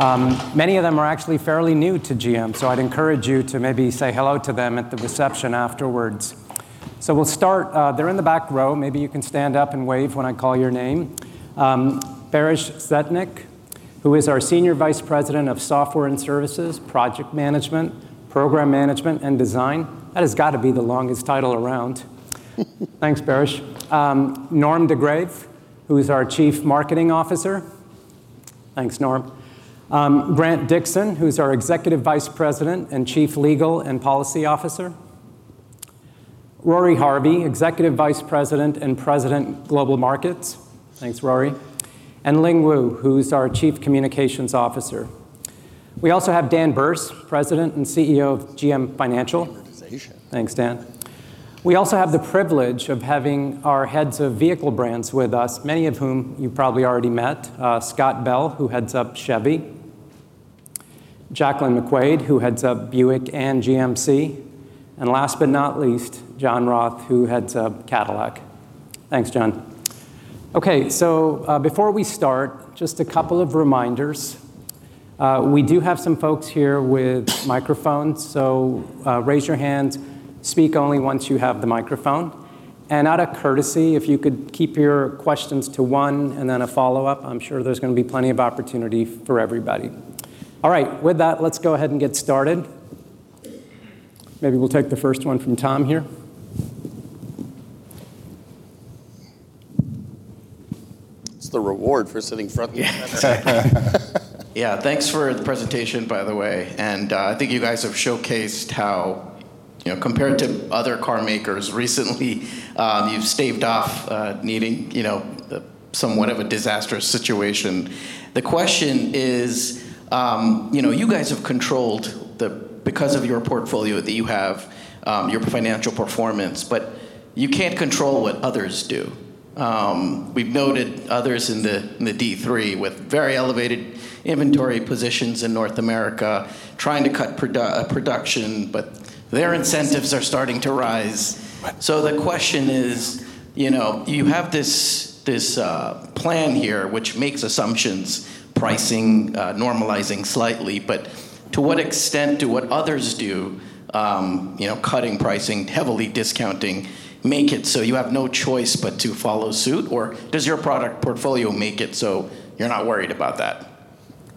Many of them are actually fairly new to GM, so I'd encourage you to maybe say hello to them at the reception afterwards. So we'll start, they're in the back row. Maybe you can stand up and wave when I call your name. Baris Cetinok, who is our Senior Vice President of Software and Services Product Management, Program Management, and Design. That has got to be the longest title around. Thanks, Baris. Norm de Greve, who is our Chief Marketing Officer. Thanks, Norm. Grant Dixton, who's our Executive Vice President and Chief Legal and Policy Officer. Rory Harvey, Executive Vice President and President, Global Markets. Thanks, Rory. And Lin-Hua Wu, who's our Chief Communications Officer. We also have Dan Berce, President and CEO of GM Financial. Stand up. Thanks, Dan. We also have the privilege of having our heads of vehicle brands with us, many of whom you've probably already met. Scott Bell, who heads up Chevy; Jaclyn McQuaid, who heads up Buick and GMC, and last but not least, John Roth, who heads up Cadillac. Thanks, John. Okay, so, before we start, just a couple of reminders. We do have some folks here with microphones, so, raise your hands. Speak only once you have the microphone, and out of courtesy, if you could keep your questions to one and then a follow-up, I'm sure there's gonna be plenty of opportunity for everybody. All right, with that, let's go ahead and get started. Maybe we'll take the first one from Tom here. It's the reward for sitting front and center. Yeah, thanks for the presentation, by the way, and, I think you guys have showcased how, you know, compared to other car makers recently, you've staved off needing, you know, somewhat of a disastrous situation. The question is, you know, you guys have controlled the because of your portfolio that you have, your financial performance, but you can't control what others do. We've noted others in the D3 with very elevated inventory positions in North America, trying to cut production, but their incentives are starting to rise. So the question is, you know, you have this plan here, which makes assumptions, pricing normalizing slightly, but to what extent do what others do, you know, cutting pricing, heavily discounting, make it so you have no choice but to follow suit? Or does your product portfolio make it so you're not worried about that?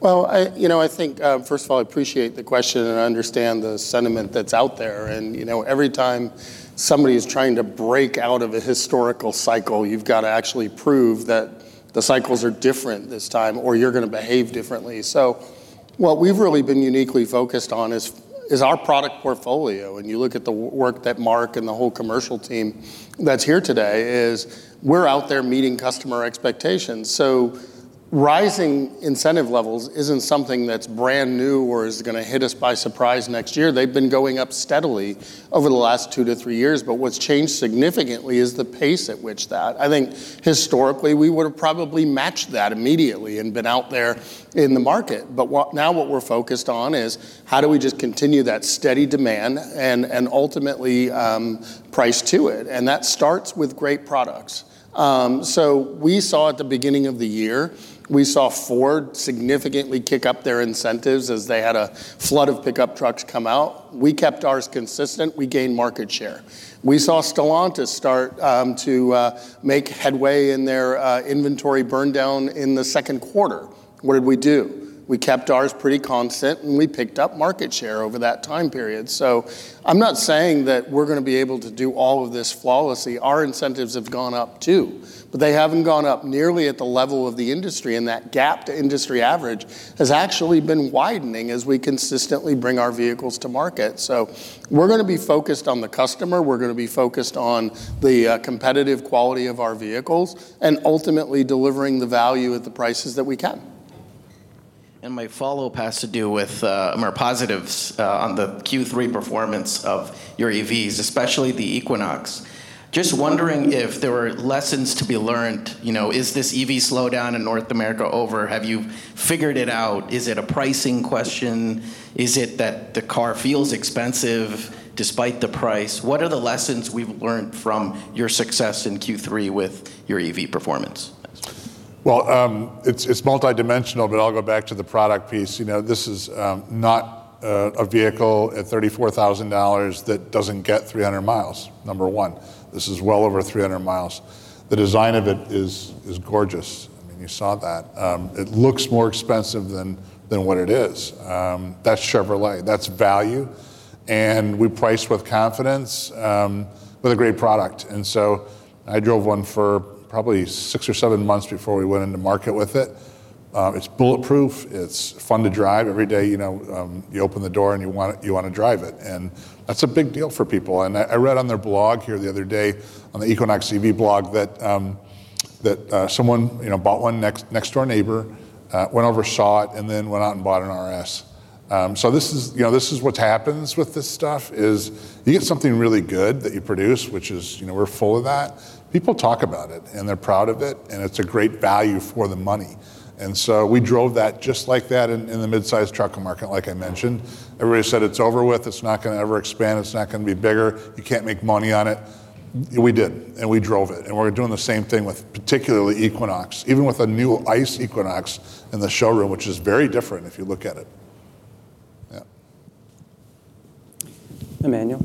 You know, I think first of all, I appreciate the question, and I understand the sentiment that's out there. And, you know, every time somebody is trying to break out of a historical cycle, you've got to actually prove that the cycles are different this time, or you're gonna behave differently. So what we've really been uniquely focused on is our product portfolio, and you look at the work that Mark and the whole commercial team that's here today, is we're out there meeting customer expectations. So rising incentive levels isn't something that's brand new or is gonna hit us by surprise next year. They've been going up steadily over the last two to three years, but what's changed significantly is the pace at which that, I think historically, we would have probably matched that immediately and been out there in the market. But now what we're focused on is how do we just continue that steady demand and ultimately price to it, and that starts with great products. So we saw at the beginning of the year, we saw Ford significantly kick up their incentives as they had a flood of pickup trucks come out. We kept ours consistent. We gained market share. We saw Stellantis start to make headway in their inventory burndown in the second quarter. What did we do? We kept ours pretty constant, and we picked up market share over that time period. So I'm not saying that we're gonna be able to do all of this flawlessly. Our incentives have gone up, too, but they haven't gone up nearly at the level of the industry, and that gap to industry average has actually been widening as we consistently bring our vehicles to market. So we're gonna be focused on the customer. We're gonna be focused on the competitive quality of our vehicles and ultimately delivering the value at the prices that we can. My follow-up has to do with more positives on the Q3 performance of your EVs, especially the Equinox. Just wondering if there were lessons to be learned, you know, is this EV slowdown in North America over? Have you figured it out? Is it a pricing question? Is it that the car feels expensive despite the price? What are the lessons we've learned from your success in Q3 with your EV performance? It's multidimensional, but I'll go back to the product piece. You know, this is not a vehicle at $34,000 that doesn't get 300 miles. Number one, this is well over 300 miles. The design of it is gorgeous. I mean, you saw that. It looks more expensive than what it is. That's Chevrolet. That's value, and we price with confidence with a great product. And so I drove one for probably six or seven months before we went into market with it. It's bulletproof. It's fun to drive. Every day, you know, you open the door, and you want to drive it, and that's a big deal for people. I read on their blog here the other day, on the Equinox EV blog, that someone, you know, bought one. Next-door neighbor went over, saw it, and then went out and bought an RS. So this is, you know, this is what happens with this stuff, is you get something really good that you produce, which is, you know, we're full of that. People talk about it, and they're proud of it, and it's a great value for the money. And so we drove that just like that in the mid-size truck market, like I mentioned. Everybody said, "It's over with. It's not gonna ever expand. It's not gonna be bigger. You can't make money on it." We did, and we drove it, and we're doing the same thing with particularly Equinox, even with a new ICE Equinox in the showroom, which is very different if you look at it. Yeah. Emmanuel.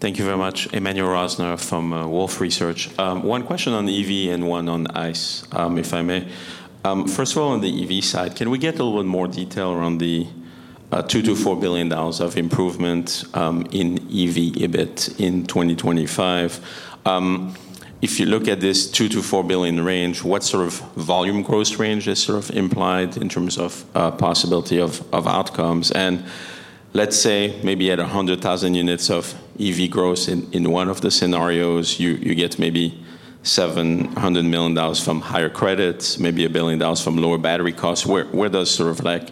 Thank you very much. Emmanuel Rosner from Wolfe Research. One question on the EV and one on ICE, if I may. First of all, on the EV side, can we get a little bit more detail around the $2 billion-$4 billion of improvement in EV EBIT in 2025? If you look at this $2 billion-$4 billion range, what sort of volume growth range is sort of implied in terms of possibility of outcomes? And let's say maybe at 100,000 units of EV growth in one of the scenarios, you get maybe $700 million from higher credits, maybe $1 billion from lower battery costs. Where does sort of like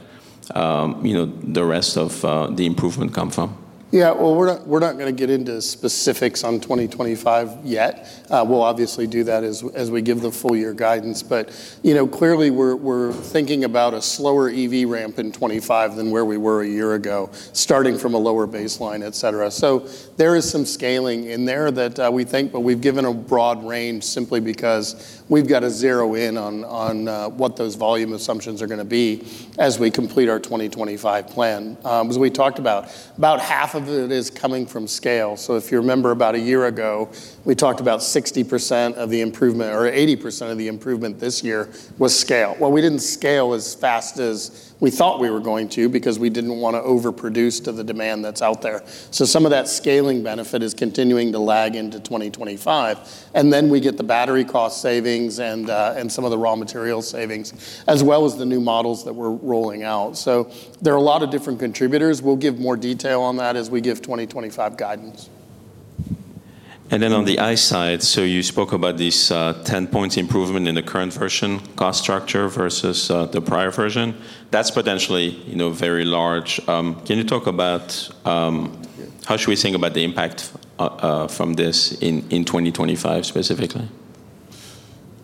you know the rest of the improvement come from? Yeah, well, we're not gonna get into specifics on 2025 yet. We'll obviously do that as we give the full year guidance, but you know, clearly, we're thinking about a slower EV ramp in 2025 than where we were a year ago- Right... starting from a lower baseline, et cetera. So there is some scaling in there that we think, but we've given a broad range simply because we've got to zero in on what those volume assumptions are gonna be as we complete our 2025 plan. As we talked about, about half of it is coming from scale. So if you remember about a year ago, we talked about 60% of the improvement or 80% of the improvement this year was scale. Well, we didn't scale as fast as we thought we were going to because we didn't want to overproduce to the demand that's out there. Some of that scaling benefit is continuing to lag into 2025, and then we get the battery cost savings and some of the raw material savings, as well as the new models that we're rolling out. There are a lot of different contributors. We'll give more detail on that as we give 2025 guidance. ...And then on the EV side, so you spoke about this, 10-point improvement in the current version, cost structure versus, the prior version. That's potentially, you know, very large. Can you talk about, how should we think about the impact, from this in 2025 specifically?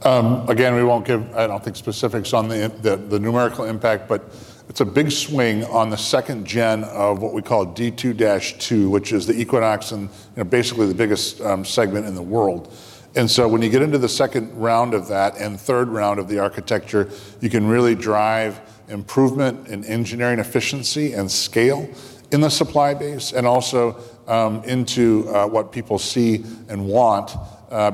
Again, we won't give, I don't think, specifics on the numerical impact, but it's a big swing on the second gen of what we call D2XX, which is the Equinox and, you know, basically the biggest segment in the world. And so when you get into the second round of that and third round of the architecture, you can really drive improvement in engineering efficiency and scale in the supply base, and also into what people see and want,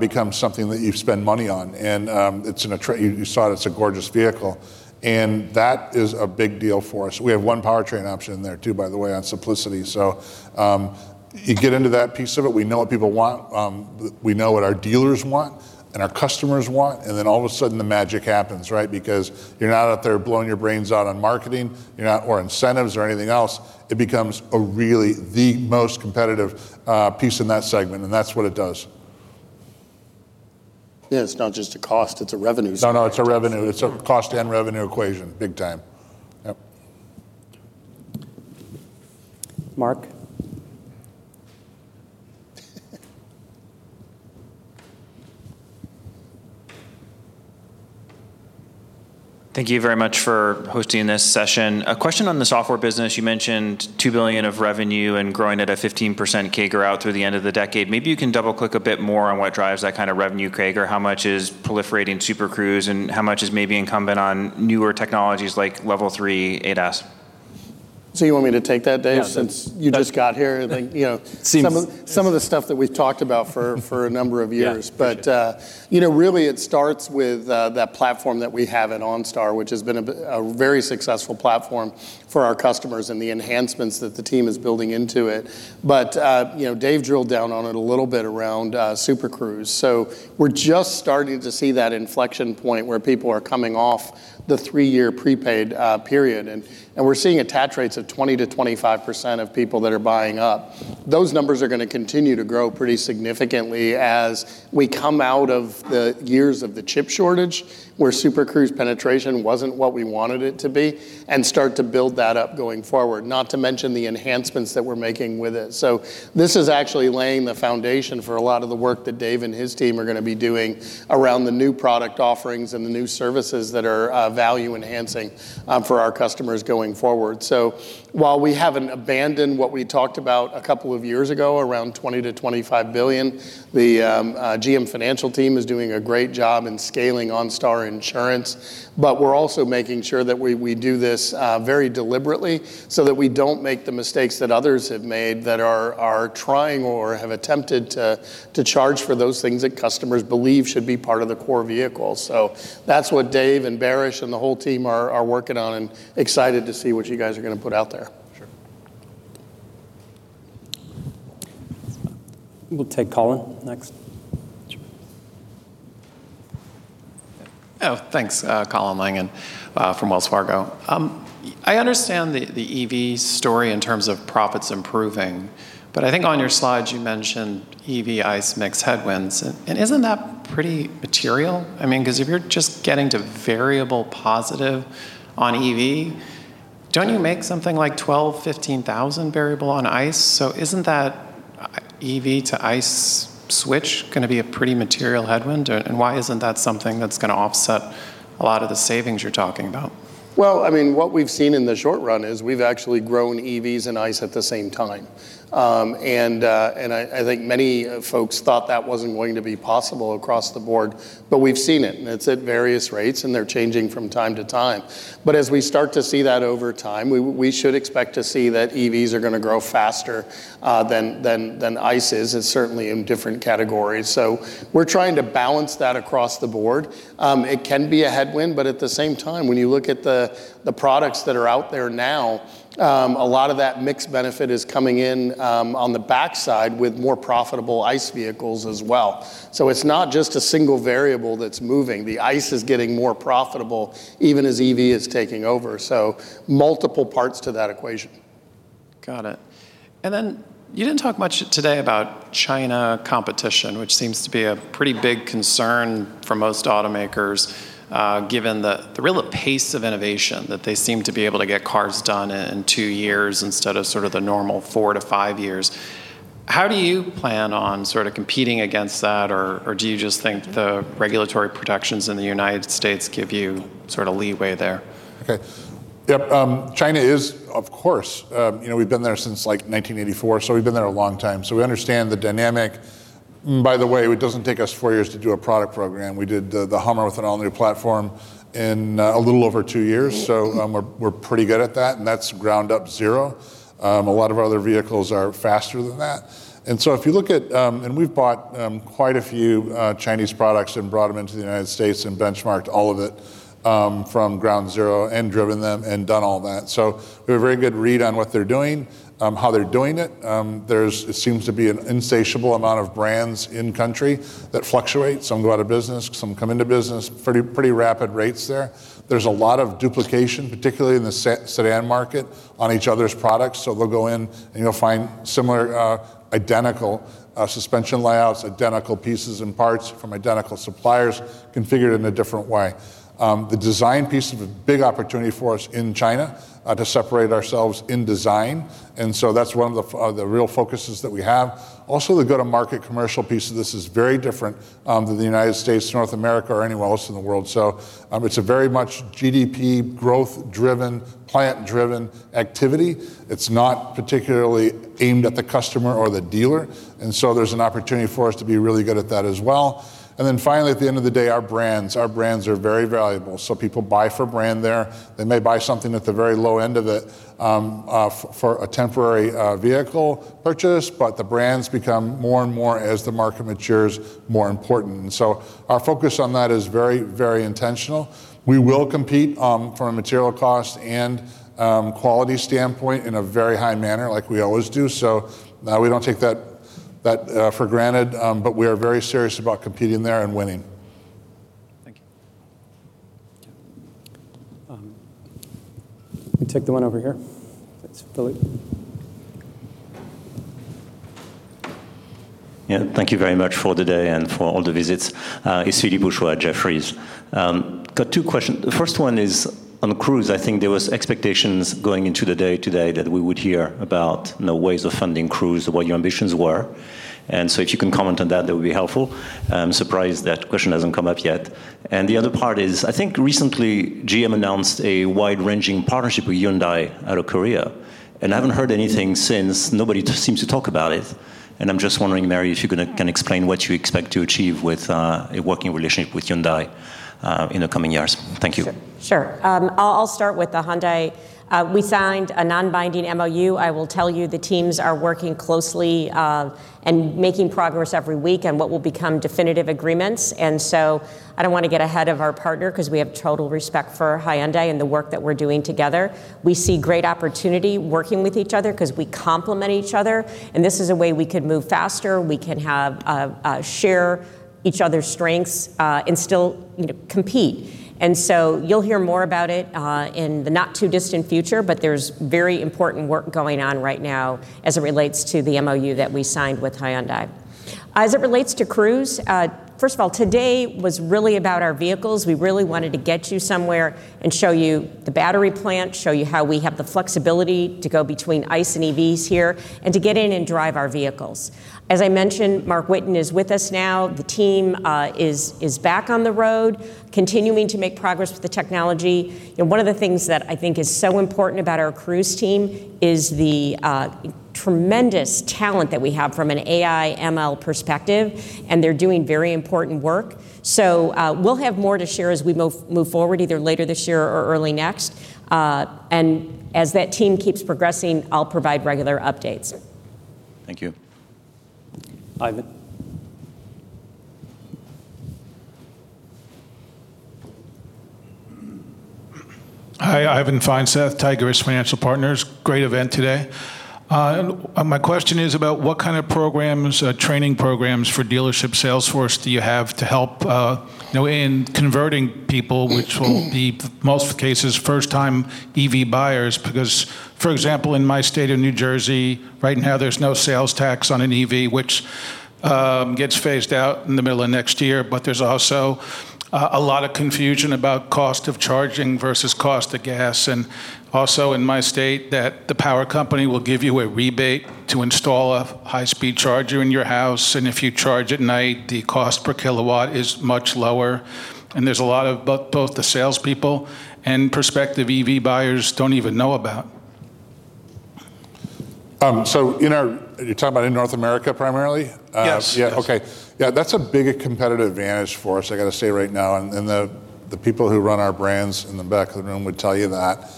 becomes something that you spend money on. And it's an attribute you saw it, it's a gorgeous vehicle, and that is a big deal for us. We have one powertrain option in there, too, by the way, on simplicity. So you get into that piece of it. We know what people want, we know what our dealers want and our customers want, and then all of a sudden, the magic happens, right? Because you're not out there blowing your brains out on marketing, you're not or incentives or anything else. It becomes a really the most competitive, piece in that segment, and that's what it does. Yeah, it's not just a cost, it's a revenue. No, no, it's a revenue. It's a cost and revenue equation, big time. Yep. Mark? Thank you very much for hosting this session. A question on the software business. You mentioned $2 billion of revenue and growing at a 15% CAGR out through the end of the decade. Maybe you can double-click a bit more on what drives that kind of revenue, CAGR, how much is proliferating Super Cruise, and how much is maybe incumbent on newer technologies like Level 3 ADAS? So you want me to take that, Dave, since- Yeah... you just got here, and like, you know- Seems... Some of the stuff that we've talked about for a number of years. Yeah. But, you know, really it starts with that platform that we have at OnStar, which has been a very successful platform for our customers and the enhancements that the team is building into it. But, you know, Dave drilled down on it a little bit around Super Cruise. So we're just starting to see that inflection point where people are coming off the three-year prepaid period, and we're seeing attach rates of 20%-25% of people that are buying up. Those numbers are gonna continue to grow pretty significantly as we come out of the years of the chip shortage, where Super Cruise penetration wasn't what we wanted it to be, and start to build that up going forward, not to mention the enhancements that we're making with it. This is actually laying the foundation for a lot of the work that Dave and his team are gonna be doing around the new product offerings and the new services that are value enhancing for our customers going forward. While we haven't abandoned what we talked about a couple of years ago, around $20 billion-$25 billion, the GM Financial team is doing a great job in scaling OnStar insurance. But we're also making sure that we do this very deliberately so that we don't make the mistakes that others have made that are trying or have attempted to charge for those things that customers believe should be part of the core vehicle. That's what Dave and Baris and the whole team are working on and excited to see what you guys are gonna put out there. Sure. We'll take Colin next. Sure. Oh, thanks, Colin Langan from Wells Fargo. I understand the EV story in terms of profits improving, but I think on your slides, you mentioned EV, ICE mix headwinds. And isn't that pretty material? I mean, 'cause if you're just getting to variable positive on EV, don't you make something like $12,000-$15,000 variable on ICE? So isn't that EV to ICE switch gonna be a pretty material headwind? And why isn't that something that's gonna offset a lot of the savings you're talking about? Well, I mean, what we've seen in the short run is, we've actually grown EVs and ICE at the same time. I think many folks thought that wasn't going to be possible across the board, but we've seen it, and it's at various rates, and they're changing from time to time. But as we start to see that over time, we should expect to see that EVs are gonna grow faster than ICE is, and certainly in different categories. So we're trying to balance that across the board. It can be a headwind, but at the same time, when you look at the products that are out there now, a lot of that mixed benefit is coming in on the backside with more profitable ICE vehicles as well. So it's not just a single variable that's moving. The ICE is getting more profitable even as EV is taking over, so multiple parts to that equation. Got it. And then you didn't talk much today about China competition, which seems to be a pretty big concern for most automakers, given the real pace of innovation, that they seem to be able to get cars done in two years instead of sort of the normal four to five years. How do you plan on sort of competing against that, or do you just think the regulatory protections in the United States give you sort of leeway there? Okay. Yep, China is, of course. You know, we've been there since like 1984, so we've been there a long time. So we understand the dynamic. By the way, it doesn't take us four years to do a product program. We did the Hummer with an all-new platform in a little over two years, so we're pretty good at that, and that's ground up zero. A lot of our other vehicles are faster than that. And so if you look at. And we've bought quite a few Chinese products and brought them into the United States and benchmarked all of it from ground zero and driven them and done all that. So we have a very good read on what they're doing, how they're doing it. There seems to be an insatiable amount of brands in country that fluctuate. Some go out of business, some come into business, pretty rapid rates there. There's a lot of duplication, particularly in the sedan market, on each other's products. So they'll go in, and you'll find similar, identical suspension layouts, identical pieces and parts from identical suppliers, configured in a different way. The design piece is a big opportunity for us in China, to separate ourselves in design, and so that's one of the real focuses that we have. Also, the go-to-market commercial piece of this is very different than the United States, North America, or anywhere else in the world. So it's a very much GDP growth-driven, plant-driven activity. It's not particularly aimed at the customer or the dealer, and so there's an opportunity for us to be really good at that as well. And then finally, at the end of the day, our brands, our brands are very valuable, so people buy for brand there. They may buy something at the very low end of it, for a temporary vehicle purchase, but the brands become more and more, as the market matures, more important. And so our focus on that is very, very intentional. We will compete, from a material cost and quality standpoint in a very high manner, like we always do. So, we don't take that for granted, but we are very serious about competing there and winning. Thank you. We take the one over here. It's Philippe. Yeah, thank you very much for today and for all the visits. It's Philippe Houchois at Jefferies. Got two questions. The first one is on Cruise. I think there was expectations going into the day today that we would hear about the ways of funding Cruise, what your ambitions were, and so if you can comment on that, that would be helpful. I'm surprised that question hasn't come up yet. And the other part is, I think recently GM announced a wide-ranging partnership with Hyundai out of Korea, and I haven't heard anything since. Nobody seems to talk about it, and I'm just wondering, Mary, if you can explain what you expect to achieve with a working relationship with Hyundai in the coming years. Thank you. Sure. I'll start with the Hyundai. We signed a non-binding MOU. I will tell you, the teams are working closely and making progress every week on what will become definitive agreements. And so I don't want to get ahead of our partner, 'cause we have total respect for Hyundai and the work that we're doing together. We see great opportunity working with each other, 'cause we complement each other, and this is a way we could move faster. We can have share each other's strengths and still, you know, compete. And so you'll hear more about it in the not-too-distant future, but there's very important work going on right now as it relates to the MOU that we signed with Hyundai. As it relates to Cruise, first of all, today was really about our vehicles. We really wanted to get you somewhere and show you the battery plant, show you how we have the flexibility to go between ICE and EVs here, and to get in and drive our vehicles. As I mentioned, Marc Whitten is with us now. The team is back on the road, continuing to make progress with the technology. You know, one of the things that I think is so important about our Cruise team is the tremendous talent that we have from an AI, ML perspective, and they're doing very important work. So, we'll have more to share as we move forward, either later this year or early next, and as that team keeps progressing, I'll provide regular updates. Thank you. Ivan? Hi, Ivan Feinseth, Tigress Financial Partners. Great event today. My question is about what kind of programs, training programs for dealership sales force do you have to help, you know, in converting people, which will be, most of the cases, first-time EV buyers? Because, for example, in my state of New Jersey, right now, there's no sales tax on an EV, which gets phased out in the middle of next year, but there's also a lot of confusion about cost of charging versus cost of gas, and also, in my state, that the power company will give you a rebate to install a high-speed charger in your house, and if you charge at night, the cost per kilowatt is much lower. And there's a lot of both the salespeople and prospective EV buyers don't even know about. So in our... You're talking about in North America, primarily? Yes. Yeah, okay. Yeah, that's a big competitive advantage for us, I gotta say right now, and the people who run our brands in the back of the room would tell you that.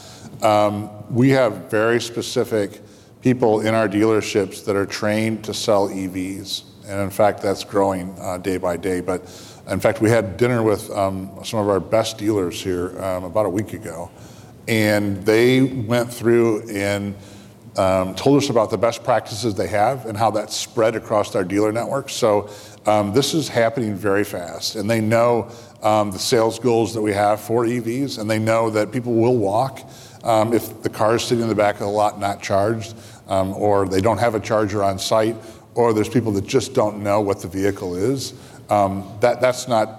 We have very specific people in our dealerships that are trained to sell EVs, and in fact, that's growing day by day. But in fact, we had dinner with some of our best dealers here about a week ago, and they went through and told us about the best practices they have and how that's spread across our dealer network. This is happening very fast, and they know the sales goals that we have for EVs, and they know that people will walk if the car is sitting in the back of the lot not charged, or they don't have a charger on site, or there's people that just don't know what the vehicle is. That's not.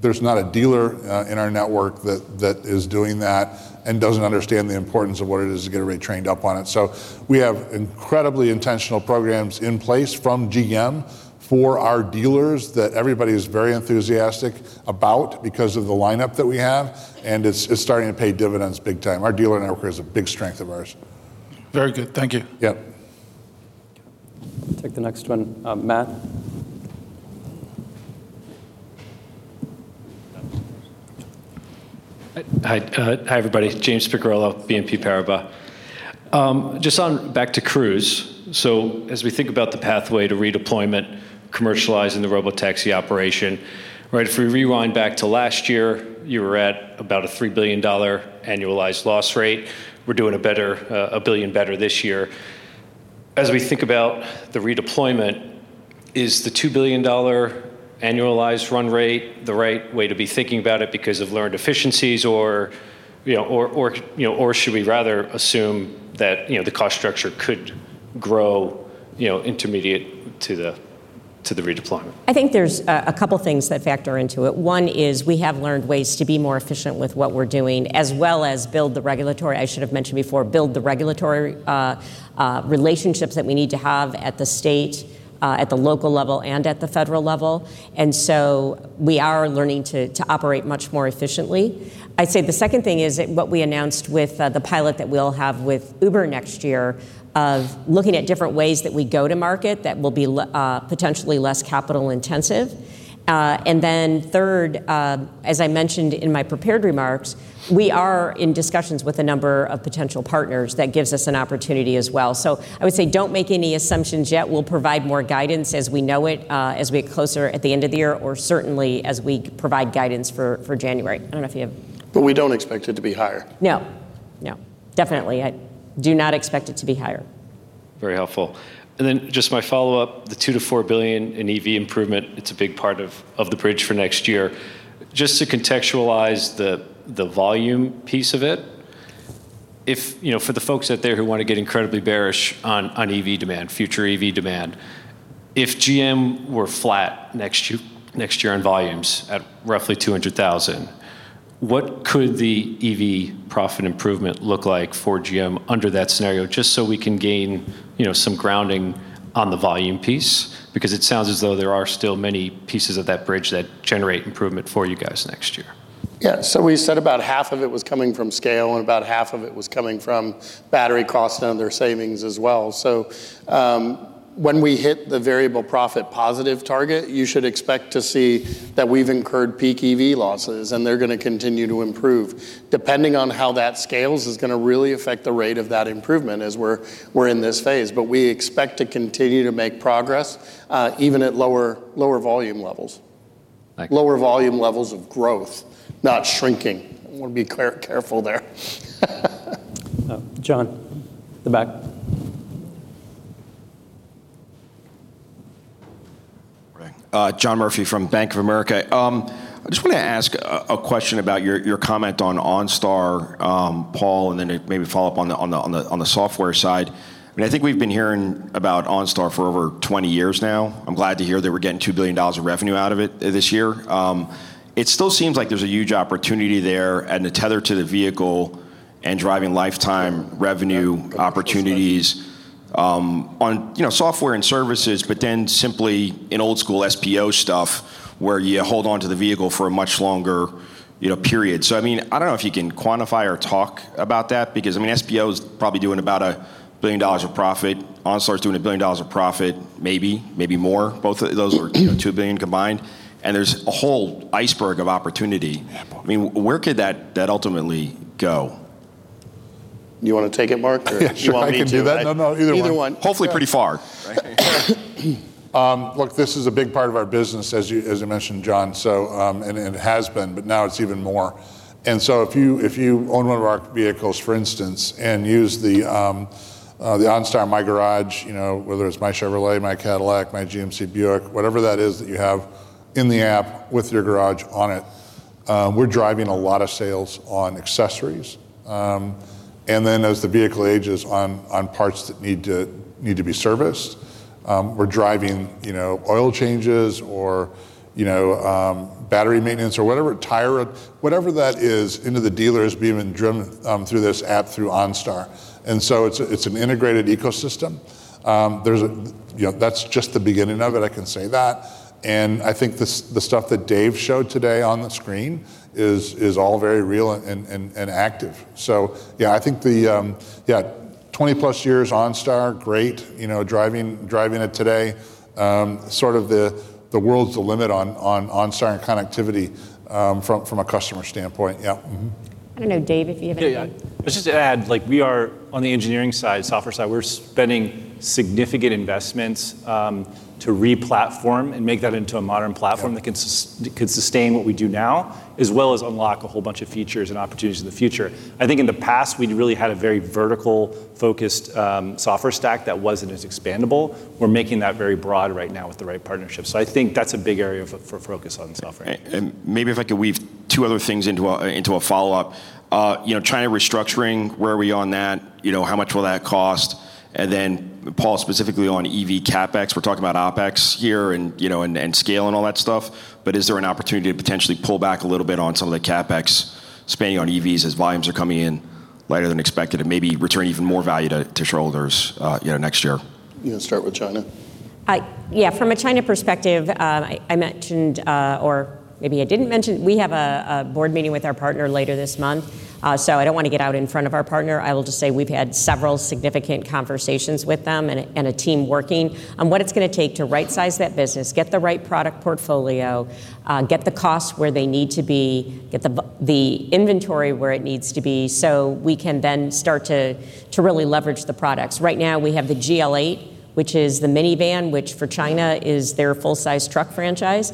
There's not a dealer in our network that is doing that and doesn't understand the importance of what it is to get everybody trained up on it. We have incredibly intentional programs in place from GM for our dealers that everybody is very enthusiastic about because of the lineup that we have, and it's starting to pay dividends big time. Our dealer network is a big strength of ours.... Very good. Thank you. Yeah. Take the next one. Matt? Hi, hi, everybody. James Picariello, BNP Paribas. Just back to Cruise. So as we think about the pathway to redeployment, commercializing the robotaxi operation, right? If we rewind back to last year, you were at about a $3 billion annualized loss rate. We're doing a better, a $1 billion better this year. As we think about the redeployment, is the $2 billion annualized run rate the right way to be thinking about it because of learned efficiencies or, you know, or should we rather assume that, you know, the cost structure could grow, you know, intermediate to the, to the redeployment? I think there's a couple things that factor into it. One is we have learned ways to be more efficient with what we're doing, as well as build the regulatory relationships that we need to have at the state level, at the local level, and at the federal level, and so we are learning to operate much more efficiently. I'd say the second thing is that what we announced with the pilot that we'll have with Uber next year, of looking at different ways that we go to market that will be potentially less capital intensive. And then third, as I mentioned in my prepared remarks, we are in discussions with a number of potential partners. That gives us an opportunity as well. So I would say don't make any assumptions yet. We'll provide more guidance as we know it, as we get closer at the end of the year, or certainly as we provide guidance for January. I don't know if you have- But we don't expect it to be higher. No. No, definitely, I do not expect it to be higher. Very helpful, and then just my follow-up, the $2 billion-$4 billion in EV improvement. It's a big part of the bridge for next year. Just to contextualize the volume piece of it, if you know, for the folks out there who want to get incredibly bearish on EV demand, future EV demand, if GM were flat next year, next year on volumes at roughly 200,000, what could the EV profit improvement look like for GM under that scenario? Just so we can gain you know, some grounding on the volume piece, because it sounds as though there are still many pieces of that bridge that generate improvement for you guys next year. Yeah, so we said about half of it was coming from scale, and about half of it was coming from battery costs and other savings as well. So, when we hit the variable profit positive target, you should expect to see that we've incurred peak EV losses, and they're gonna continue to improve. Depending on how that scales, is gonna really affect the rate of that improvement as we're in this phase. But we expect to continue to make progress, even at lower volume levels. Thank you. Lower volume levels of growth, not shrinking. I want to be careful there. John, the back. Right. John Murphy from Bank of America. I just want to ask a question about your comment on OnStar, Paul, and then maybe follow up on the software side. I think we've been hearing about OnStar for over 20 years now. I'm glad to hear that we're getting $2 billion of revenue out of it this year. It still seems like there's a huge opportunity there, and a tether to the vehicle and driving lifetime revenue opportunities on you know Software and Services, but then simply in old school SPO stuff, where you hold onto the vehicle for a much longer you know period. I mean, I don't know if you can quantify or talk about that, because I mean SPO is probably doing about $1 billion of profit. OnStar's doing $1 billion of profit, maybe, maybe more. Both of those are, you know, $2 billion combined, and there's a whole iceberg of opportunity. I mean, where could that, that ultimately go? You want to take it, Mark, or you want me to? Yeah, sure, I can do that. No, no, either one. Either one. Hopefully, pretty far, right? Look, this is a big part of our business, as you, as you mentioned, John, so, and it has been, but now it's even more. And so if you own one of our vehicles, for instance, and use the OnStar My Garage, you know, whether it's my Chevrolet, my Cadillac, my GMC Buick, whatever that is that you have in the app with your garage on it, we're driving a lot of sales on accessories. And then as the vehicle ages on parts that need to be serviced, we're driving, you know, oil changes or, you know, battery maintenance or whatever, tire, whatever that is, into the dealers being driven through this app through OnStar. And so it's a, it's an integrated ecosystem. There's a... You know, that's just the beginning of it, I can say that. I think the stuff that Dave showed today on the screen is all very real and active. So yeah, I think the yeah, 20-plus years OnStar, great, you know, driving it today, sort of the world's the limit on OnStar and connectivity from a customer standpoint. Yeah. Mm-hmm. I don't know, Dave, if you have anything? Yeah, yeah. Just to add, like we are on the engineering side, software side, we're spending significant investments to re-platform and make that into a modern platform. Yeah... that can sustain what we do now, as well as unlock a whole bunch of features and opportunities in the future. I think in the past, we'd really had a very vertical-focused software stack that wasn't as expandable. We're making that very broad right now with the right partnerships, so I think that's a big area of focus on software. And maybe if I could weave two other things into a, into a follow-up. You know, China restructuring, where are we on that? You know, how much will that cost? And then Paul, specifically on EV CapEx, we're talking about OpEx here and, you know, scale and all that stuff, but is there an opportunity to potentially pull back a little bit on some of the CapEx spending on EVs as volumes are coming in lighter than expected, and maybe return even more value to shareholders, you know, next year? You want to start with China?... yeah, from a China perspective, I mentioned, or maybe I didn't mention, we have a board meeting with our partner later this month. So I don't wanna get out in front of our partner. I will just say we've had several significant conversations with them and a team working on what it's gonna take to right-size that business, get the right product portfolio, get the costs where they need to be, get the inventory where it needs to be, so we can then start to really leverage the products. Right now, we have the GL8, which is the minivan, which for China is their full-size truck franchise.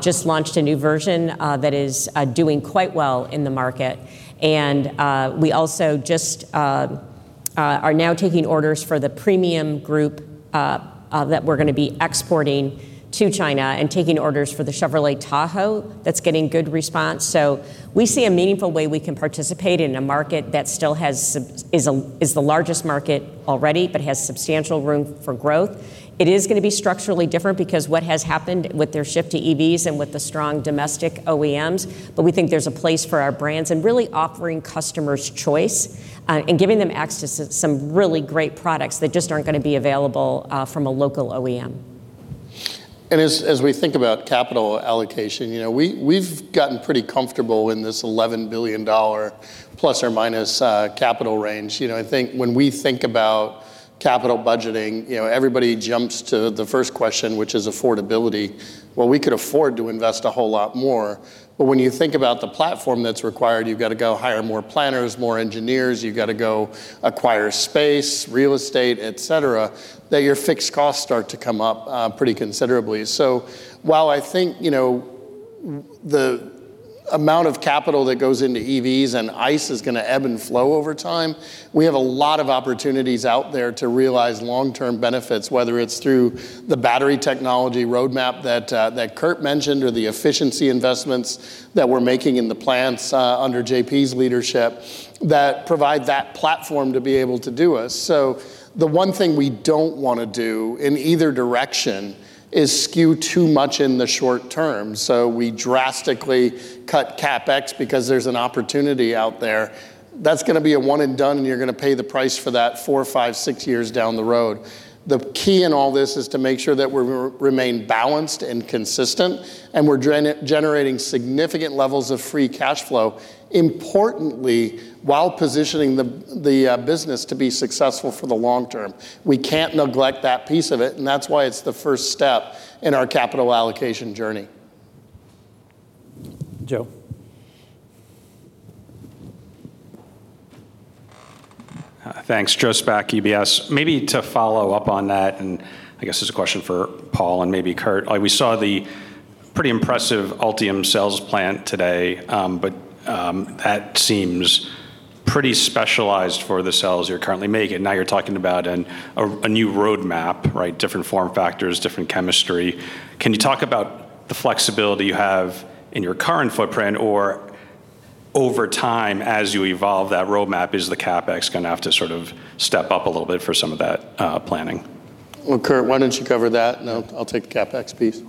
Just launched a new version that is doing quite well in the market, and we also just are now taking orders for the premium group that we're gonna be exporting to China, and taking orders for the Chevrolet Tahoe. That's getting good response. So we see a meaningful way we can participate in a market that still is the largest market already, but has substantial room for growth. It is gonna be structurally different, because what has happened with their shift to EVs and with the strong domestic OEMs, but we think there's a place for our brands, and really offering customers choice, and giving them access to some really great products that just aren't gonna be available from a local OEM. And as we think about capital allocation, you know, we've gotten pretty comfortable in this $11 billion, plus or minus, capital range. You know, I think when we think about capital budgeting, you know, everybody jumps to the first question, which is affordability. Well, we could afford to invest a whole lot more, but when you think about the platform that's required, you've got to go hire more planners, more engineers, you've got to go acquire space, real estate, et cetera, that your fixed costs start to come up, pretty considerably. So while I think, you know, the amount of capital that goes into EVs and ICE is gonna ebb and flow over time, we have a lot of opportunities out there to realize long-term benefits, whether it's through the battery technology roadmap that Kurt mentioned, or the efficiency investments that we're making in the plants under JP's leadership, that provide that platform to be able to do this. So the one thing we don't wanna do, in either direction, is skew too much in the short term. So we drastically cut CapEx because there's an opportunity out there, that's gonna be a one and done, and you're gonna pay the price for that four, five, six years down the road. The key in all this is to make sure that we're remain balanced and consistent, and we're generating significant levels of free cash flow, importantly, while positioning the business to be successful for the long term. We can't neglect that piece of it, and that's why it's the first step in our capital allocation journey. Joe? Thanks. Joe Spak, UBS. Maybe to follow up on that, and I guess this is a question for Paul and maybe Kurt. We saw the pretty impressive Ultium Cells plant today, but that seems pretty specialized for the cells you're currently making. Now, you're talking about a new roadmap, right? Different form factors, different chemistry. Can you talk about the flexibility you have in your current footprint, or over time, as you evolve that roadmap, is the CapEx gonna have to sort of step up a little bit for some of that planning? Kurt, why don't you cover that, and I'll take the CapEx piece.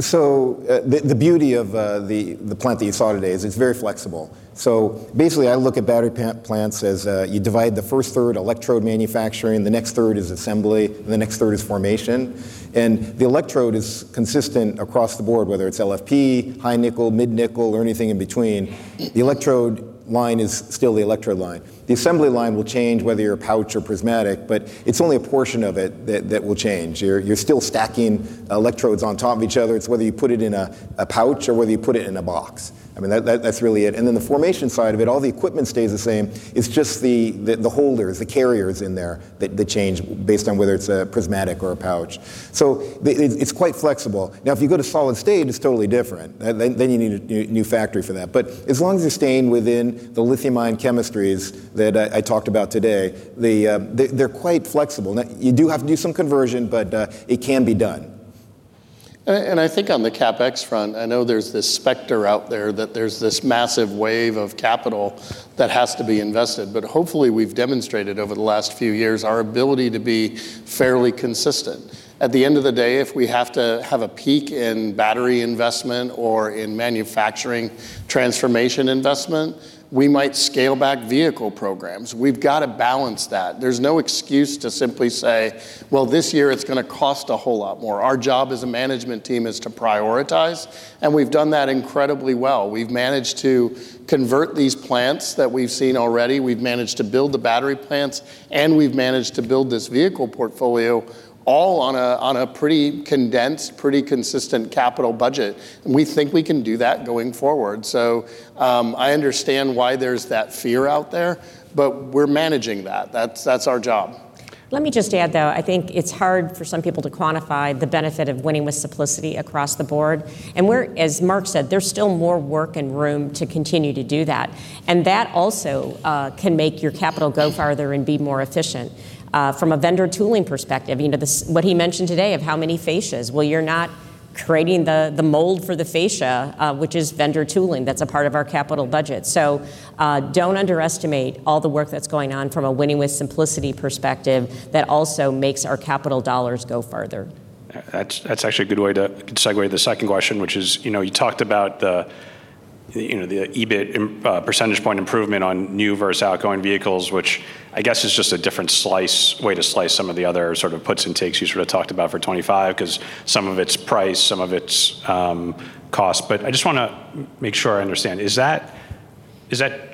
So, the beauty of the plant that you saw today is it's very flexible. So basically, I look at battery plants as you divide the first third, electrode manufacturing, the next third is assembly, and the next third is formation. And the electrode is consistent across the board, whether it's LFP, high-nickel, mid-nickel, or anything in between. The electrode line is still the electrode line. The assembly line will change, whether you're a pouch or prismatic, but it's only a portion of it that will change. You're still stacking electrodes on top of each other. It's whether you put it in a pouch or whether you put it in a box. I mean, that's really it. And then the formation side of it, all the equipment stays the same. It's just the holders, the carriers in there that change based on whether it's a prismatic or a pouch. So it's quite flexible. Now, if you go to solid state, it's totally different. Then you need a new factory for that. But as long as you're staying within the lithium-ion chemistries that I talked about today, they're quite flexible. Now, you do have to do some conversion, but it can be done. And I think on the CapEx front, I know there's this specter out there that there's this massive wave of capital that has to be invested, but hopefully, we've demonstrated over the last few years our ability to be fairly consistent. At the end of the day, if we have to have a peak in battery investment or in manufacturing transformation investment, we might scale back vehicle programs. We've got to balance that. There's no excuse to simply say, "Well, this year it's gonna cost a whole lot more." Our job as a management team is to prioritize, and we've done that incredibly well. We've managed to convert these plants that we've seen already. We've managed to build the battery plants, and we've managed to build this vehicle portfolio all on a pretty condensed, pretty consistent capital budget, and we think we can do that going forward. I understand why there's that fear out there, but we're managing that. That's our job. Let me just add, though, I think it's hard for some people to quantify the benefit of winning with simplicity across the board. As Mark said, there's still more work and room to continue to do that, and that also can make your capital go farther and be more efficient. From a vendor tooling perspective, you know, what he mentioned today of how many fascias, well, you're not creating the mold for the fascia, which is vendor tooling. That's a part of our capital budget. So, don't underestimate all the work that's going on from a winning with simplicity perspective that also makes our capital dollars go farther. That's actually a good way to segue to the second question, which is, you know, you talked about the EBIT percentage point improvement on new versus outgoing vehicles, which I guess is just a different slice, way to slice some of the other sort of puts and takes you sort of talked about for twenty-five, 'cause some of it's price, some of it's cost. But I just wanna make sure I understand. Is that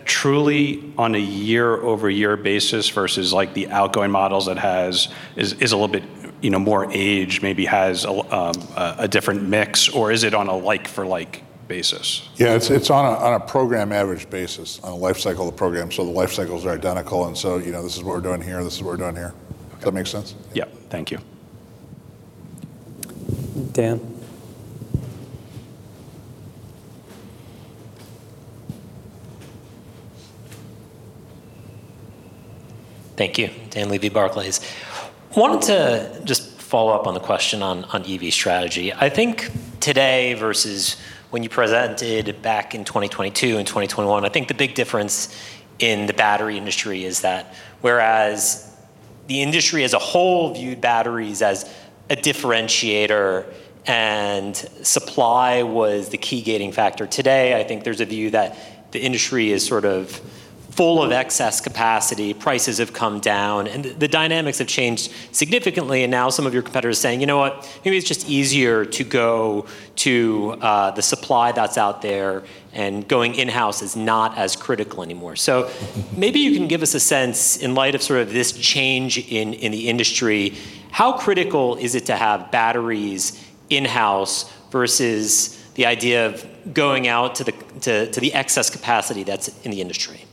truly on a year-over-year basis versus, like, the outgoing models that has is a little bit, you know, more age, maybe has a different mix, or is it on a like for like basis? Yeah, it's on a program average basis, on a life cycle of the program. So the life cycles are identical, and so, you know, this is what we're doing here, this is what we're doing here. Okay. Does that make sense? Yeah. Thank you. Dan? Thank you. Dan Levy, Barclays. I wanted to just follow up on the question on EV strategy. I think today versus when you presented back in 2022 and 2021, I think the big difference in the battery industry is that whereas the industry as a whole viewed batteries as a differentiator and supply was the key gating factor, today, I think there's a view that the industry is sort of full of excess capacity. Prices have come down, and the dynamics have changed significantly, and now some of your competitors are saying: "You know what? Maybe it's just easier to go to the supply that's out there, and going in-house is not as critical anymore." So maybe you can give us a sense, in light of sort of this change in the industry, how critical is it to have batteries in-house versus the idea of going out to the excess capacity that's in the industry?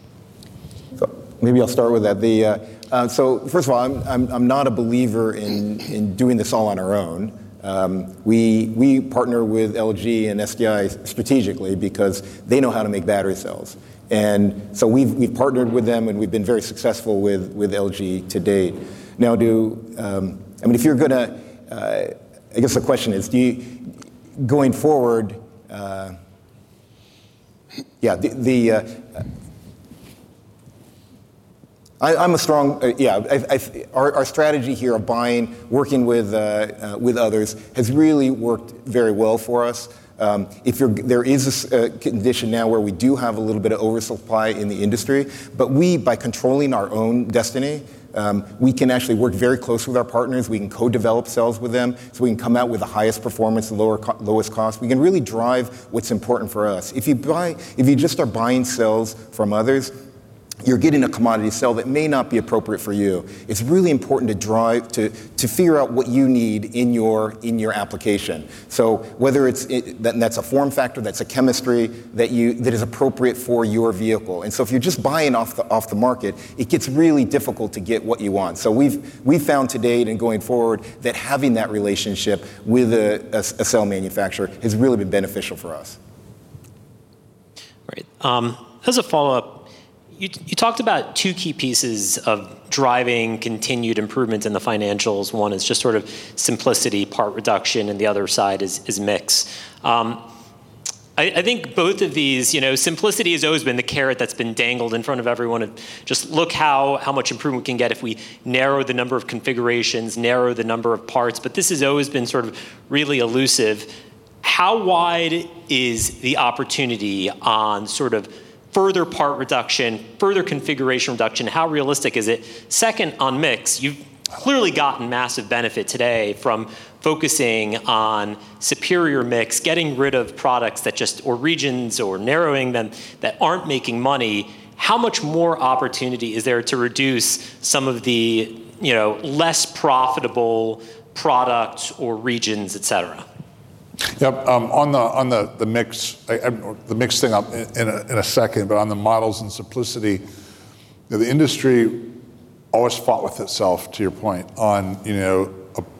So maybe I'll start with that. First of all, I'm not a believer in doing this all on our own. We partner with LG and SDI strategically because they know how to make battery cells, and so we've partnered with them, and we've been very successful with LG to date. I mean, if you're gonna. I guess the question is, do you going forward. Yeah, I'm a strong, yeah, our strategy here of buying, working with others has really worked very well for us. There is a condition now where we do have a little bit of oversupply in the industry, but we, by controlling our own destiny, we can actually work very closely with our partners. We can co-develop cells with them, so we can come out with the highest performance and lowest cost. We can really drive what's important for us. If you just are buying cells from others, you're getting a commodity cell that may not be appropriate for you. It's really important to drive to figure out what you need in your application. So whether it's a form factor, that's a chemistry that is appropriate for your vehicle. And so if you're just buying off the market, it gets really difficult to get what you want. So we've found to date and going forward that having that relationship with a cell manufacturer has really been beneficial for us. Right. As a follow-up, you talked about two key pieces of driving continued improvements in the financials. One is just sort of simplicity, part reduction, and the other side is mix. I think both of these, you know, simplicity has always been the carrot that's been dangled in front of everyone to just look how much improvement we can get if we narrow the number of configurations, narrow the number of parts, but this has always been sort of really elusive. How wide is the opportunity on sort of further part reduction, further configuration reduction? How realistic is it? Second, on mix, you've clearly gotten massive benefit today from focusing on superior mix, getting rid of products that just... or regions or narrowing them, that aren't making money. How much more opportunity is there to reduce some of the, you know, less profitable products or regions, et cetera? Yep, on the mix. The mix thing I'll in a second, but on the models and simplicity, the industry always fought with itself, to your point, on, you know,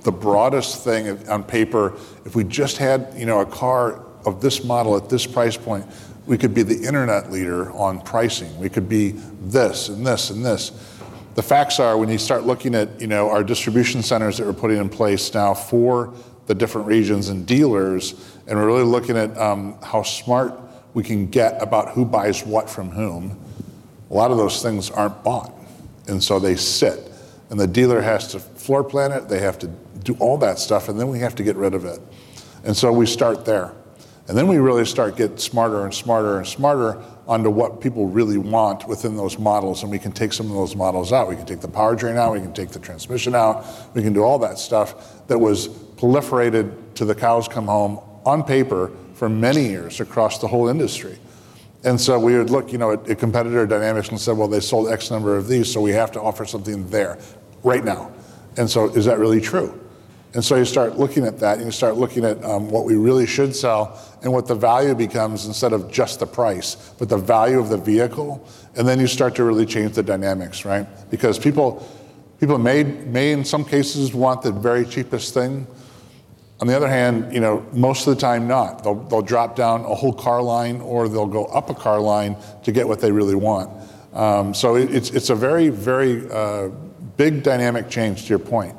the broadest thing on paper. If we just had, you know, a car of this model at this price point, we could be the internet leader on pricing. We could be this and this and this. The facts are, when you start looking at, you know, our distribution centers that we're putting in place now for the different regions and dealers, and we're really looking at how smart we can get about who buys what from whom, a lot of those things aren't bought, and so they sit, and the dealer has to floor plan it, they have to do all that stuff, and then we have to get rid of it. And so we start there, and then we really start getting smarter and smarter and smarter onto what people really want within those models, and we can take some of those models out. We can take the powertrain out, we can take the transmission out, we can do all that stuff that was proliferated till the cows come home on paper for many years across the whole industry. And so we would look, you know, at a competitor, dynamics, and said: "Well, they sold X number of these, so we have to offer something there right now." And so is that really true? And so you start looking at that, and you start looking at what we really should sell and what the value becomes, instead of just the price, but the value of the vehicle, and then you start to really change the dynamics, right? Because people may, in some cases, want the very cheapest thing. On the other hand, you know, most of the time, not. They'll drop down a whole car line or they'll go up a car line to get what they really want. So it's a very big dynamic change to your point...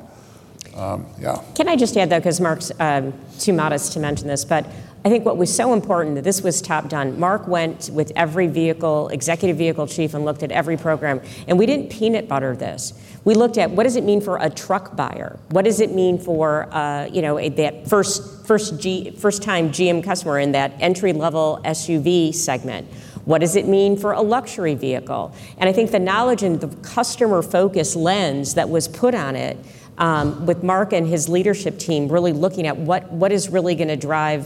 yeah. Can I just add, though, 'cause Mark's too modest to mention this, but I think what was so important that this was top-down. Mark went with every vehicle, executive vehicle chief, and looked at every program, and we didn't peanut butter this. We looked at, what does it mean for a truck buyer? What does it mean for, you know, that first-time GM customer in that entry-level SUV segment? What does it mean for a luxury vehicle? And I think the knowledge and the customer-focused lens that was put on it, with Mark and his leadership team really looking at what is really gonna drive,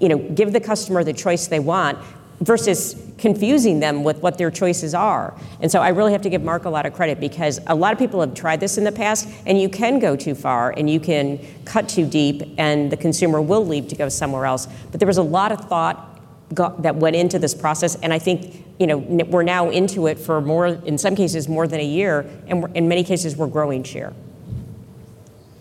you know, give the customer the choice they want versus confusing them with what their choices are. I really have to give Mark a lot of credit, because a lot of people have tried this in the past, and you can go too far, and you can cut too deep, and the consumer will leave to go somewhere else. But there was a lot of thought that went into this process, and I think, you know, we're now into it for more, in some cases, more than a year, and we're in many cases, we're growing share.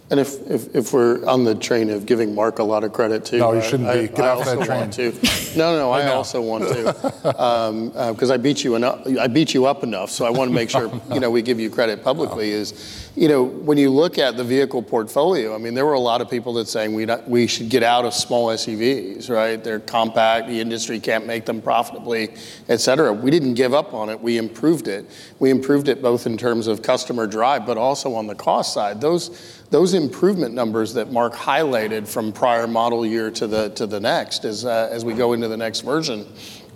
And if we're on the train of giving Mark a lot of credit, too- No, you shouldn't be. Get off that train. I also want to. 'Cause I beat you up enough, so I wanna make sure you know, we give you credit publicly is, you know, when you look at the vehicle portfolio, I mean, there were a lot of people that saying, "We should get out of small SUVs," right? They're compact, the industry can't make them profitably, et cetera. We didn't give up on it, we improved it. We improved it both in terms of customer drive, but also on the cost side. Those improvement numbers that Mark highlighted from prior model year to the next, as we go into the next version,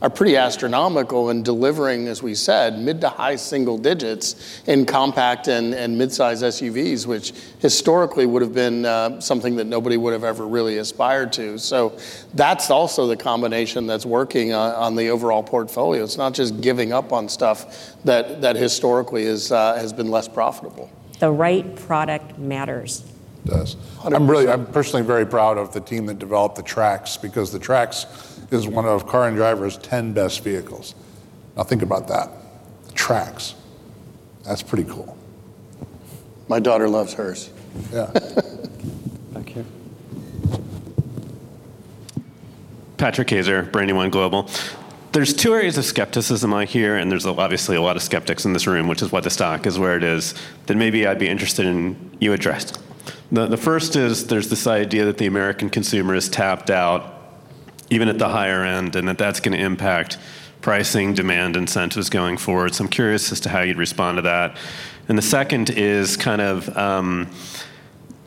are pretty astronomical in delivering, as we said, mid to high single digits in compact and mid-size SUVs, which historically would've been something that nobody would've ever really aspired to. So that's also the combination that's working on the overall portfolio. It's not just giving up on stuff that historically has been less profitable. The right product matters. It does. Hundred percent- I'm really, I'm personally very proud of the team that developed the Trax, because the Trax is one of Car and Driver's 10Best vehicles. Now, think about that, the Trax. That's pretty cool. My daughter loves hers. Yeah. Back here. Patrick Kaser, Brandywine Global. There are two areas of skepticism I hear, and there's obviously a lot of skeptics in this room, which is why the stock is where it is, that maybe you'd be interested in addressing. The first is there's this idea that the American consumer is tapped out, even at the higher end, and that that's gonna impact pricing, demand, incentives going forward. So I'm curious as to how you'd respond to that. And the second is kind of,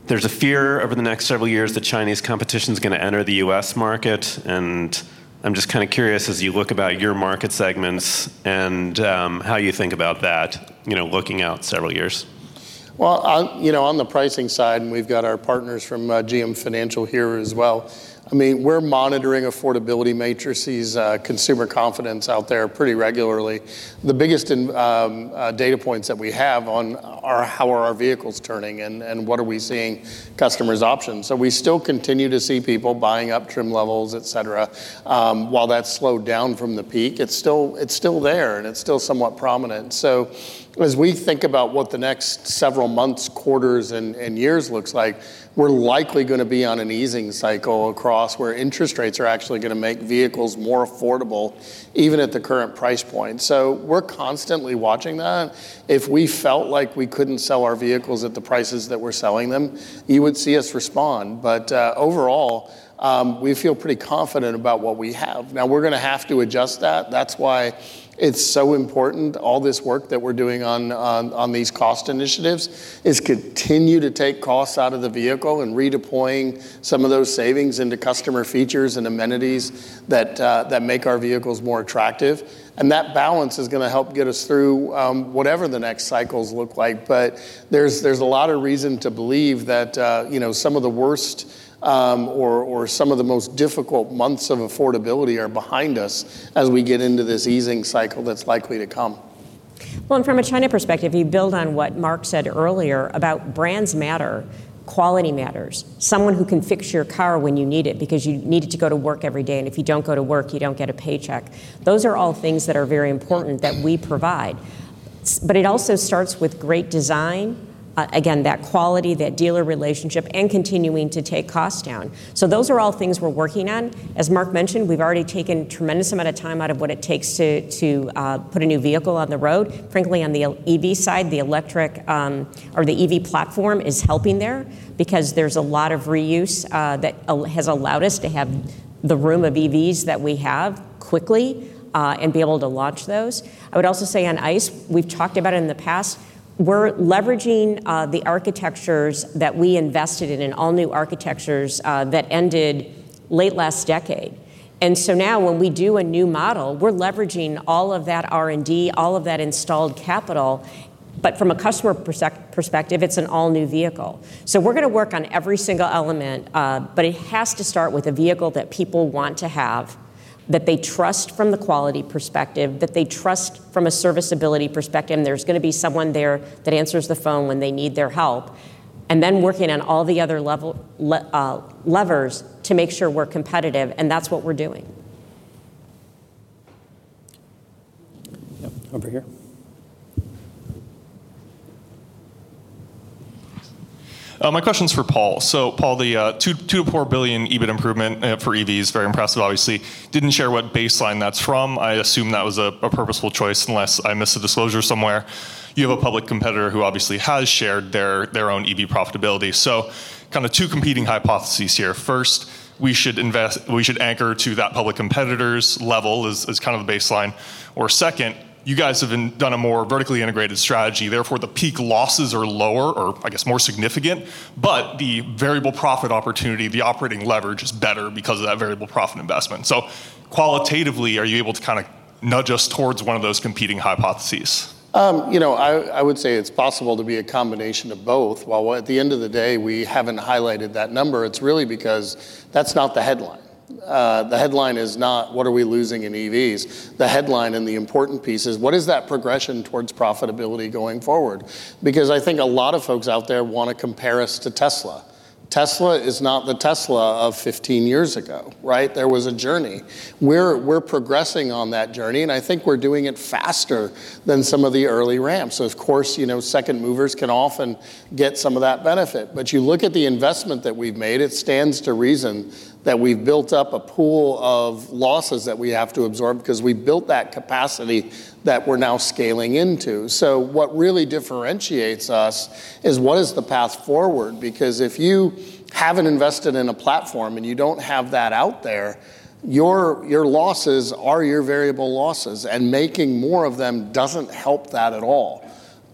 there's a fear over the next several years that Chinese competition's gonna enter the U.S. market, and I'm just kinda curious, as you look about your market segments and, how you think about that, you know, looking out several years? Well, you know, on the pricing side, and we've got our partners from GM Financial here as well, I mean, we're monitoring affordability matrices, consumer confidence out there pretty regularly. The biggest data points that we have on are how are our vehicles turning, and what are we seeing customers' options? So we still continue to see people buying up trim levels, et cetera. While that's slowed down from the peak, it's still there, and it's still somewhat prominent. So as we think about what the next several months, quarters, and years looks like, we're likely gonna be on an easing cycle across where interest rates are actually gonna make vehicles more affordable, even at the current price point. So we're constantly watching that. If we felt like we couldn't sell our vehicles at the prices that we're selling them, you would see us respond. But overall, we feel pretty confident about what we have. Now, we're gonna have to adjust that. That's why it's so important, all this work that we're doing on these cost initiatives, is continue to take costs out of the vehicle and redeploying some of those savings into customer features and amenities that that make our vehicles more attractive, and that balance is gonna help get us through whatever the next cycles look like. But there's a lot of reason to believe that you know, some of the worst or some of the most difficult months of affordability are behind us as we get into this easing cycle that's likely to come. And from a China perspective, you build on what Mark said earlier about brands matter, quality matters. Someone who can fix your car when you need it, because you need it to go to work every day, and if you don't go to work, you don't get a paycheck. Those are all things that are very important that we provide. But it also starts with great design, again, that quality, that dealer relationship, and continuing to take costs down. So those are all things we're working on. As Mark mentioned, we've already taken a tremendous amount of time out of what it takes to put a new vehicle on the road. Frankly, on the EV side, the electric, or the EV platform is helping there, because there's a lot of reuse that has allowed us to have the room of EVs that we have quickly, and be able to launch those. I would also say on ICE, we've talked about it in the past, we're leveraging the architectures that we invested in, in all new architectures that ended late last decade. And so now, when we do a new model, we're leveraging all of that R&D, all of that installed capital, but from a customer perspective, it's an all-new vehicle. So we're gonna work on every single element, but it has to start with a vehicle that people want to have, that they trust from the quality perspective, that they trust from a serviceability perspective, and there's gonna be someone there that answers the phone when they need their help. And then working on all the other level, levers to make sure we're competitive, and that's what we're doing. Yep, over here. ... My question's for Paul. So Paul, the two $2 billion-$4 billion EBIT improvement for EVs, very impressive, obviously. Didn't share what baseline that's from. I assume that was a purposeful choice, unless I missed a disclosure somewhere. You have a public competitor who obviously has shared their own EV profitability. So kind of two competing hypotheses here: first, we should anchor to that public competitor's level as kind of a baseline, or second, you guys done a more vertically integrated strategy, therefore, the peak losses are lower or I guess more significant, but the variable profit opportunity, the operating leverage, is better because of that variable profit investment. So qualitatively, are you able to kind of nudge us towards one of those competing hypotheses? You know, I would say it's possible to be a combination of both. While at the end of the day, we haven't highlighted that number, it's really because that's not the headline. The headline is not, "What are we losing in EVs?" The headline and the important piece is, what is that progression towards profitability going forward? Because I think a lot of folks out there wanna compare us to Tesla. Tesla is not the Tesla of 15 years ago, right? There was a journey. We're progressing on that journey, and I think we're doing it faster than some of the early ramps. So of course, you know, second movers can often get some of that benefit. But you look at the investment that we've made. It stands to reason that we've built up a pool of losses that we have to absorb, because we built that capacity that we're now scaling into. So what really differentiates us is, what is the path forward? Because if you haven't invested in a platform, and you don't have that out there, your losses are your variable losses, and making more of them doesn't help that at all.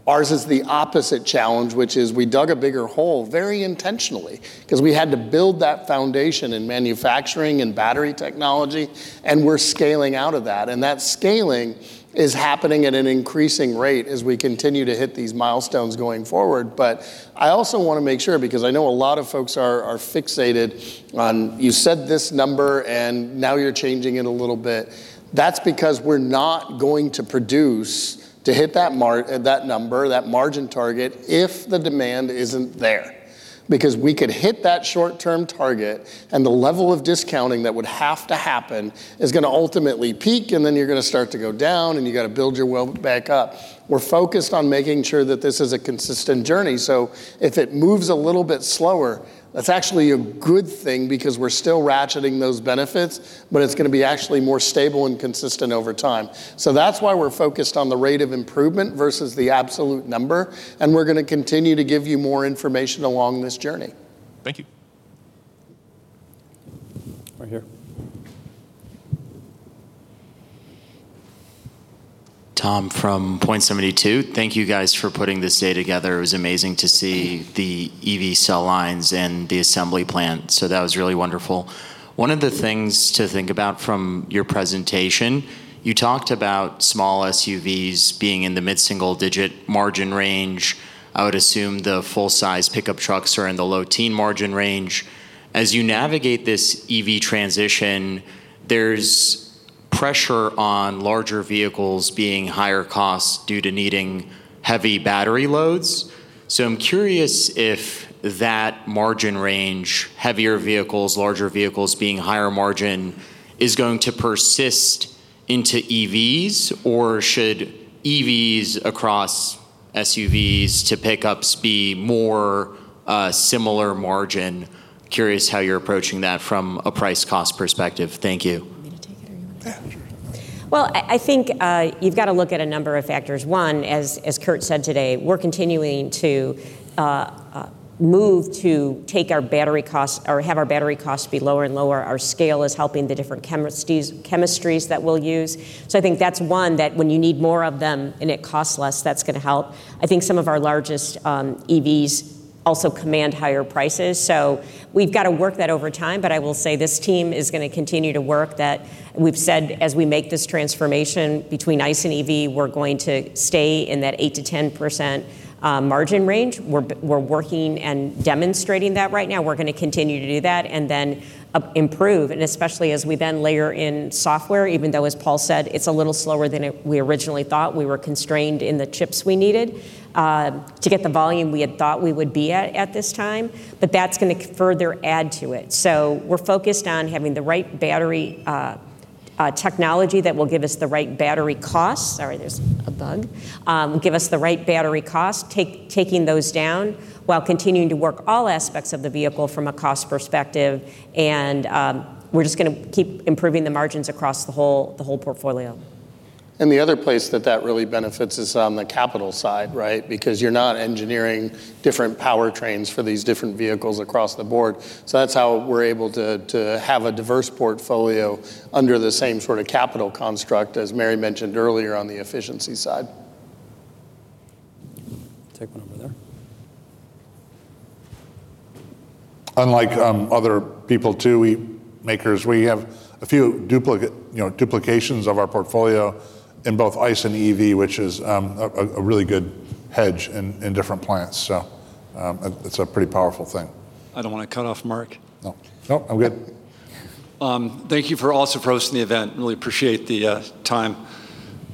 Ours is the opposite challenge, which is we dug a bigger hole very intentionally, 'cause we had to build that foundation in manufacturing and battery technology, and we're scaling out of that. And that scaling is happening at an increasing rate as we continue to hit these milestones going forward. but I also wanna make sure, because I know a lot of folks are fixated on, "You said this number, and now you're changing it a little bit." That's because we're not going to produce to hit that number, that margin target, if the demand isn't there. Because we could hit that short-term target, and the level of discounting that would have to happen is gonna ultimately peak, and then you're gonna start to go down, and you've gotta build your wealth back up. We're focused on making sure that this is a consistent journey, so if it moves a little bit slower, that's actually a good thing, because we're still ratcheting those benefits, but it's gonna be actually more stable and consistent over time. So that's why we're focused on the rate of improvement versus the absolute number, and we're gonna continue to give you more information along this journey. Thank you. Right here. Tom from Point72. Thank you, guys, for putting this day together. It was amazing to see the EV cell lines and the assembly plant, so that was really wonderful. One of the things to think about from your presentation, you talked about small SUVs being in the mid-single-digit margin range. I would assume the full-size pickup trucks are in the low-teen margin range. As you navigate this EV transition, there's pressure on larger vehicles being higher cost due to needing heavy battery loads. So I'm curious if that margin range, heavier vehicles, larger vehicles being higher margin, is going to persist into EVs, or should EVs across SUVs to pickups be more similar margin? Curious how you're approaching that from a price-cost perspective. Thank you. You want me to take it or you want to take it? Yeah, sure. I think you've got to look at a number of factors. One, as Kurt said today, we're continuing to move to take our battery costs or have our battery costs be lower and lower. Our scale is helping the different chemistries that we'll use. So I think that's one, that when you need more of them and it costs less, that's gonna help. I think some of our largest EVs also command higher prices, so we've got to work that over time. But I will say this team is gonna continue to work, that we've said as we make this transformation between ICE and EV, we're going to stay in that 8%-10% margin range. We're working and demonstrating that right now. We're gonna continue to do that, and then improve, and especially as we then layer in software, even though, as Paul said, it's a little slower than we originally thought. We were constrained in the chips we needed to get the volume we had thought we would be at this time, but that's gonna further add to it. So we're focused on having the right battery technology that will give us the right battery costs. Sorry, there's a bug. Give us the right battery cost, taking those down, while continuing to work all aspects of the vehicle from a cost perspective, and we're just gonna keep improving the margins across the whole portfolio. The other place that that really benefits is on the capital side, right? Because you're not engineering different powertrains for these different vehicles across the board, so that's how we're able to have a diverse portfolio under the same sort of capital construct, as Mary mentioned earlier on the efficiency side. Take one over there. Unlike other people too, we makers have a few duplications of our portfolio in both ICE and EV, which is a really good hedge in different plants. It's a pretty powerful thing. I don't want to cut off Mark. No. Nope, I'm good. Thank you for also hosting the event. Really appreciate the time.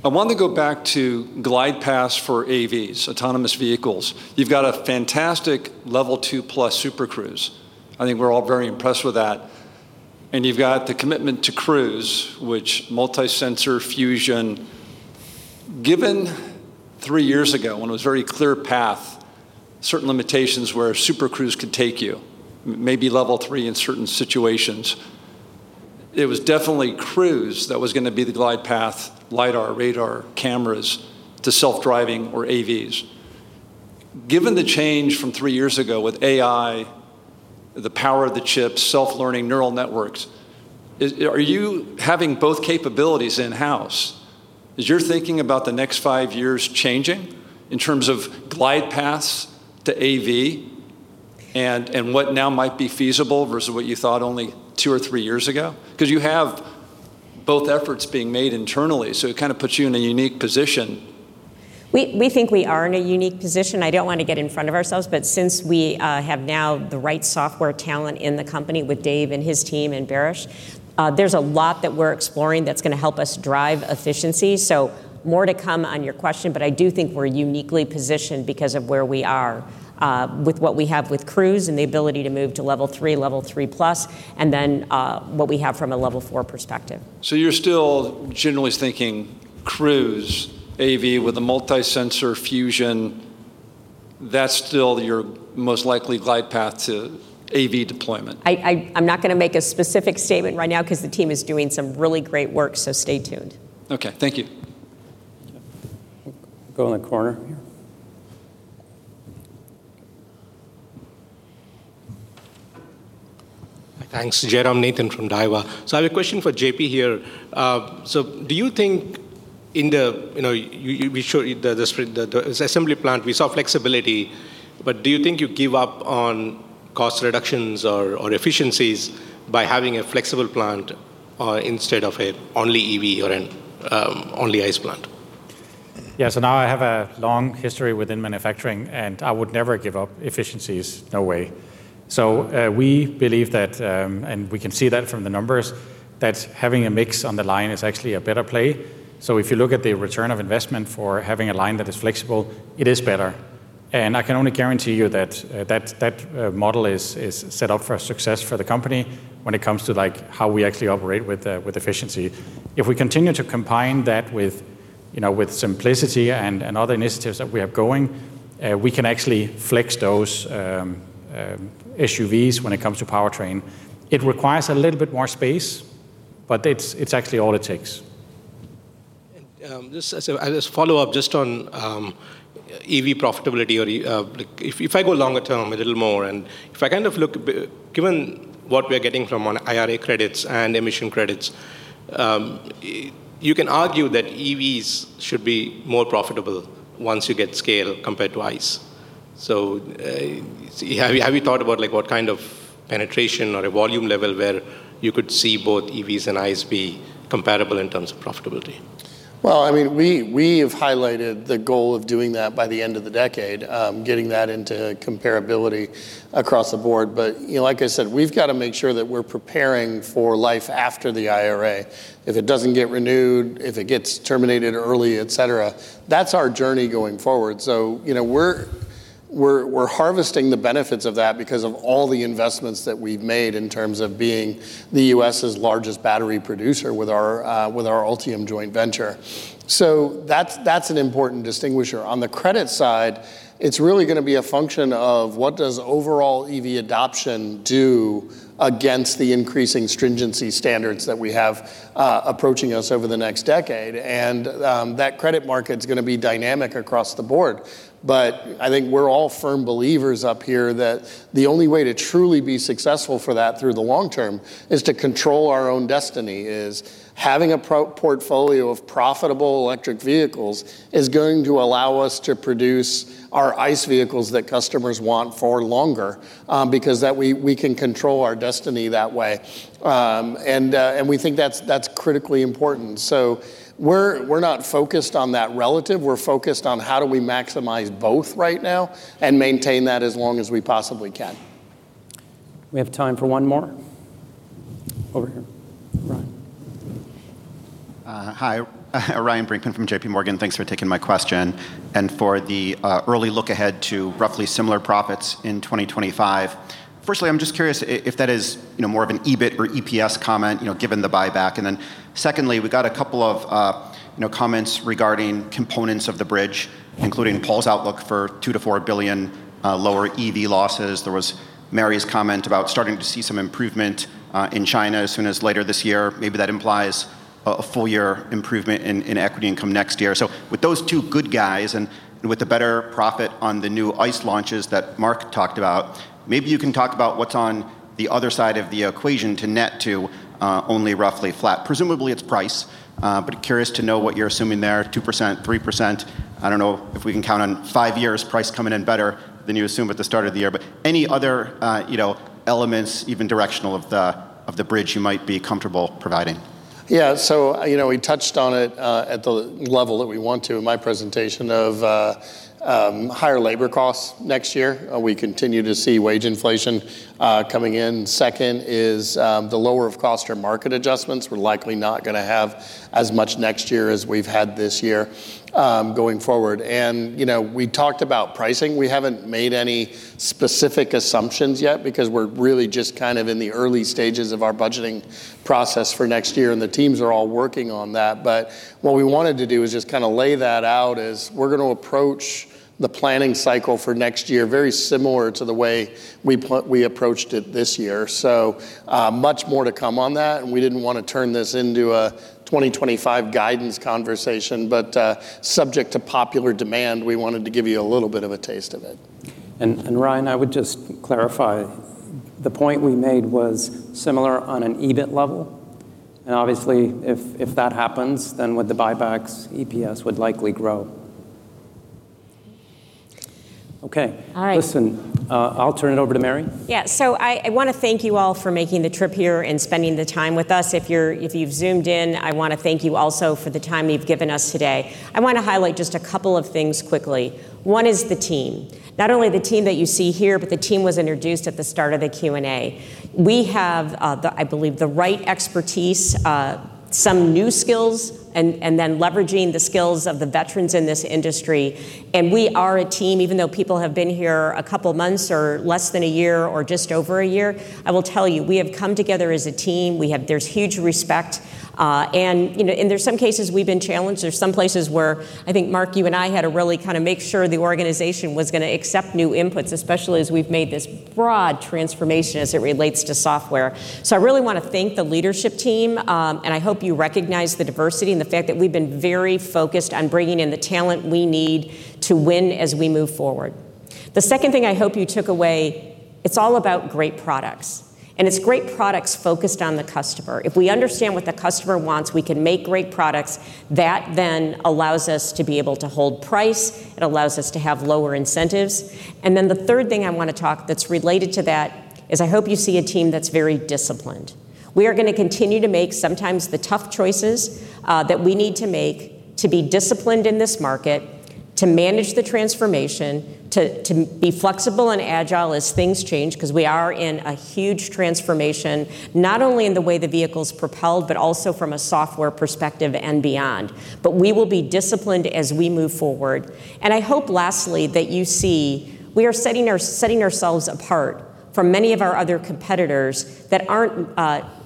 I wanted to go back to glide path for AVs, autonomous vehicles. You've got a fantastic Level 2+ Super Cruise. I think we're all very impressed with that, and you've got the commitment to Cruise, which multi-sensor fusion- ... Given three years ago, when it was very clear path, certain limitations where Super Cruise could take you, maybe Level 3 in certain situations, it was definitely Cruise that was gonna be the glide path, lidar, radar, cameras to self-driving or AVs. Given the change from three years ago with AI, the power of the chip, self-learning neural networks, is, are you having both capabilities in-house? Is your thinking about the next five years changing in terms of glide paths to AV and, and what now might be feasible versus what you thought only two or three years ago? 'Cause you have both efforts being made internally, so it kinda puts you in a unique position. We think we are in a unique position. I don't wanna get in front of ourselves, but since we have now the right software talent in the company with Dave and his team and Baris, there's a lot that we're exploring that's gonna help us drive efficiency. So more to come on your question, but I do think we're uniquely positioned because of where we are with what we have with Cruise and the ability to move to Level 3, Level 3+, and then what we have from a Level 4 perspective. You're still generally thinking Cruise, AV with a multi-sensor fusion, that's still your most likely glide path to AV deployment? I'm not gonna make a specific statement right now, 'cause the team is doing some really great work, so stay tuned. Okay, thank you. Go in the corner here. Thanks. Jairam Nathan from Daiwa. So I have a question for JP here. So do you think in the, you know, we show the assembly plant, we saw flexibility, but do you think you give up on cost reductions or efficiencies by having a flexible plant, instead of a only EV or an only ICE plant? Yeah, so now I have a long history within manufacturing, and I would never give up efficiencies, no way. So, we believe that, and we can see that from the numbers, that having a mix on the line is actually a better play. So if you look at the return on investment for having a line that is flexible, it is better. And I can only guarantee you that, that model is set up for success for the company when it comes to, like, how we actually operate with efficiency. If we continue to combine that with, you know, with simplicity and other initiatives that we have going, we can actually flex those SUVs when it comes to powertrain. It requires a little bit more space, but it's actually all it takes. Just as a, as a follow-up, just on EV profitability or if I go longer term a little more, and if I kind of look at both given what we are getting from the IRA credits and emissions credits, you can argue that EVs should be more profitable once you get scale compared to ICE, so have you thought about, like, what kind of penetration or a volume level where you could see both EVs and ICE be comparable in terms of profitability? I mean, we have highlighted the goal of doing that by the end of the decade, getting that into comparability across the board. But, you know, like I said, we've gotta make sure that we're preparing for life after the IRA. If it doesn't get renewed, if it gets terminated early, et cetera, that's our journey going forward. You know, we're harvesting the benefits of that because of all the investments that we've made in terms of being the U.S.'s largest battery producer with our Ultium joint venture. That's an important distinguisher. On the credit side, it's really gonna be a function of what does overall EV adoption do against the increasing stringency standards that we have approaching us over the next decade, and that credit market's gonna be dynamic across the board. But I think we're all firm believers up here that the only way to truly be successful in the long term is to control our own destiny. Having a proper portfolio of profitable electric vehicles is going to allow us to produce our ICE vehicles that customers want for longer, because we can control our destiny that way. And we think that's critically important. So we're not focused on that relative. We're focused on how do we maximize both right now and maintain that as long as we possibly can. We have time for one more. Over here. Ryan. Hi, Ryan Brinkman from JPMorgan. Thanks for taking my question, and for the early look ahead to roughly similar profits in 2025. Firstly, I'm just curious if that is, you know, more of an EBIT or EPS comment, you know, given the buyback. And then, secondly, we got a couple of, you know, comments regarding components of the bridge, including Paul's outlook for $2 billion-$4 billion lower EV losses. There was Mary's comment about starting to see some improvement in China as soon as later this year. Maybe that implies a full-year improvement in equity income next year. So with those two good guys and with the better profit on the new ICE launches that Mark talked about, maybe you can talk about what's on the other side of the equation to net to only roughly flat. Presumably, it's price, but curious to know what you're assuming there, 2%, 3%. I don't know if we can count on five years' price coming in better than you assumed at the start of the year, but any other, you know, elements, even directional, of the, of the bridge you might be comfortable providing? Yeah, so you know, we touched on it at the level that we want to in my presentation of higher labor costs next year. We continue to see wage inflation coming in. Second is the lower of cost or market adjustments. We're likely not gonna have as much next year as we've had this year, going forward. And, you know, we talked about pricing. We haven't made any specific assumptions yet, because we're really just kind of in the early stages of our budgeting process for next year, and the teams are all working on that. But what we wanted to do is just kinda lay that out, is we're gonna approach the planning cycle for next year, very similar to the way we approached it this year. So, much more to come on that, and we didn't want to turn this into a 2025 guidance conversation, but, subject to popular demand, we wanted to give you a little bit of a taste of it. Ryan, I would just clarify, the point we made was similar on an EBIT level, and obviously, if that happens, then with the buybacks, EPS would likely grow. Okay. All right. Listen, I'll turn it over to Mary. Yeah, so I wanna thank you all for making the trip here and spending the time with us. If you've Zoomed in, I wanna thank you also for the time you've given us today. I wanna highlight just a couple of things quickly. One is the team, not only the team that you see here, but the team was introduced at the start of the Q&A. We have, I believe the right expertise, some new skills, and then leveraging the skills of the veterans in this industry, and we are a team, even though people have been here a couple months, or less than a year, or just over a year, I will tell you, we have come together as a team. We have. There's huge respect, and, you know, and there's some cases we've been challenged. There's some places where I think, Mark, you and I had to really kind of make sure the organization was gonna accept new inputs, especially as we've made this broad transformation as it relates to software. So I really wanna thank the leadership team, and I hope you recognize the diversity and the fact that we've been very focused on bringing in the talent we need to win as we move forward. The second thing I hope you took away, it's all about great products, and it's great products focused on the customer. If we understand what the customer wants, we can make great products. That then allows us to be able to hold price, it allows us to have lower incentives. And then the third thing I wanna talk that's related to that, is I hope you see a team that's very disciplined. We are gonna continue to make sometimes the tough choices that we need to make to be disciplined in this market, to manage the transformation, to be flexible and agile as things change, 'cause we are in a huge transformation, not only in the way the vehicle's propelled, but also from a software perspective and beyond. But we will be disciplined as we move forward. And I hope, lastly, that you see we are setting ourselves apart from many of our other competitors that aren't,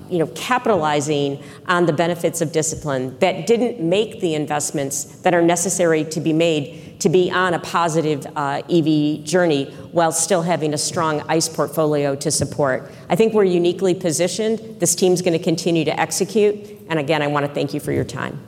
you know, capitalizing on the benefits of discipline, that didn't make the investments that are necessary to be made to be on a positive EV journey, while still having a strong ICE portfolio to support. I think we're uniquely positioned. This team's gonna continue to execute, and again, I wanna thank you for your time.